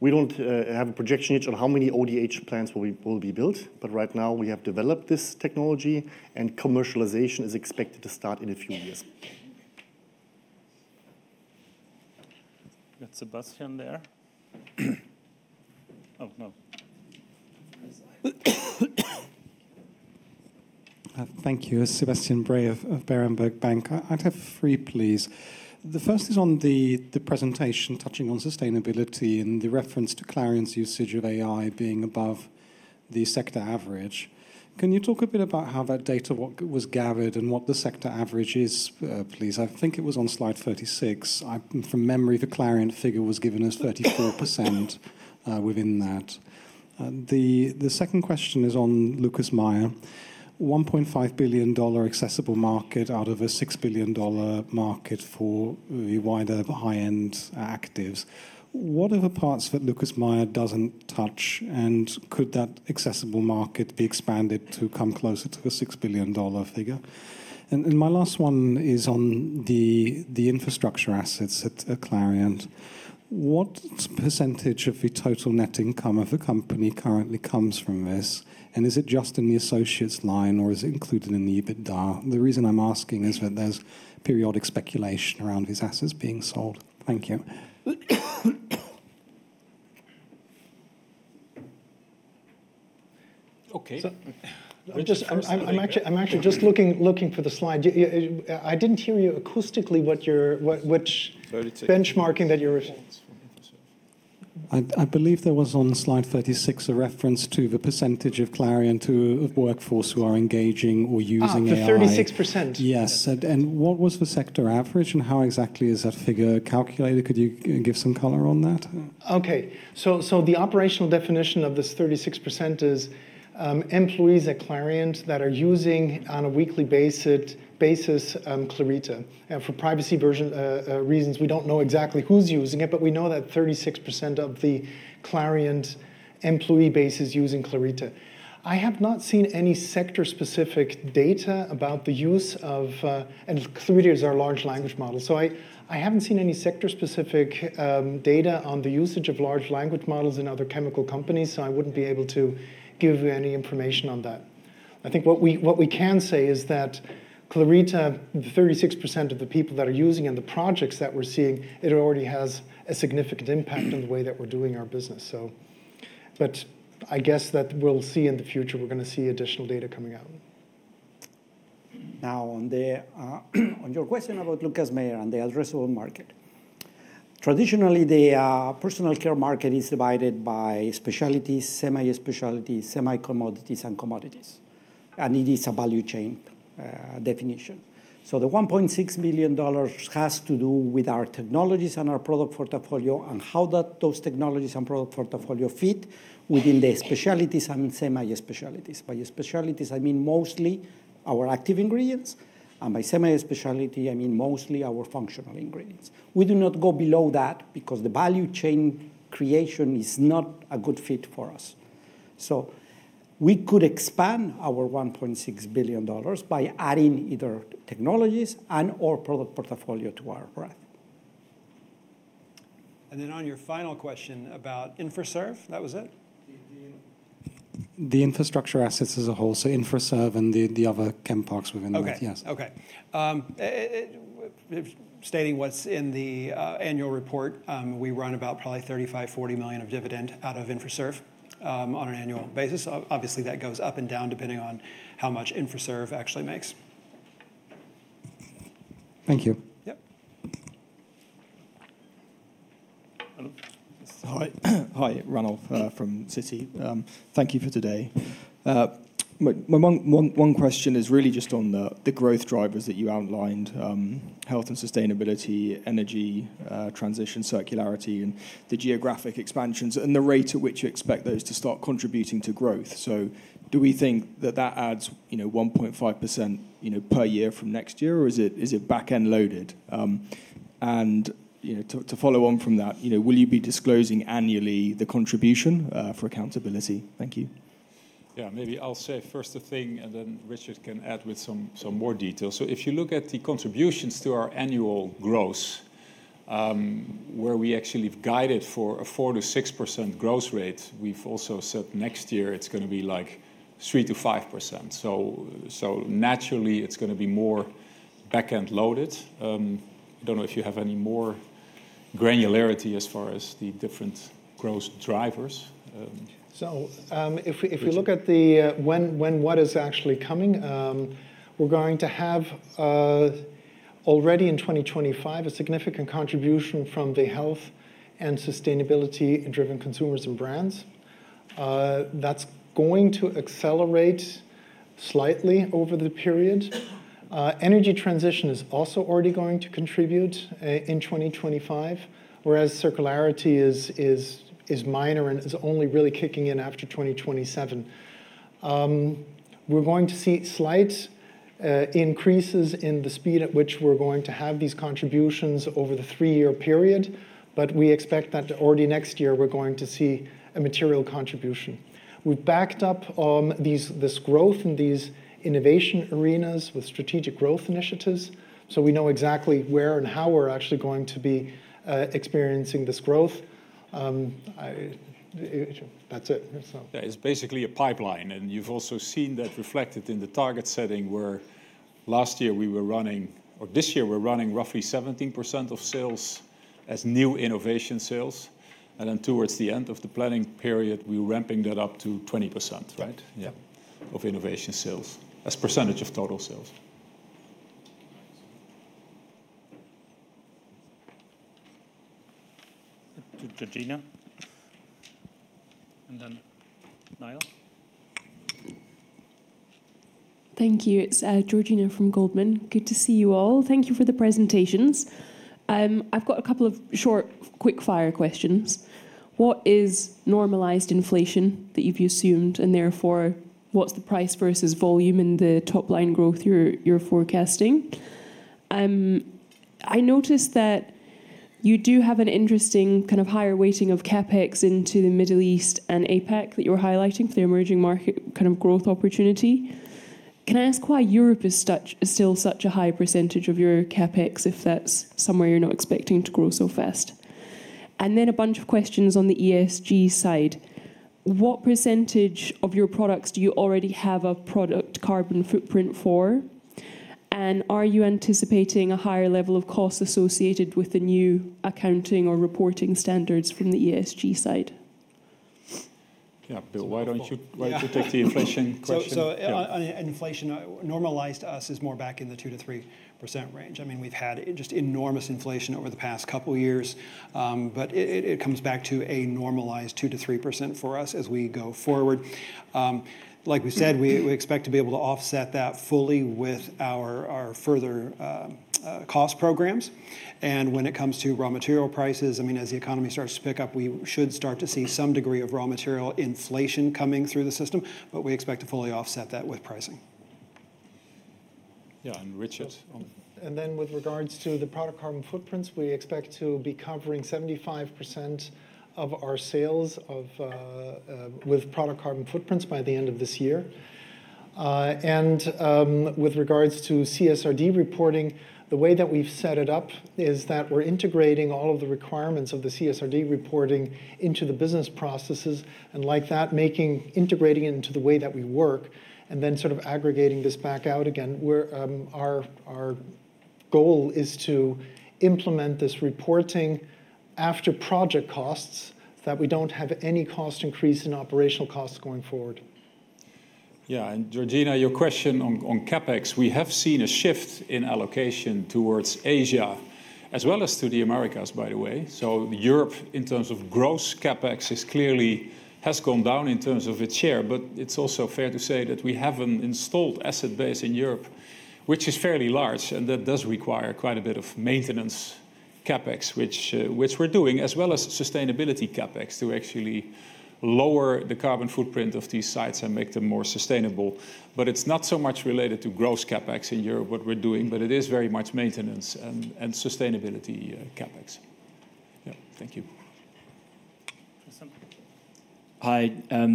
We don't have a projection yet on how many ODH plants will be built, but right now we have developed this technology, and commercialization is expected to start in a few years. Got Sebastian there. Oh, no. Thank you. Sebastian Bray of Berenberg Bank. I'd have three, please. The first is on the presentation touching on sustainability and the reference to Clariant's usage of AI being above the sector average. Can you talk a bit about how that data was gathered and what the sector average is, please? I think it was on slide 36. From memory, the Clariant figure was given as 34% within that. The second question is on Lucas Meyer, $1.5 billion accessible market out of a $6 billion market for the wider high-end actives. What are the parts that Lucas Meyer doesn't touch, and could that accessible market be expanded to come closer to a $6 billion figure? And my last one is on the infrastructure assets at Clariant. What percentage of the total net income of the company currently comes from this, and is it just in the associates line, or is it included in the EBITDA? The reason I'm asking is that there's periodic speculation around these assets being sold. Thank you. Okay. I'm actually just looking for the slide. I didn't hear you. What is the benchmarking that you're referring to? I believe there was on slide 36 a reference to the percentage of Clariant's workforce who are engaging or using AI. The 36%. Yes. What was the sector average, and how exactly is that figure calculated? Could you give some color on that? Okay. The operational definition of this 36% is employees at Clariant that are using on a weekly basis Clarita. For privacy reasons, we don't know exactly who's using it, but we know that 36% of the Clariant employee base is using Clarita. I have not seen any sector-specific data about the use of, and Clarita is our large language model. I haven't seen any sector-specific data on the usage of large language models in other chemical companies, so I wouldn't be able to give you any information on that. I think what we can say is that Clarita, the 36% of the people that are using and the projects that we're seeing, it already has a significant impact on the way that we're doing our business. But I guess that we'll see in the future, we're going to see additional data coming out. Now, on your question about Lucas Meyer and the addressable market, traditionally, the personal care market is divided by specialties, semi-specialties, semi-commodities, and commodities. And it is a value chain definition. So the $1.6 billion has to do with our technologies and our product portfolio and how those technologies and product portfolio fit within the specialties and semi-specialties. By specialties, I mean mostly our active ingredients, and by semi-specialty, I mean mostly our functional ingredients. We do not go below that because the value chain creation is not a good fit for us. So we could expand our $1.6 billion by adding either technologies and/or product portfolio to our breadth. And then on your final question about Infraserv, that was it? The infrastructure assets as a whole, so Infraserv and the other chem parks within that. Yes. Okay. Stating what's in the annual report, we run about probably 35-40 million of dividend out of Infraserv on an annual basis. Obviously, that goes up and down depending on how much Infraserv actually makes. Thank you. Yep. Hi, Ranulf from Citi. Thank you for today. One question is really just on the growth drivers that you outlined: health and sustainability, energy transition, circularity, and the geographic expansions, and the rate at which you expect those to start contributing to growth. So do we think that that adds 1.5% per year from next year, or is it back-end loaded? And to follow on from that, will you be disclosing annually the contribution for accountability? Thank you. Yeah, maybe I'll say first a thing, and then Richard can add with some more detail. So if you look at the contributions to our annual growth, where we actually have guided for a 4%-6% growth rate, we've also said next year it's going to be like 3%-5%. So naturally, it's going to be more back-end loaded. I don't know if you have any more granularity as far as the different growth drivers. If we look at the when what is actually coming, we're going to have already in 2025 a significant contribution from the health and sustainability-driven consumers and brands. That's going to accelerate slightly over the period. Energy transition is also already going to contribute in 2025, whereas circularity is minor and is only really kicking in after 2027. We're going to see slight increases in the speed at which we're going to have these contributions over the three-year period, but we expect that already next year we're going to see a material contribution. We've backed up this growth in these innovation arenas with strategic growth initiatives, so we know exactly where and how we're actually going to be experiencing this growth. That's it. That is basically a pipeline, and you've also seen that reflected in the target setting where last year we were running, or this year we're running, roughly 17% of sales as new innovation sales. And then towards the end of the planning period, we were ramping that up to 20%, right? Yeah, of innovation sales as a percentage of total sales. Georgina. And then Neil. Thank you. It's Georgina from Goldman. Good to see you all. Thank you for the presentations. I've got a couple of short, quick-fire questions. What is normalized inflation that you've assumed, and therefore, what's the price versus volume in the top-line growth you're forecasting? I noticed that you do have an interesting kind of higher weighting of CapEx into the Middle East and APEC that you're highlighting for the emerging market kind of growth opportunity. Can I ask why Europe is still such a high percentage of your CapEx if that's somewhere you're not expecting to grow so fast? And then a bunch of questions on the ESG side. What percentage of your products do you already have a product carbon footprint for, and are you anticipating a higher level of cost associated with the new accounting or reporting standards from the ESG side? Yeah, Well, why don't you take the inflation question? So, inflation normalized for us is more back in the 2%-3% range. I mean, we've had just enormous inflation over the past couple of years, but it comes back to a normalized 2%-3% for us as we go forward. Like we said, we expect to be able to offset that fully with our further cost programs. When it comes to raw material prices, I mean, as the economy starts to pick up, we should start to see some degree of raw material inflation coming through the system, but we expect to fully offset that with pricing. Yeah, and Richard. Then with regards to the product carbon footprints, we expect to be covering 75% of our sales with product carbon footprints by the end of this year. With regards to CSRD reporting, the way that we've set it up is that we're integrating all of the requirements of the CSRD reporting into the business processes and like that, integrating it into the way that we work and then sort of aggregating this back out again. Our goal is to implement this reporting after project costs so that we don't have any cost increase in operational costs going forward. Yeah, and Georgina, your question on CapEx, we have seen a shift in allocation towards Asia, as well as to the Americas, by the way. So Europe, in terms of gross CapEx, has gone down in terms of its share, but it's also fair to say that we have an installed asset base in Europe, which is fairly large, and that does require quite a bit of maintenance CapEx, which we're doing, as well as sustainability CapEx to actually lower the carbon footprint of these sites and make them more sustainable. But it's not so much related to gross CapEx in Europe what we're doing, but it is very much maintenance and sustainability CapEx. Yeah, thank you. Hi,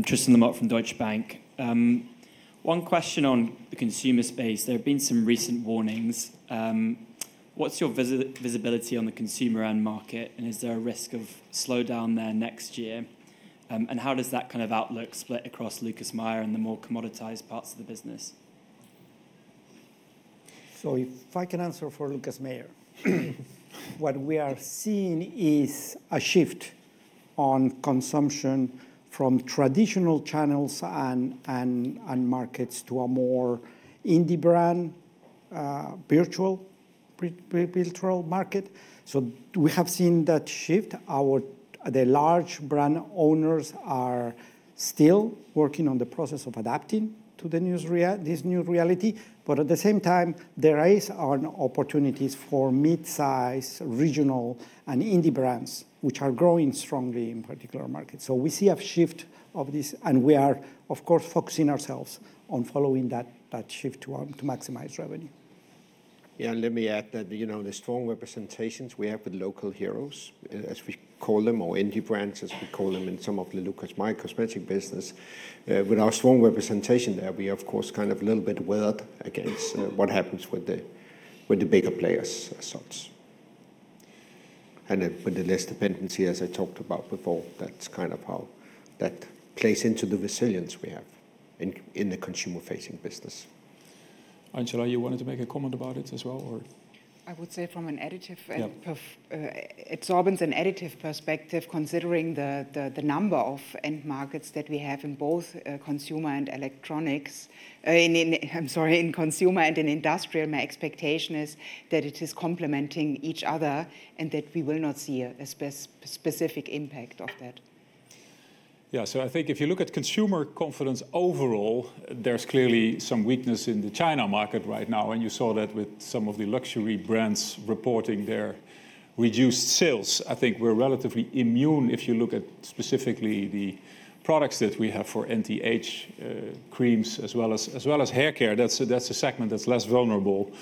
Tristan Lamotte from Deutsche Bank. One question on the consumer space. There have been some recent warnings. What's your visibility on the consumer end market, and is there a risk of slowdown there next year, and how does that kind of outlook split across Lucas Meyer and the more commoditized parts of the business? So if I can answer for Lucas Meyer, what we are seeing is a shift on consumption from traditional channels and markets to a more indie brand virtual market. So we have seen that shift. The large brand owners are still working on the process of adapting to this new reality, but at the same time, there are opportunities for mid-size, regional, and indie brands, which are growing strongly in particular markets. So we see a shift of this, and we are, of course, focusing ourselves on following that shift to maximize revenue. Yeah, and let me add that the strong representations we have with local heroes, as we call them, or indie brands, as we call them in some of the Lucas Meyer Cosmetics business, with our strong representation there, we are, of course, kind of a little bit weird against what happens with the bigger players as such. And with the less dependency, as I talked about before, that's kind of how that plays into the resilience we have in the consumer-facing business. Angela, you wanted to make a comment about it as well, or? I would say from an additive perspective, considering the number of end markets that we have in both consumer and electronics, I'm sorry, in consumer and in industrial, my expectation is that it is complementing each other and that we will not see a specific impact of that. Yeah, so I think if you look at consumer confidence overall, there's clearly some weakness in the China market right now, and you saw that with some of the luxury brands reporting their reduced sales. I think we're relatively immune if you look at specifically the products that we have for anti-age creams as well as haircare. That's a segment that's less vulnerable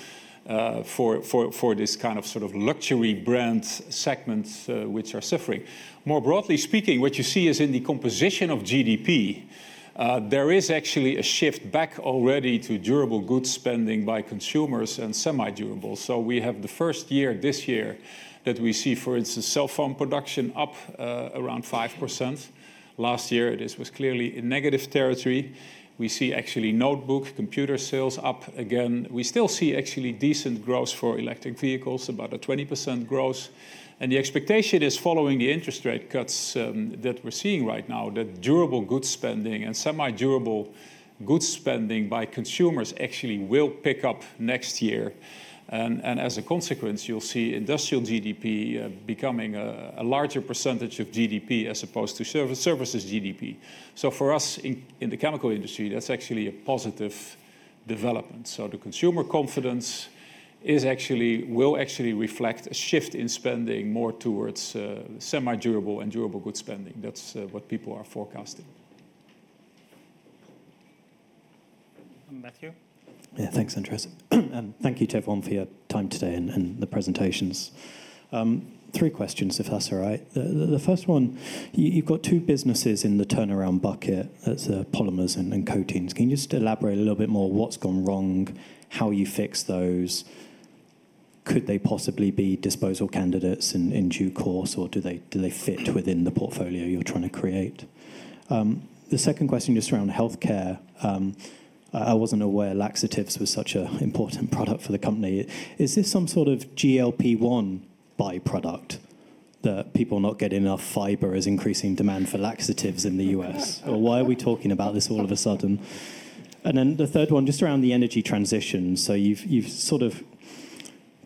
for this kind of sort of luxury brand segments, which are suffering. More broadly speaking, what you see is in the composition of GDP, there is actually a shift back already to durable goods spending by consumers and semi-durable. So we have the first year this year that we see, for instance, cell phone production up around 5%. Last year, this was clearly in negative territory. We see actually notebook computer sales up again. We still see actually decent growth for electric vehicles, about a 20% growth. The expectation is following the interest rate cuts that we're seeing right now, that durable goods spending and semi-durable goods spending by consumers actually will pick up next year. And as a consequence, you'll see industrial GDP becoming a larger percentage of GDP as opposed to services GDP. So for us in the chemical industry, that's actually a positive development. So the consumer confidence will actually reflect a shift in spending more towards semi-durable and durable goods spending. That's what people are forecasting. Matthew. Yeah, thanks, Andreas. And thank you to everyone for your time today and the presentations. Three questions, if that's all right. The first one, you've got two businesses in the turnaround bucket. That's Polymers and Coatings. Can you just elaborate a little bit more on what's gone wrong, how you fix those? Could they possibly be disposal candidates in due course, or do they fit within the portfolio you're trying to create? The second question just around healthcare. I wasn't aware laxatives were such an important product for the company. Is this some sort of GLP-1 byproduct that people are not getting enough fiber as increasing demand for laxatives in the U.S.? Or why are we talking about this all of a sudden? And then the third one, just around the energy transition. So you've sort of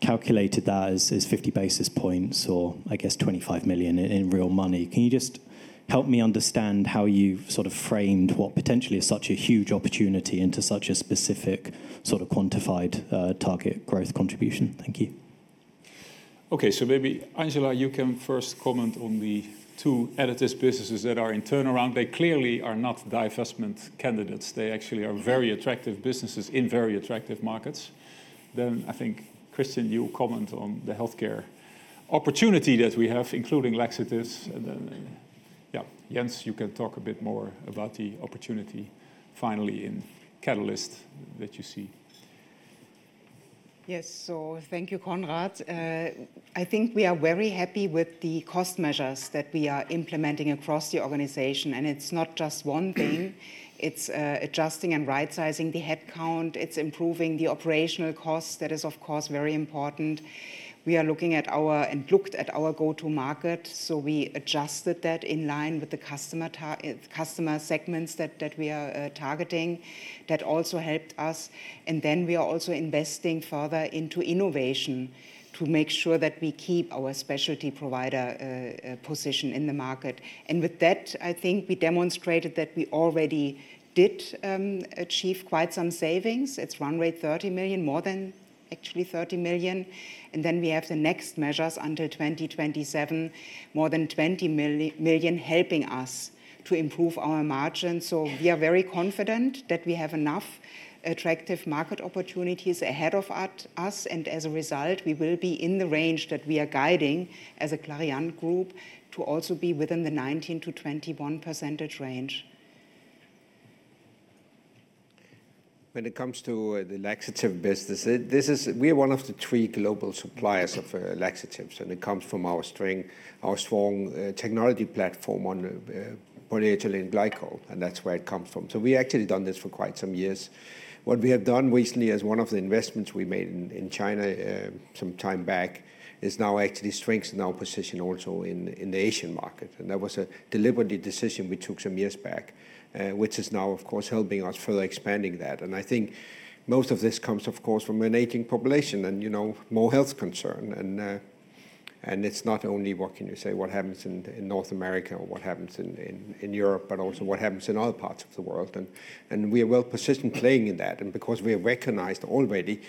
calculated that as 50 basis points or, I guess, 25 million in real money. Can you just help me understand how you've sort of framed what potentially is such a huge opportunity into such a specific sort of quantified target growth contribution? Thank you. Okay, so maybe Angela, you can first comment on the two additive businesses that are in turnaround. They clearly are not divestment candidates. They actually are very attractive businesses in very attractive markets. Then I think, Christian, you'll comment on the healthcare opportunity that we have, including laxatives. And then, yeah, Jens, you can talk a bit more about the opportunity finally in catalyst that you see. Yes, so thank you, Conrad. I think we are very happy with the cost measures that we are implementing across the organization. And it's not just one thing. It's adjusting and right-sizing the headcount. It's improving the operational cost. That is, of course, very important. We are looking at our go-to market. So we adjusted that in line with the customer segments that we are targeting. That also helped us. And then we are also investing further into innovation to make sure that we keep our specialty provider position in the market. With that, I think we demonstrated that we already did achieve quite some savings. It's run rate 30 million, more than actually 30 million. And then we have the next measures until 2027, more than 20 million helping us to improve our margin. So we are very confident that we have enough attractive market opportunities ahead of us. And as a result, we will be in the range that we are guiding as a Clariant Group to also be within the 19%-21% range. When it comes to the laxative business, we are one of the three global suppliers of laxatives. And it comes from our strong technology platform on polyethylene glycol. And that's where it comes from. So we actually have done this for quite some years. What we have done recently as one of the investments we made in China some time back is now actually strengthening our position also in the Asian market. And that was a deliberate decision we took some years back, which is now, of course, helping us further expand that. And I think most of this comes, of course, from an aging population and more health concern. And it's not only, what can you say, what happens in North America or what happens in Europe, but also what happens in other parts of the world. And we are well positioned playing in that. And because we are recognized already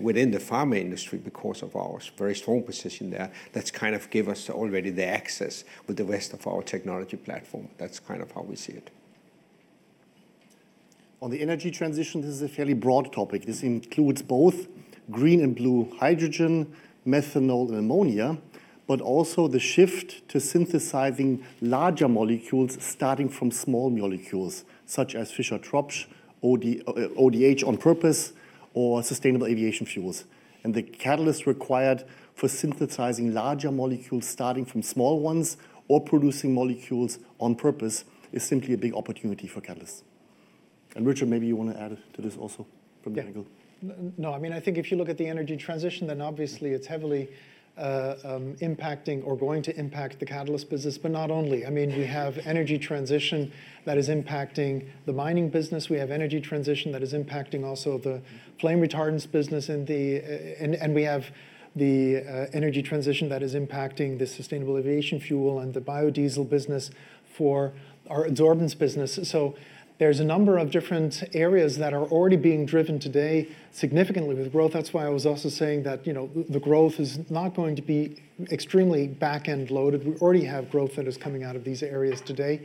within the pharma industry because of our very strong position there, that's kind of given us already the access with the rest of our technology platform. That's kind of how we see it. On the energy transition, this is a fairly broad topic. This includes both green and blue hydrogen, methanol, and ammonia, but also the shift to synthesizing larger molecules starting from small molecules such as Fischer-Tropsch, ODH on purpose, or sustainable aviation fuels, and the catalyst required for synthesizing larger molecules starting from small ones or producing molecules on purpose is simply a big opportunity for catalysts, and Richard, maybe you want to add to this also from your angle. Yeah. No, I mean, I think if you look at the energy transition, then obviously it's heavily impacting or going to impact the catalyst business, but not only. I mean, we have energy transition that is impacting the mining business. We have energy transition that is impacting also the flame retardants business. And we have the energy transition that is impacting the sustainable aviation fuel and the biodiesel business for our Adsorbents business. So there's a number of different areas that are already being driven today significantly with growth. That's why I was also saying that the growth is not going to be extremely back-end loaded. We already have growth that is coming out of these areas today.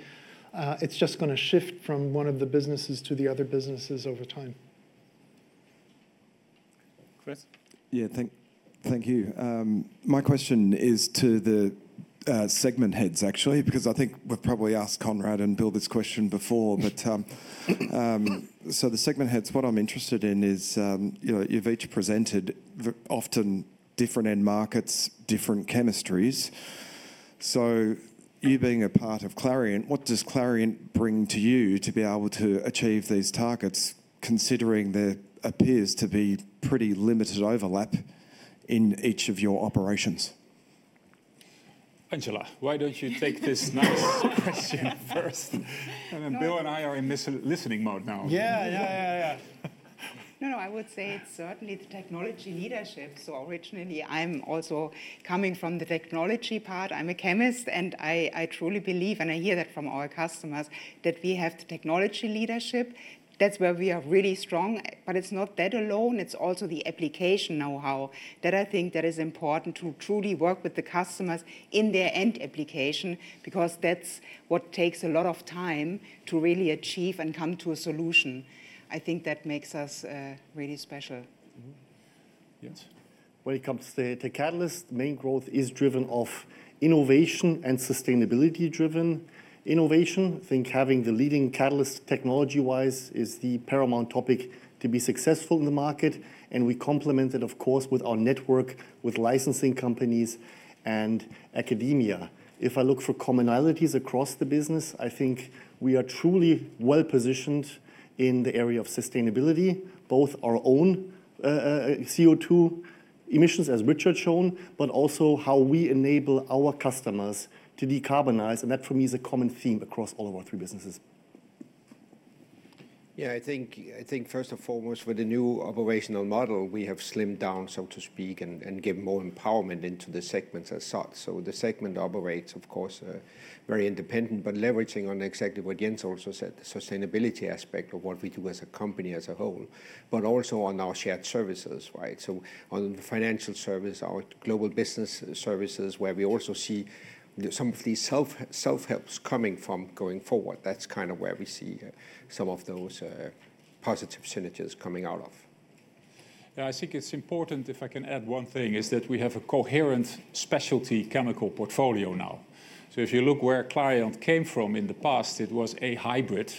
It's just going to shift from one of the businesses to the other businesses over time. Chris. Yeah, thank you. My question is to the segment heads, actually, because I think we've probably asked Conrad and Bill this question before. But so the segment heads, what I'm interested in is you've each presented often different end markets, different chemistries. So you being a part of Clariant, what does Clariant bring to you to be able to achieve these targets, considering there appears to be pretty limited overlap in each of your operations? Angela, why don't you take this nice question first? And then Bill and I are in listening mode now. I would say it's certainly the technology leadership. So originally, I'm also coming from the technology part. I'm a chemist, and I truly believe, and I hear that from our customers, that we have the technology leadership. That's where we are really strong. But it's not that alone. It's also the application know-how that I think that is important to truly work with the customers in their end application, because that's what takes a lot of time to really achieve and come to a solution. I think that makes us really special. Yes. When it comes to the catalyst, main growth is driven off innovation and sustainability-driven innovation. I think having the leading catalyst technology-wise is the paramount topic to be successful in the market. And we complement it, of course, with our network, with licensing companies and academia. If I look for commonalities across the business, I think we are truly well-positioned in the area of sustainability, both our own CO2 emissions, as Richard showed, but also how we enable our customers to decarbonize. And that, for me, is a common theme across all of our three businesses. Yeah, I think first and foremost, with the new operational model, we have slimmed down, so to speak, and given more empowerment into the segments as such. The segment operates, of course, very independently, but leveraging exactly what Jens also said, the sustainability aspect of what we do as a company as a whole, but also on our shared services, right? So on the financial services, our global business services, where we also see some of these self-helps coming from going forward. That's kind of where we see some of those positive synergies coming out of. Yeah, I think it's important, if I can add one thing, that we have a coherent specialty chemical portfolio now. If you look where Clariant came from in the past, it was a hybrid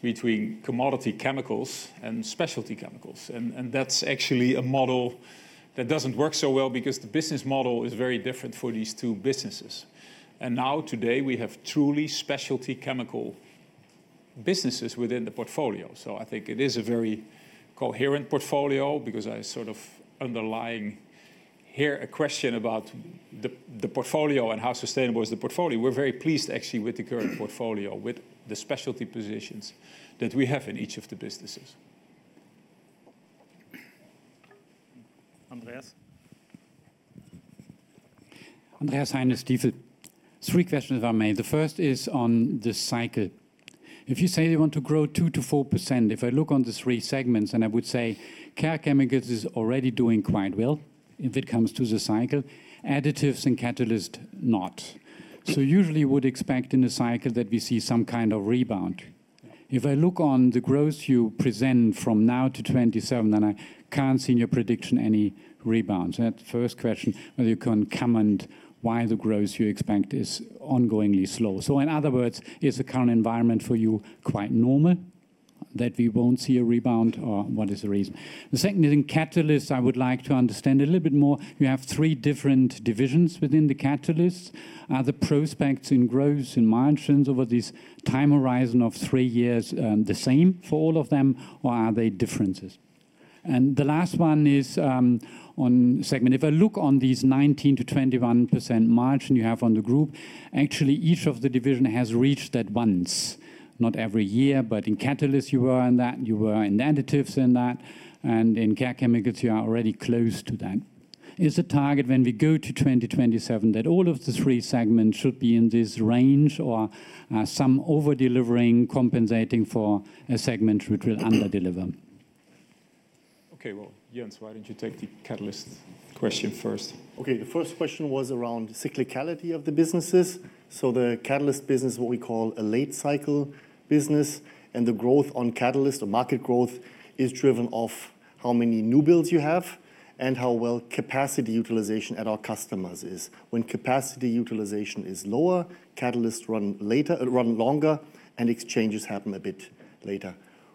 between commodity chemicals and specialty chemicals. And that's actually a model that doesn't work so well because the business model is very different for these two businesses. And now, today, we have truly specialty chemical businesses within the portfolio. So I think it is a very coherent portfolio because I sort of alluding here a question about the portfolio and how sustainable is the portfolio. We're very pleased actually with the current portfolio, with the specialty positions that we have in each of the businesses. Andreas. Andreas Heine, Diesel.Three questions were raised. The first is on the cycle. If you say you want to grow 2%-4%, if I look on the three segments, and I would say care chemicals is already doing quite well when it comes to the cycle, additives and catalysts not. So usually, we would expect in a cycle that we see some kind of rebound. If I look on the growth you present from now to 2027, then I can't see in your prediction any rebound. So that's the first question. Whether you can comment why the growth you expect is ongoingly slow? So in other words, is the current environment for you quite normal that we won't see a rebound, or what is the reason? The second is in Catalysts. I would like to understand a little bit more. You have three different divisions within the Catalysts. Are the prospects in growth in margins over this time horizon of three years the same for all of them, or are there differences? And the last one is on segment. If I look on these 19%-21% margin you have on the group, actually, each of the divisions has reached that once. Not every year, but in Catalysts you were in that, you were in Additives in that, and in Care Chemicals you are already close to that. Is the target when we go to 2027 that all of the three segments should be in this range or some over-delivering compensating for a segment which will under-deliver? Okay, well, Jens, why don't you take the catalyst question first? Okay, the first question was around cyclicality of the businesses. So the catalyst business, what we call a late-cycle business, and the growth on catalyst or market growth is driven off how many new builds you have and how well capacity utilization at our customers is. When capacity utilization is lower, catalysts run later, run longer, and exchanges happen a bit later.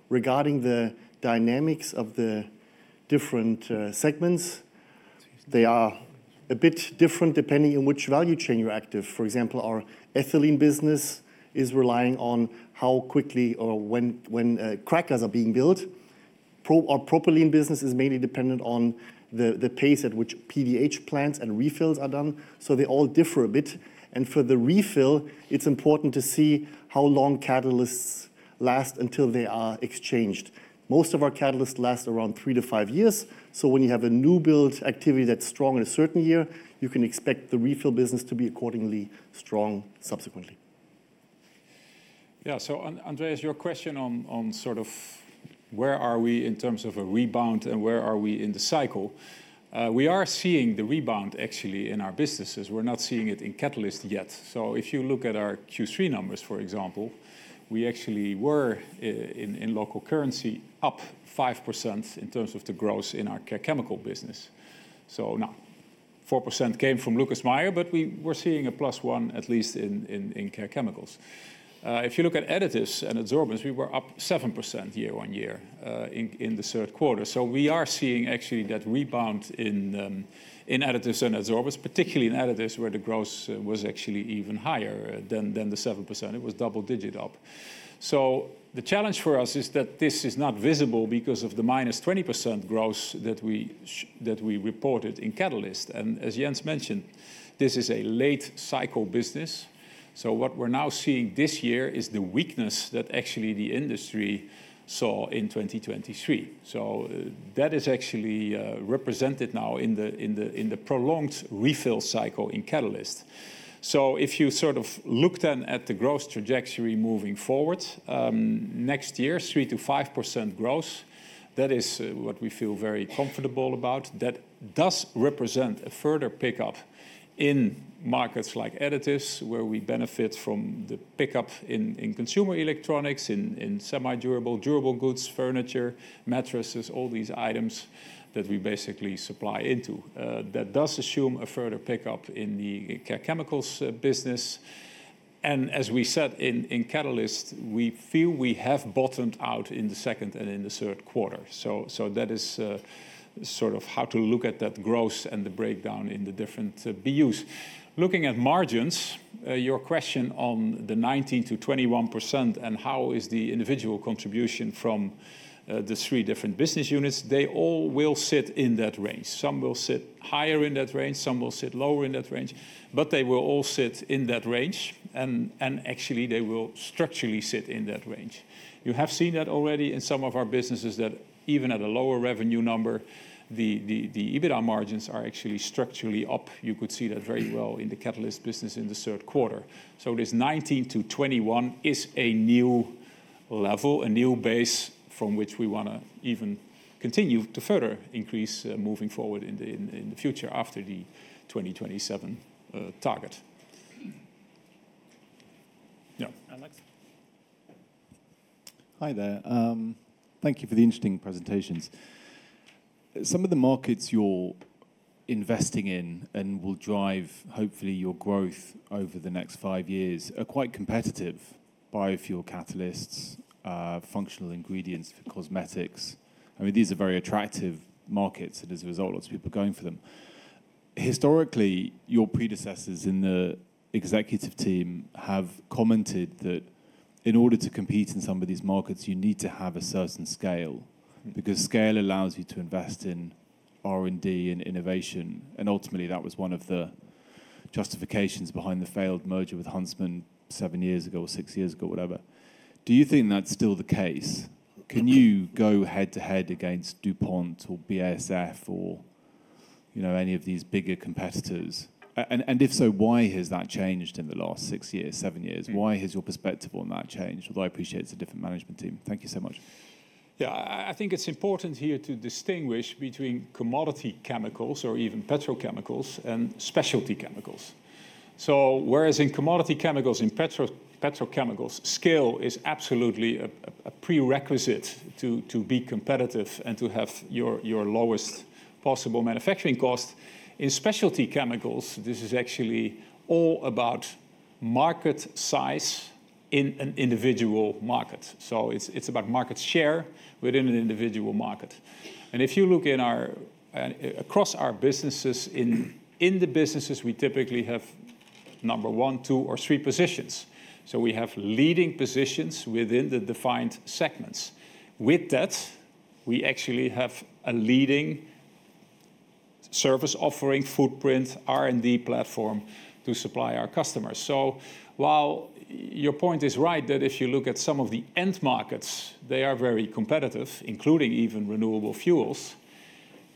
Regarding the dynamics of the different segments, they are a bit different depending on which value chain you're active. For example, our ethylene business is relying on how quickly or when crackers are being built. Our propylene business is mainly dependent on the pace at which PDH plants and refills are done. So they all differ a bit. And for the refill, it's important to see how long catalysts last until they are exchanged. Most of our catalysts last around three to five years. So when you have a new build activity that's strong in a certain year, you can expect the refill business to be accordingly strong subsequently. Yeah, so Andreas, your question on sort of where are we in terms of a rebound and where are we in the cycle, we are seeing the rebound actually in our businesses. We're not seeing it in catalyst yet. So if you look at our Q3 numbers, for example, we actually were in local currency up 5% in terms of the growth in our Care Chemicals business. So now 4% came from Lucas Meyer, but we were seeing a +1% at least in Care Chemicals. If you look at Additives and Adsorbents, we were up 7% year on year in the third quarter. So we are seeing actually that rebound in Additives and Adsorbents, particularly in Additives where the growth was actually even higher than the 7%. It was double-digit up. So the challenge for us is that this is not visible because of the -20% growth that we reported in Catalysts. And as Jens mentioned, this is a late-cycle business. So what we're now seeing this year is the weakness that actually the industry saw in 2023. So that is actually represented now in the prolonged refill cycle in Catalysts. So if you sort of look then at the growth trajectory moving forward, next year, 3%-5% growth, that is what we feel very comfortable about. That does represent a further pickup in markets like additives, where we benefit from the pickup in consumer electronics, in semi-durable, durable goods, furniture, mattresses, all these items that we basically supply into. That does assume a further pickup in the care chemicals business, and as we said in catalyst, we feel we have bottomed out in the second and in the third quarter, so that is sort of how to look at that growth and the breakdown in the different BUs. Looking at margins, your question on the 19%-21% and how is the individual contribution from the three different business units, they all will sit in that range. Some will sit higher in that range, some will sit lower in that range, but they will all sit in that range. And actually, they will structurally sit in that range. You have seen that already in some of our businesses that even at a lower revenue number, the EBITDA margins are actually structurally up. You could see that very well in the catalyst business in the third quarter. So this 19% to 21% is a new level, a new base from which we want to even continue to further increase moving forward in the future after the 2027 target. Yeah. Alex. Hi there. Thank you for the interesting presentations. Some of the markets you're investing in and will drive hopefully your growth over the next five years are quite competitive biofuel catalysts, functional ingredients for cosmetics. I mean, these are very attractive markets, and as a result, lots of people are going for them. Historically, your predecessors in the executive team have commented that in order to compete in some of these markets, you need to have a certain scale because scale allows you to invest in R&D and innovation. And ultimately, that was one of the justifications behind the failed merger with Huntsman seven years ago or six years ago, whatever. Do you think that's still the case? Can you go head-to-head against DuPont or BASF or any of these bigger competitors? And if so, why has that changed in the last six years, seven years? Why has your perspective on that changed? Although I appreciate it's a different management team. Thank you so much. Yeah, I think it's important here to distinguish between commodity chemicals or even petrochemicals and specialty chemicals. So whereas in commodity chemicals, in petrochemicals, scale is absolutely a prerequisite to be competitive and to have your lowest possible manufacturing cost. In specialty chemicals, this is actually all about market size in an individual market. So it's about market share within an individual market. And if you look across our businesses, in the businesses, we typically have number one, two, or three positions. So we have leading positions within the defined segments. With that, we actually have a leading service offering, footprint, R&D platform to supply our customers. So while your point is right that if you look at some of the end markets, they are very competitive, including even renewable fuels,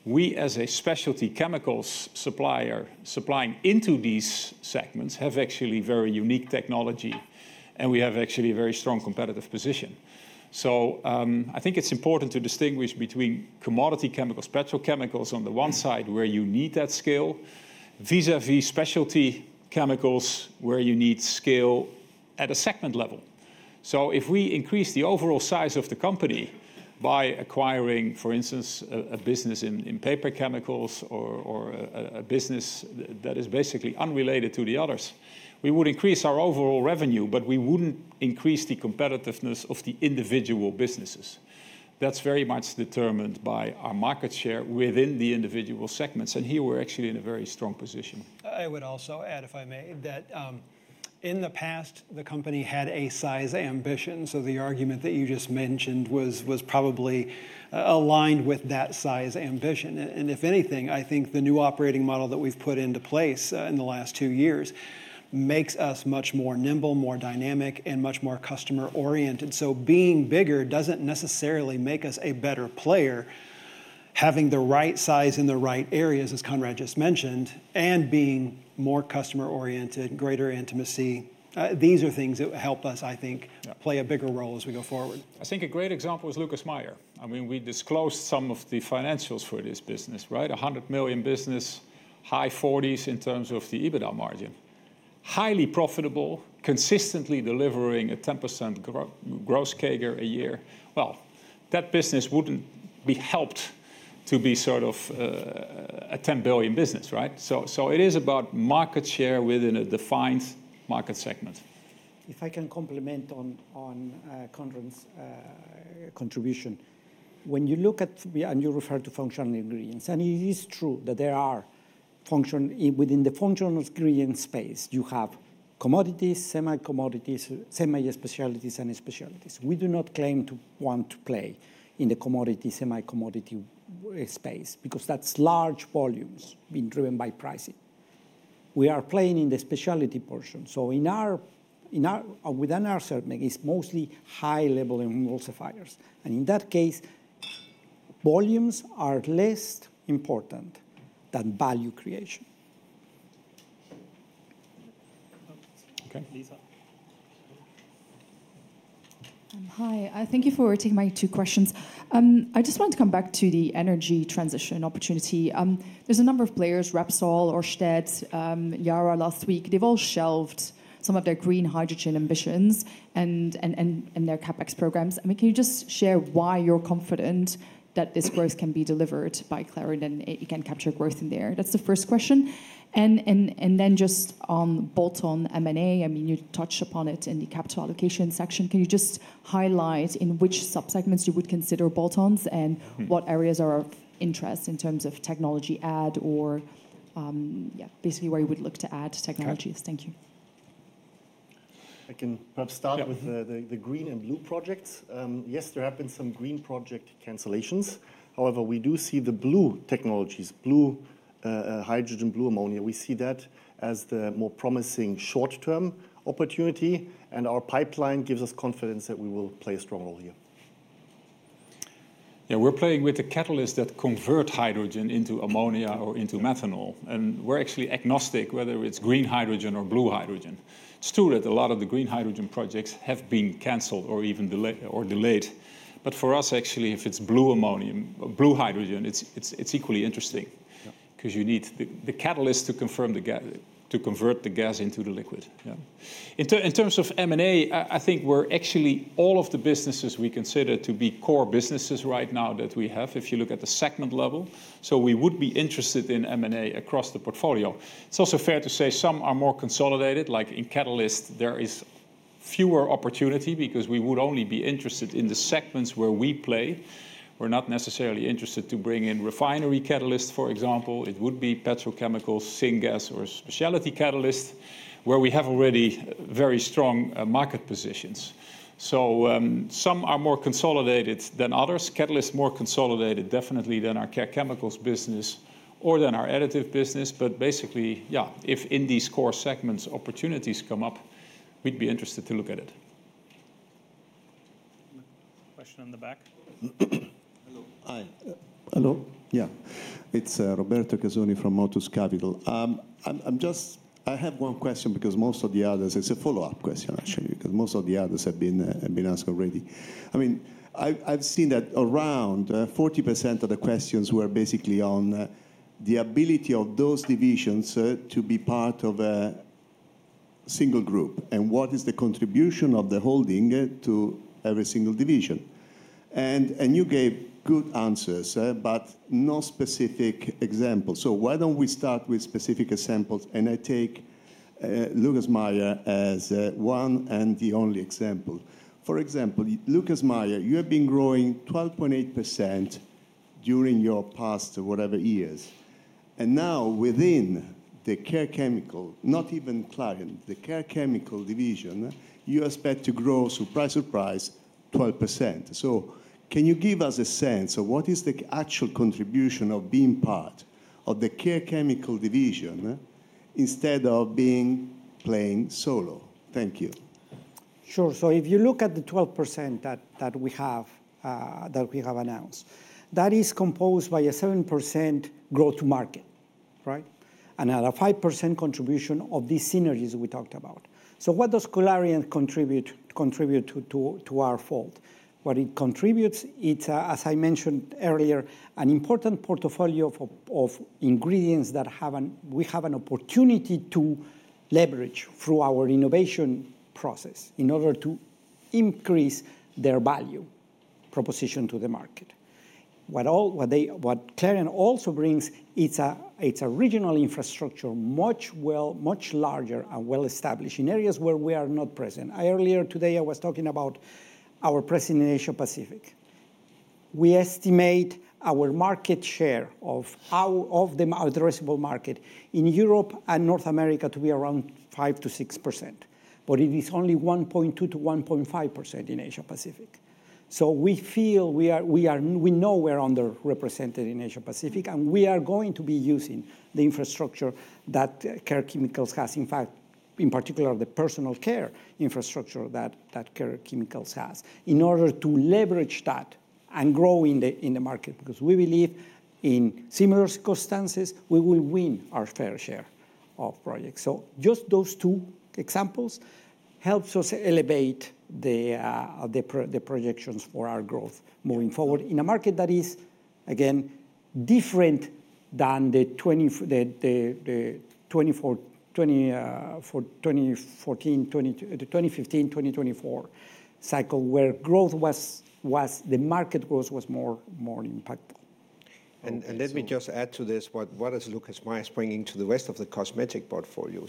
we as a specialty chemicals supplier supplying into these segments have actually very unique technology, and we have actually a very strong competitive position. So I think it's important to distinguish between commodity chemicals, petrochemicals on the one side where you need that scale, vis-à-vis specialty chemicals where you need scale at a segment level. So if we increase the overall size of the company by acquiring, for instance, a business in paper chemicals or a business that is basically unrelated to the others, we would increase our overall revenue, but we wouldn't increase the competitiveness of the individual businesses. That's very much determined by our market share within the individual segments. And here we're actually in a very strong position. I would also add, if I may, that in the past, the company had a size ambition. So the argument that you just mentioned was probably aligned with that size ambition. And if anything, I think the new operating model that we've put into place in the last two years makes us much more nimble, more dynamic, and much more customer-oriented. So being bigger doesn't necessarily make us a better player. Having the right size in the right areas, as Conrad just mentioned, and being more customer-oriented, greater intimacy, these are things that help us, I think, play a bigger role as we go forward. I think a great example is Lucas Meyer. I mean, we disclosed some of the financials for this business, right? 100 million business, high 40s% in terms of the EBITDA margin. Highly profitable, consistently delivering a 10% CAGR a year. Well, that business wouldn't be helped to be sort of a 10 billion business, right? So it is about market share within a defined market segment. If I can comment on Conrad's contribution, when you look at, and you refer to functional ingredients, and it is true that there are functional ingredients within the functional ingredients space, you have commodities, semi-commodities, semi-specialties, and specialties. We do not claim to want to play in the commodity, semi-commodity space because that's large volumes being driven by pricing. We are playing in the specialty portion. So within our segment, it's mostly high-level emulsifiers. And in that case, volumes are less important than value creation. Okay. Lisa. Hi. Thank you for taking my two questions. I just wanted to come back to the energy transition opportunity. There's a number of players, Repsol, Ørsted, Yara last week, they've all shelved some of their green hydrogen ambitions and their CapEx programs. I mean, can you just share why you're confident that this growth can be delivered by Clarity and it can capture growth in there? That's the first question. Then just on Bolt-on M&A, I mean, you touched upon it in the capital allocation section. Can you just highlight in which subsegments you would consider bolt-ons and what areas are of interest in terms of technology add or, yeah, basically where you would look to add technologies? Thank you. I can perhaps start with the Green and Blue projects. Yes, there have been some Green project cancellations. However, we do see the Blue technologies, Blue Hydrogen, Blue Ammonia. We see that as the more promising short-term opportunity. Our pipeline gives us confidence that we will play a strong role here. Yeah, we're playing with the catalysts that convert hydrogen into ammonia or into methanol. And we're actually agnostic whether it's green hydrogen or blue hydrogen. It's true that a lot of the green hydrogen projects have been canceled or even delayed. But for us, actually, if it's blue ammonia, blue hydrogen, it's equally interesting because you need the catalyst to convert the gas into the liquid. In terms of M&A, I think we're actually all of the businesses we consider to be core businesses right now that we have, if you look at the segment level. So we would be interested in M&A across the portfolio. It's also fair to say some are more consolidated, like in catalyst, there is fewer opportunity because we would only be interested in the segments where we play. We're not necessarily interested to bring in refinery catalyst, for example. It would be petrochemicals, syngas, or specialty catalyst where we have already very strong market positions. So some are more consolidated than others. Catalysts is more consolidated definitely than our Care Chemicals business or than our Additives business. But basically, yeah, if in these core segments opportunities come up, we'd be interested to look at it. Question in the back. Hello. Hi. Hello. Yeah. It's Robert Casoni from Petrus Advisers. I have one question because most of the others, it's a follow-up question actually because most of the others have been asked already. I mean, I've seen that around 40% of the questions were basically on the ability of those divisions to be part of a single group and what is the contribution of the holding to every single division. And you gave good answers, but no specific examples. So why don't we start with specific examples? And I take Lucas Meyer as one and the only example. For example, Lucas Meyer, you have been growing 12.8% during your past whatever years. And now within the Care Chemicals, not even Clariant, the Care Chemicals division, you are expected to grow, surprise, surprise, 12%. So can you give us a sense of what is the actual contribution of being part of the Care Chemicals division instead of being, playing solo? Thank you. Sure. So if you look at the 12% that we have announced, that is composed by a 7% growth market, right? And another 5% contribution of these synergies we talked about. So what does Clariant contribute to our fold? What it contributes, it's, as I mentioned earlier, an important portfolio of ingredients that we have an opportunity to leverage through our innovation process in order to increase their value proposition to the market. What Clariant also brings, it's a regional infrastructure, much larger and well-established in areas where we are not present. Earlier today, I was talking about our presence in Asia-Pacific. We estimate our market share of the addressable market in Europe and North America to be around 5%-6%. But it is only 1.2%-1.5% in Asia-Pacific. So we feel we know we're underrepresented in Asia-Pacific, and we are going to be using the infrastructure that Care Chemicals has, in fact, in particular, the personal care infrastructure that Care Chemicals has in order to leverage that and grow in the market because we believe in similar circumstances, we will win our fair share of projects. Just those two examples help us elevate the projections for our growth moving forward in a market that is, again, different than the 2014, 2015, 2024 cycle where the market growth was more impactful. And let me just add to this, what is Lucas Meyer Cosmetics bringing to the rest of the cosmetic portfolio?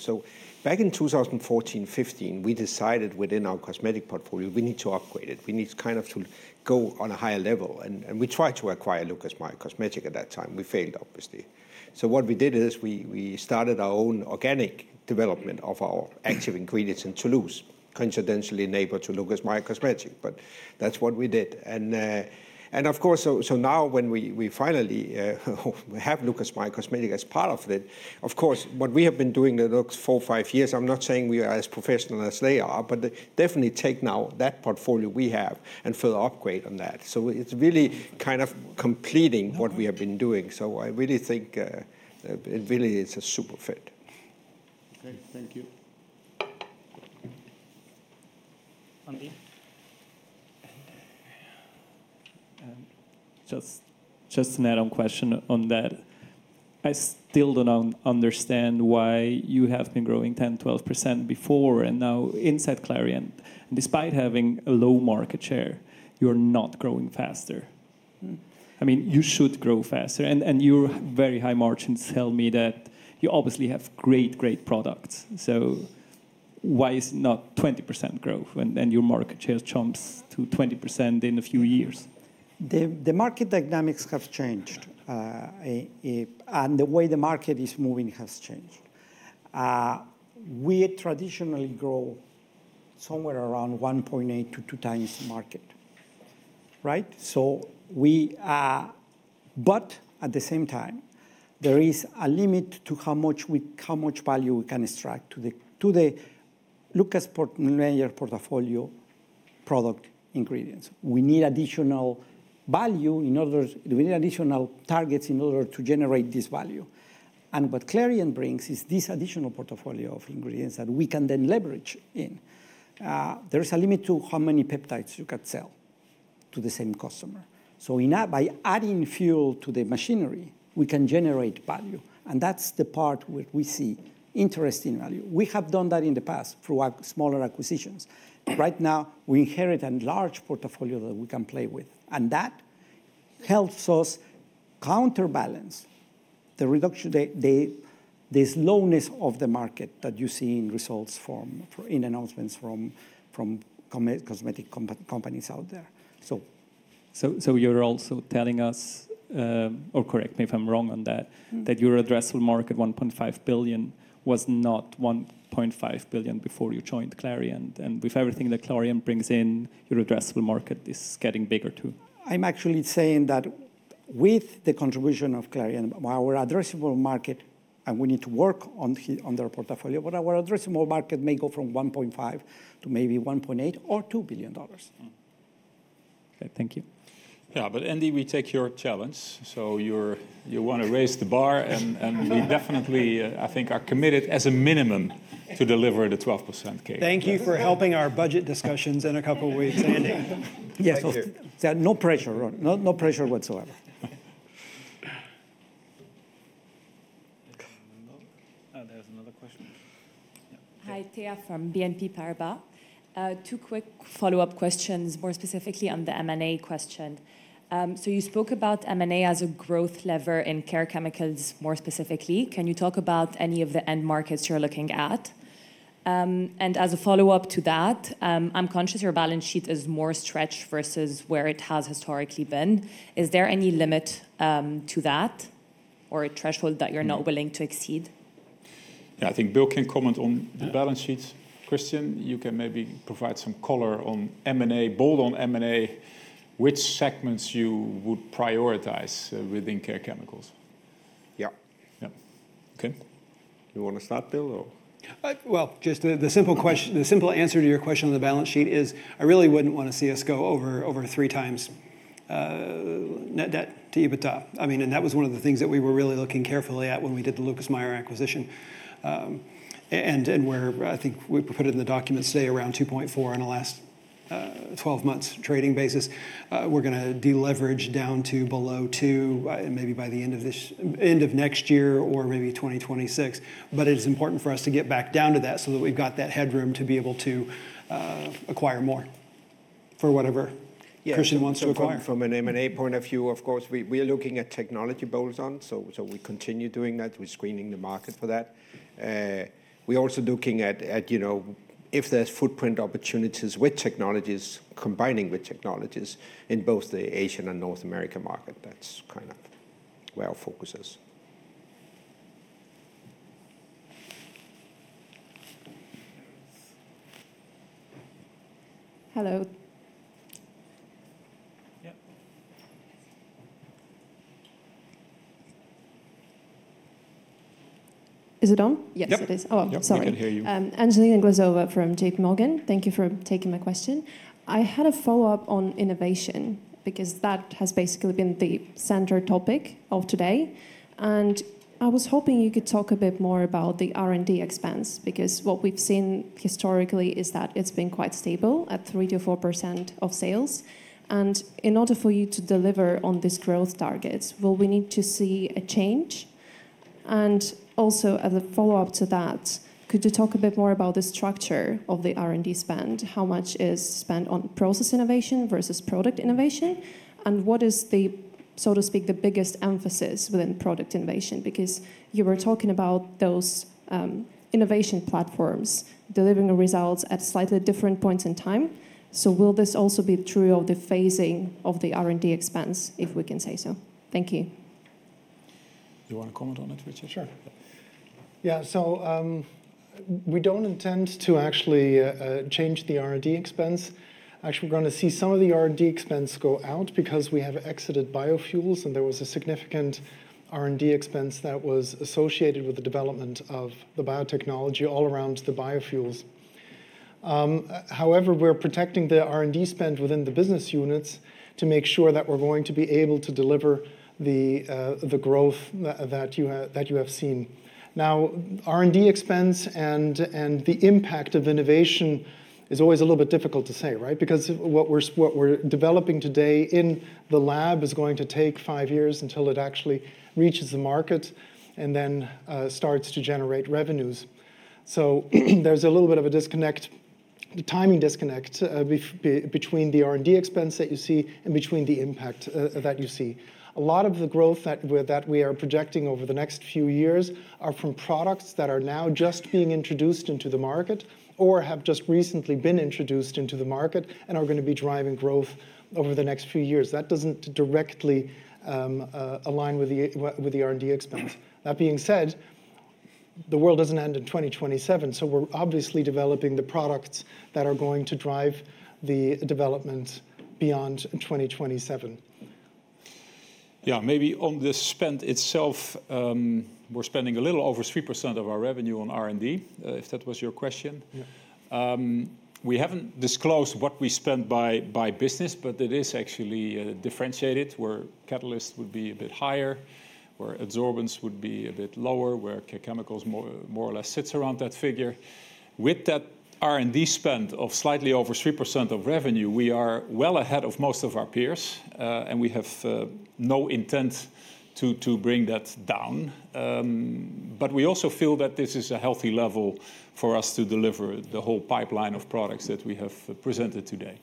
Back in 2014, 2015, we decided within our cosmetic portfolio, we need to upgrade it. We need kind of to go on a higher level. And we tried to acquire Lucas Meyer Cosmetics at that time. We failed, obviously. So what we did is we started our own organic development of our active ingredients in Toulouse, coincidentally neighbor to Lucas Meyer Cosmetics. But that's what we did. And of course, so now when we finally have Lucas Meyer Cosmetics as part of it, of course, what we have been doing the next four, five years, I'm not saying we are as professional as they are, but definitely take now that portfolio we have and further upgrade on that. So it's really kind of completing what we have been doing. So I really think it really is a super fit. Okay. Thank you. Andy. Just an add-on question on that. I still don't understand why you have been growing 10%, 12% before, and now inside Clariant, despite having a low market share, you're not growing faster. I mean, you should grow faster. And your very high margins tell me that you obviously have great, great products. So why is it not 20% growth and your market share jumps to 20% in a few years? The market dynamics have changed, and the way the market is moving has changed. We traditionally grow somewhere around 1.8% to 2 times the market, right? But at the same time, there is a limit to how much value we can extract to the Lucas Meyer portfolio product ingredients. We need additional value in order to, we need additional targets in order to generate this value. And what Clariant brings is this additional portfolio of ingredients that we can then leverage in. There is a limit to how many peptides you can sell to the same customer. So by adding fuel to the machinery, we can generate value. And that's the part where we see interesting value. We have done that in the past through smaller acquisitions. Right now, we inherit a large portfolio that we can play with. And that helps us counterbalance the slowness of the market that you see in results from announcements from cosmetic companies out there. So you're also telling us, or correct me if I'm wrong on that, that your addressable market, $1.5 billion, was not $1.5 billion before you joined Clariant. And with everything that Clariant brings in, your addressable market is getting bigger too. I'm actually saying that with the contribution of Clariant, our addressable market, and we need to work on their portfolio, but our addressable market may go from $1.5 billion to maybe $1.8 or $2 billion. Okay. Thank you. Yeah. But Andy, we take your challenge. So you want to raise the bar, and we definitely, I think, are committed as a minimum to deliver the 12%. Thank you for helping our budget discussions in a couple of weeks, Andy. Yes. No pressure, no pressure whatsoever. There's another question. Hi, Thea from BNP Paribas. Two quick follow-up questions, more specifically on the M&A question. So you spoke about M&A as a growth lever in care chemicals more specifically. Can you talk about any of the end markets you're looking at? And as a follow-up to that, I'm conscious your balance sheet is more stretched versus where it has historically been. Is there any limit to that or a threshold that you're not willing to exceed? Yeah. I think Bill can comment on the balance sheets. Christian, you can maybe provide some color on M&A, both on M&A, which segments you would prioritize within care chemicals. Yeah. Yeah. Okay. You want to start, Bill, or? Well, just the simple answer to your question on the balance sheet is I really wouldn't want to see us go over three times net debt to EBITDA. I mean, and that was one of the things that we were really looking carefully at when we did the Lucas Meyer acquisition. And where I think we put it in the documents today, around 2.4 on the last 12 months trading basis, we're going to deleverage down to below 2 maybe by the end of next year or maybe 2026. But it's important for us to get back down to that so that we've got that headroom to be able to acquire more for whatever Christian wants to acquire. From an M&A point of view, of course, we are looking at technology bolt-ons. So we continue doing that. We're screening the market for that. We're also looking at if there's footprint opportunities with technologies, combining with technologies in both the Asian and North American market. That's kind of where our focus is. Hello. Yeah. Is it on? Yes, it is. Oh, sorry. I can hear you. Angelina Glazova from JPMorgan. Thank you for taking my question. I had a follow-up on innovation because that has basically been the center topic of today. And I was hoping you could talk a bit more about the R&D expense because what we've seen historically is that it's been quite stable at 3%-4% of sales. And in order for you to deliver on these growth targets, will we need to see a change? And also as a follow-up to that, could you talk a bit more about the structure of the R&D spend? How much is spent on process innovation versus product innovation? And what is, so to speak, the biggest emphasis within product innovation? Because you were talking about those innovation platforms delivering results at slightly different points in time. So will this also be true of the phasing of the R&D expense, if we can say so? Thank you. Do you want to comment on it, Richard? Sure. Yeah. So we don't intend to actually change the R&D expense. Actually, we're going to see some of the R&D expense go out because we have exited biofuels, and there was a significant R&D expense that was associated with the development of the biotechnology all around the biofuels. However, we're protecting the R&D spend within the business units to make sure that we're going to be able to deliver the growth that you have seen. Now, R&D expense and the impact of innovation is always a little bit difficult to say, right? Because what we're developing today in the lab is going to take five years until it actually reaches the market and then starts to generate revenues. So there's a little bit of a disconnect, the timing disconnect between the R&D expense that you see and between the impact that you see. A lot of the growth that we are projecting over the next few years are from products that are now just being introduced into the market or have just recently been introduced into the market and are going to be driving growth over the next few years. That doesn't directly align with the R&D expense. That being said, the world doesn't end in 2027. So we're obviously developing the products that are going to drive the development beyond 2027. Yeah. Maybe on the spend itself, we're spending a little over 3% of our revenue on R&D, if that was your question. We haven't disclosed what we spend by business, but it is actually differentiated, where Catalysts would be a bit higher, where Adsorbents would be a bit lower, where Care Chemicals more or less sits around that figure. With that R&D spend of slightly over 3% of revenue, we are well ahead of most of our peers, and we have no intent to bring that down. But we also feel that this is a healthy level for us to deliver the whole pipeline of products that we have presented today.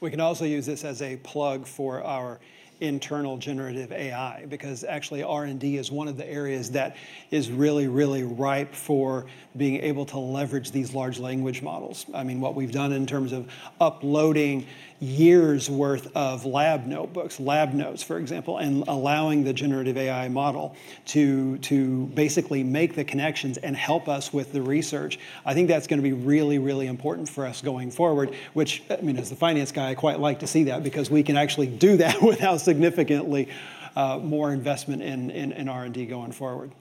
We can also use this as a plug for our internal generative AI because actually R&D is one of the areas that is really, really ripe for being able to leverage these large language models. I mean, what we've done in terms of uploading years' worth of lab notebooks, lab notes, for example, and allowing the generative AI model to basically make the connections and help us with the research. I think that's going to be really, really important for us going forward, which, I mean, as the finance guy, I quite like to see that because we can actually do that without significantly more investment in R&D going forward.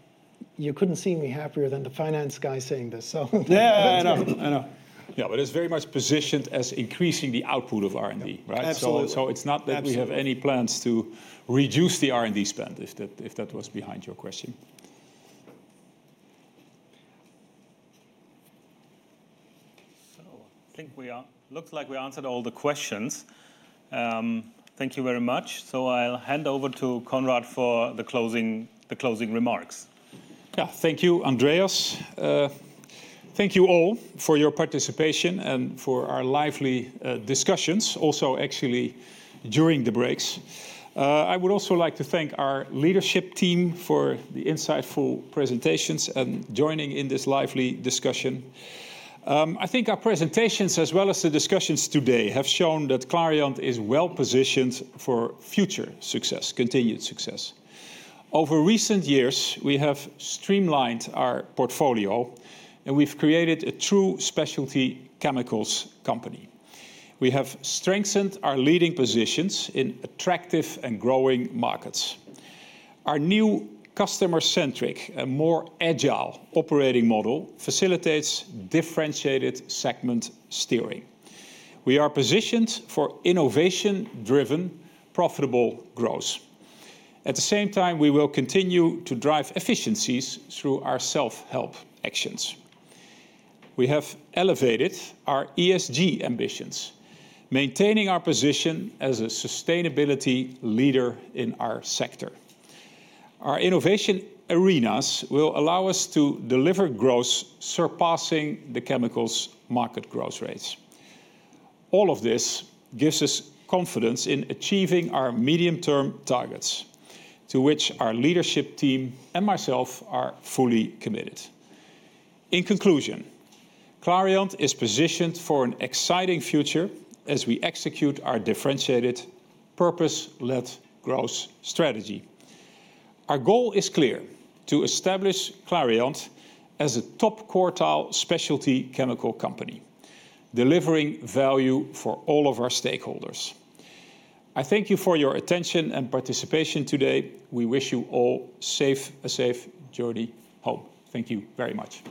You couldn't see me happier than the finance guy saying this, so. Yeah, I know. I know. Yeah, but it's very much positioned as increasing the output of R&D, right? So I think we are. Looks like we answered all the questions. Thank you very much. So I'll hand over to Conrad for the closing remarks. Yeah. Thank you, Andreas. Thank you all for your participation and for our lively discussions, also actually during the breaks. I would also like to thank our leadership team for the insightful presentations and joining in this lively discussion. I think our presentations, as well as the discussions today, have shown that Clariant is well positioned for future success, continued success. Over recent years, we have streamlined our portfolio, and we've created a true specialty chemicals company. We have strengthened our leading positions in attractive and growing markets. Our new customer-centric and more agile operating model facilitates differentiated segment steering. We are positioned for innovation-driven, profitable growth. At the same time, we will continue to drive efficiencies through our self-help actions. We have elevated our ESG ambitions, maintaining our position as a sustainability leader in our sector. Our innovation arenas will allow us to deliver growth surpassing the chemicals' market growth rates. All of this gives us confidence in achieving our medium-term targets, to which our leadership team and myself are fully committed. In conclusion, Clariant is positioned for an exciting future as we execute our differentiated, purpose-led growth strategy. Our goal is clear: to establish Clariant as a top quartile specialty chemical company, delivering value for all of our stakeholders. I thank you for your attention and participation today. We wish you all a safe journey home. Thank you very much.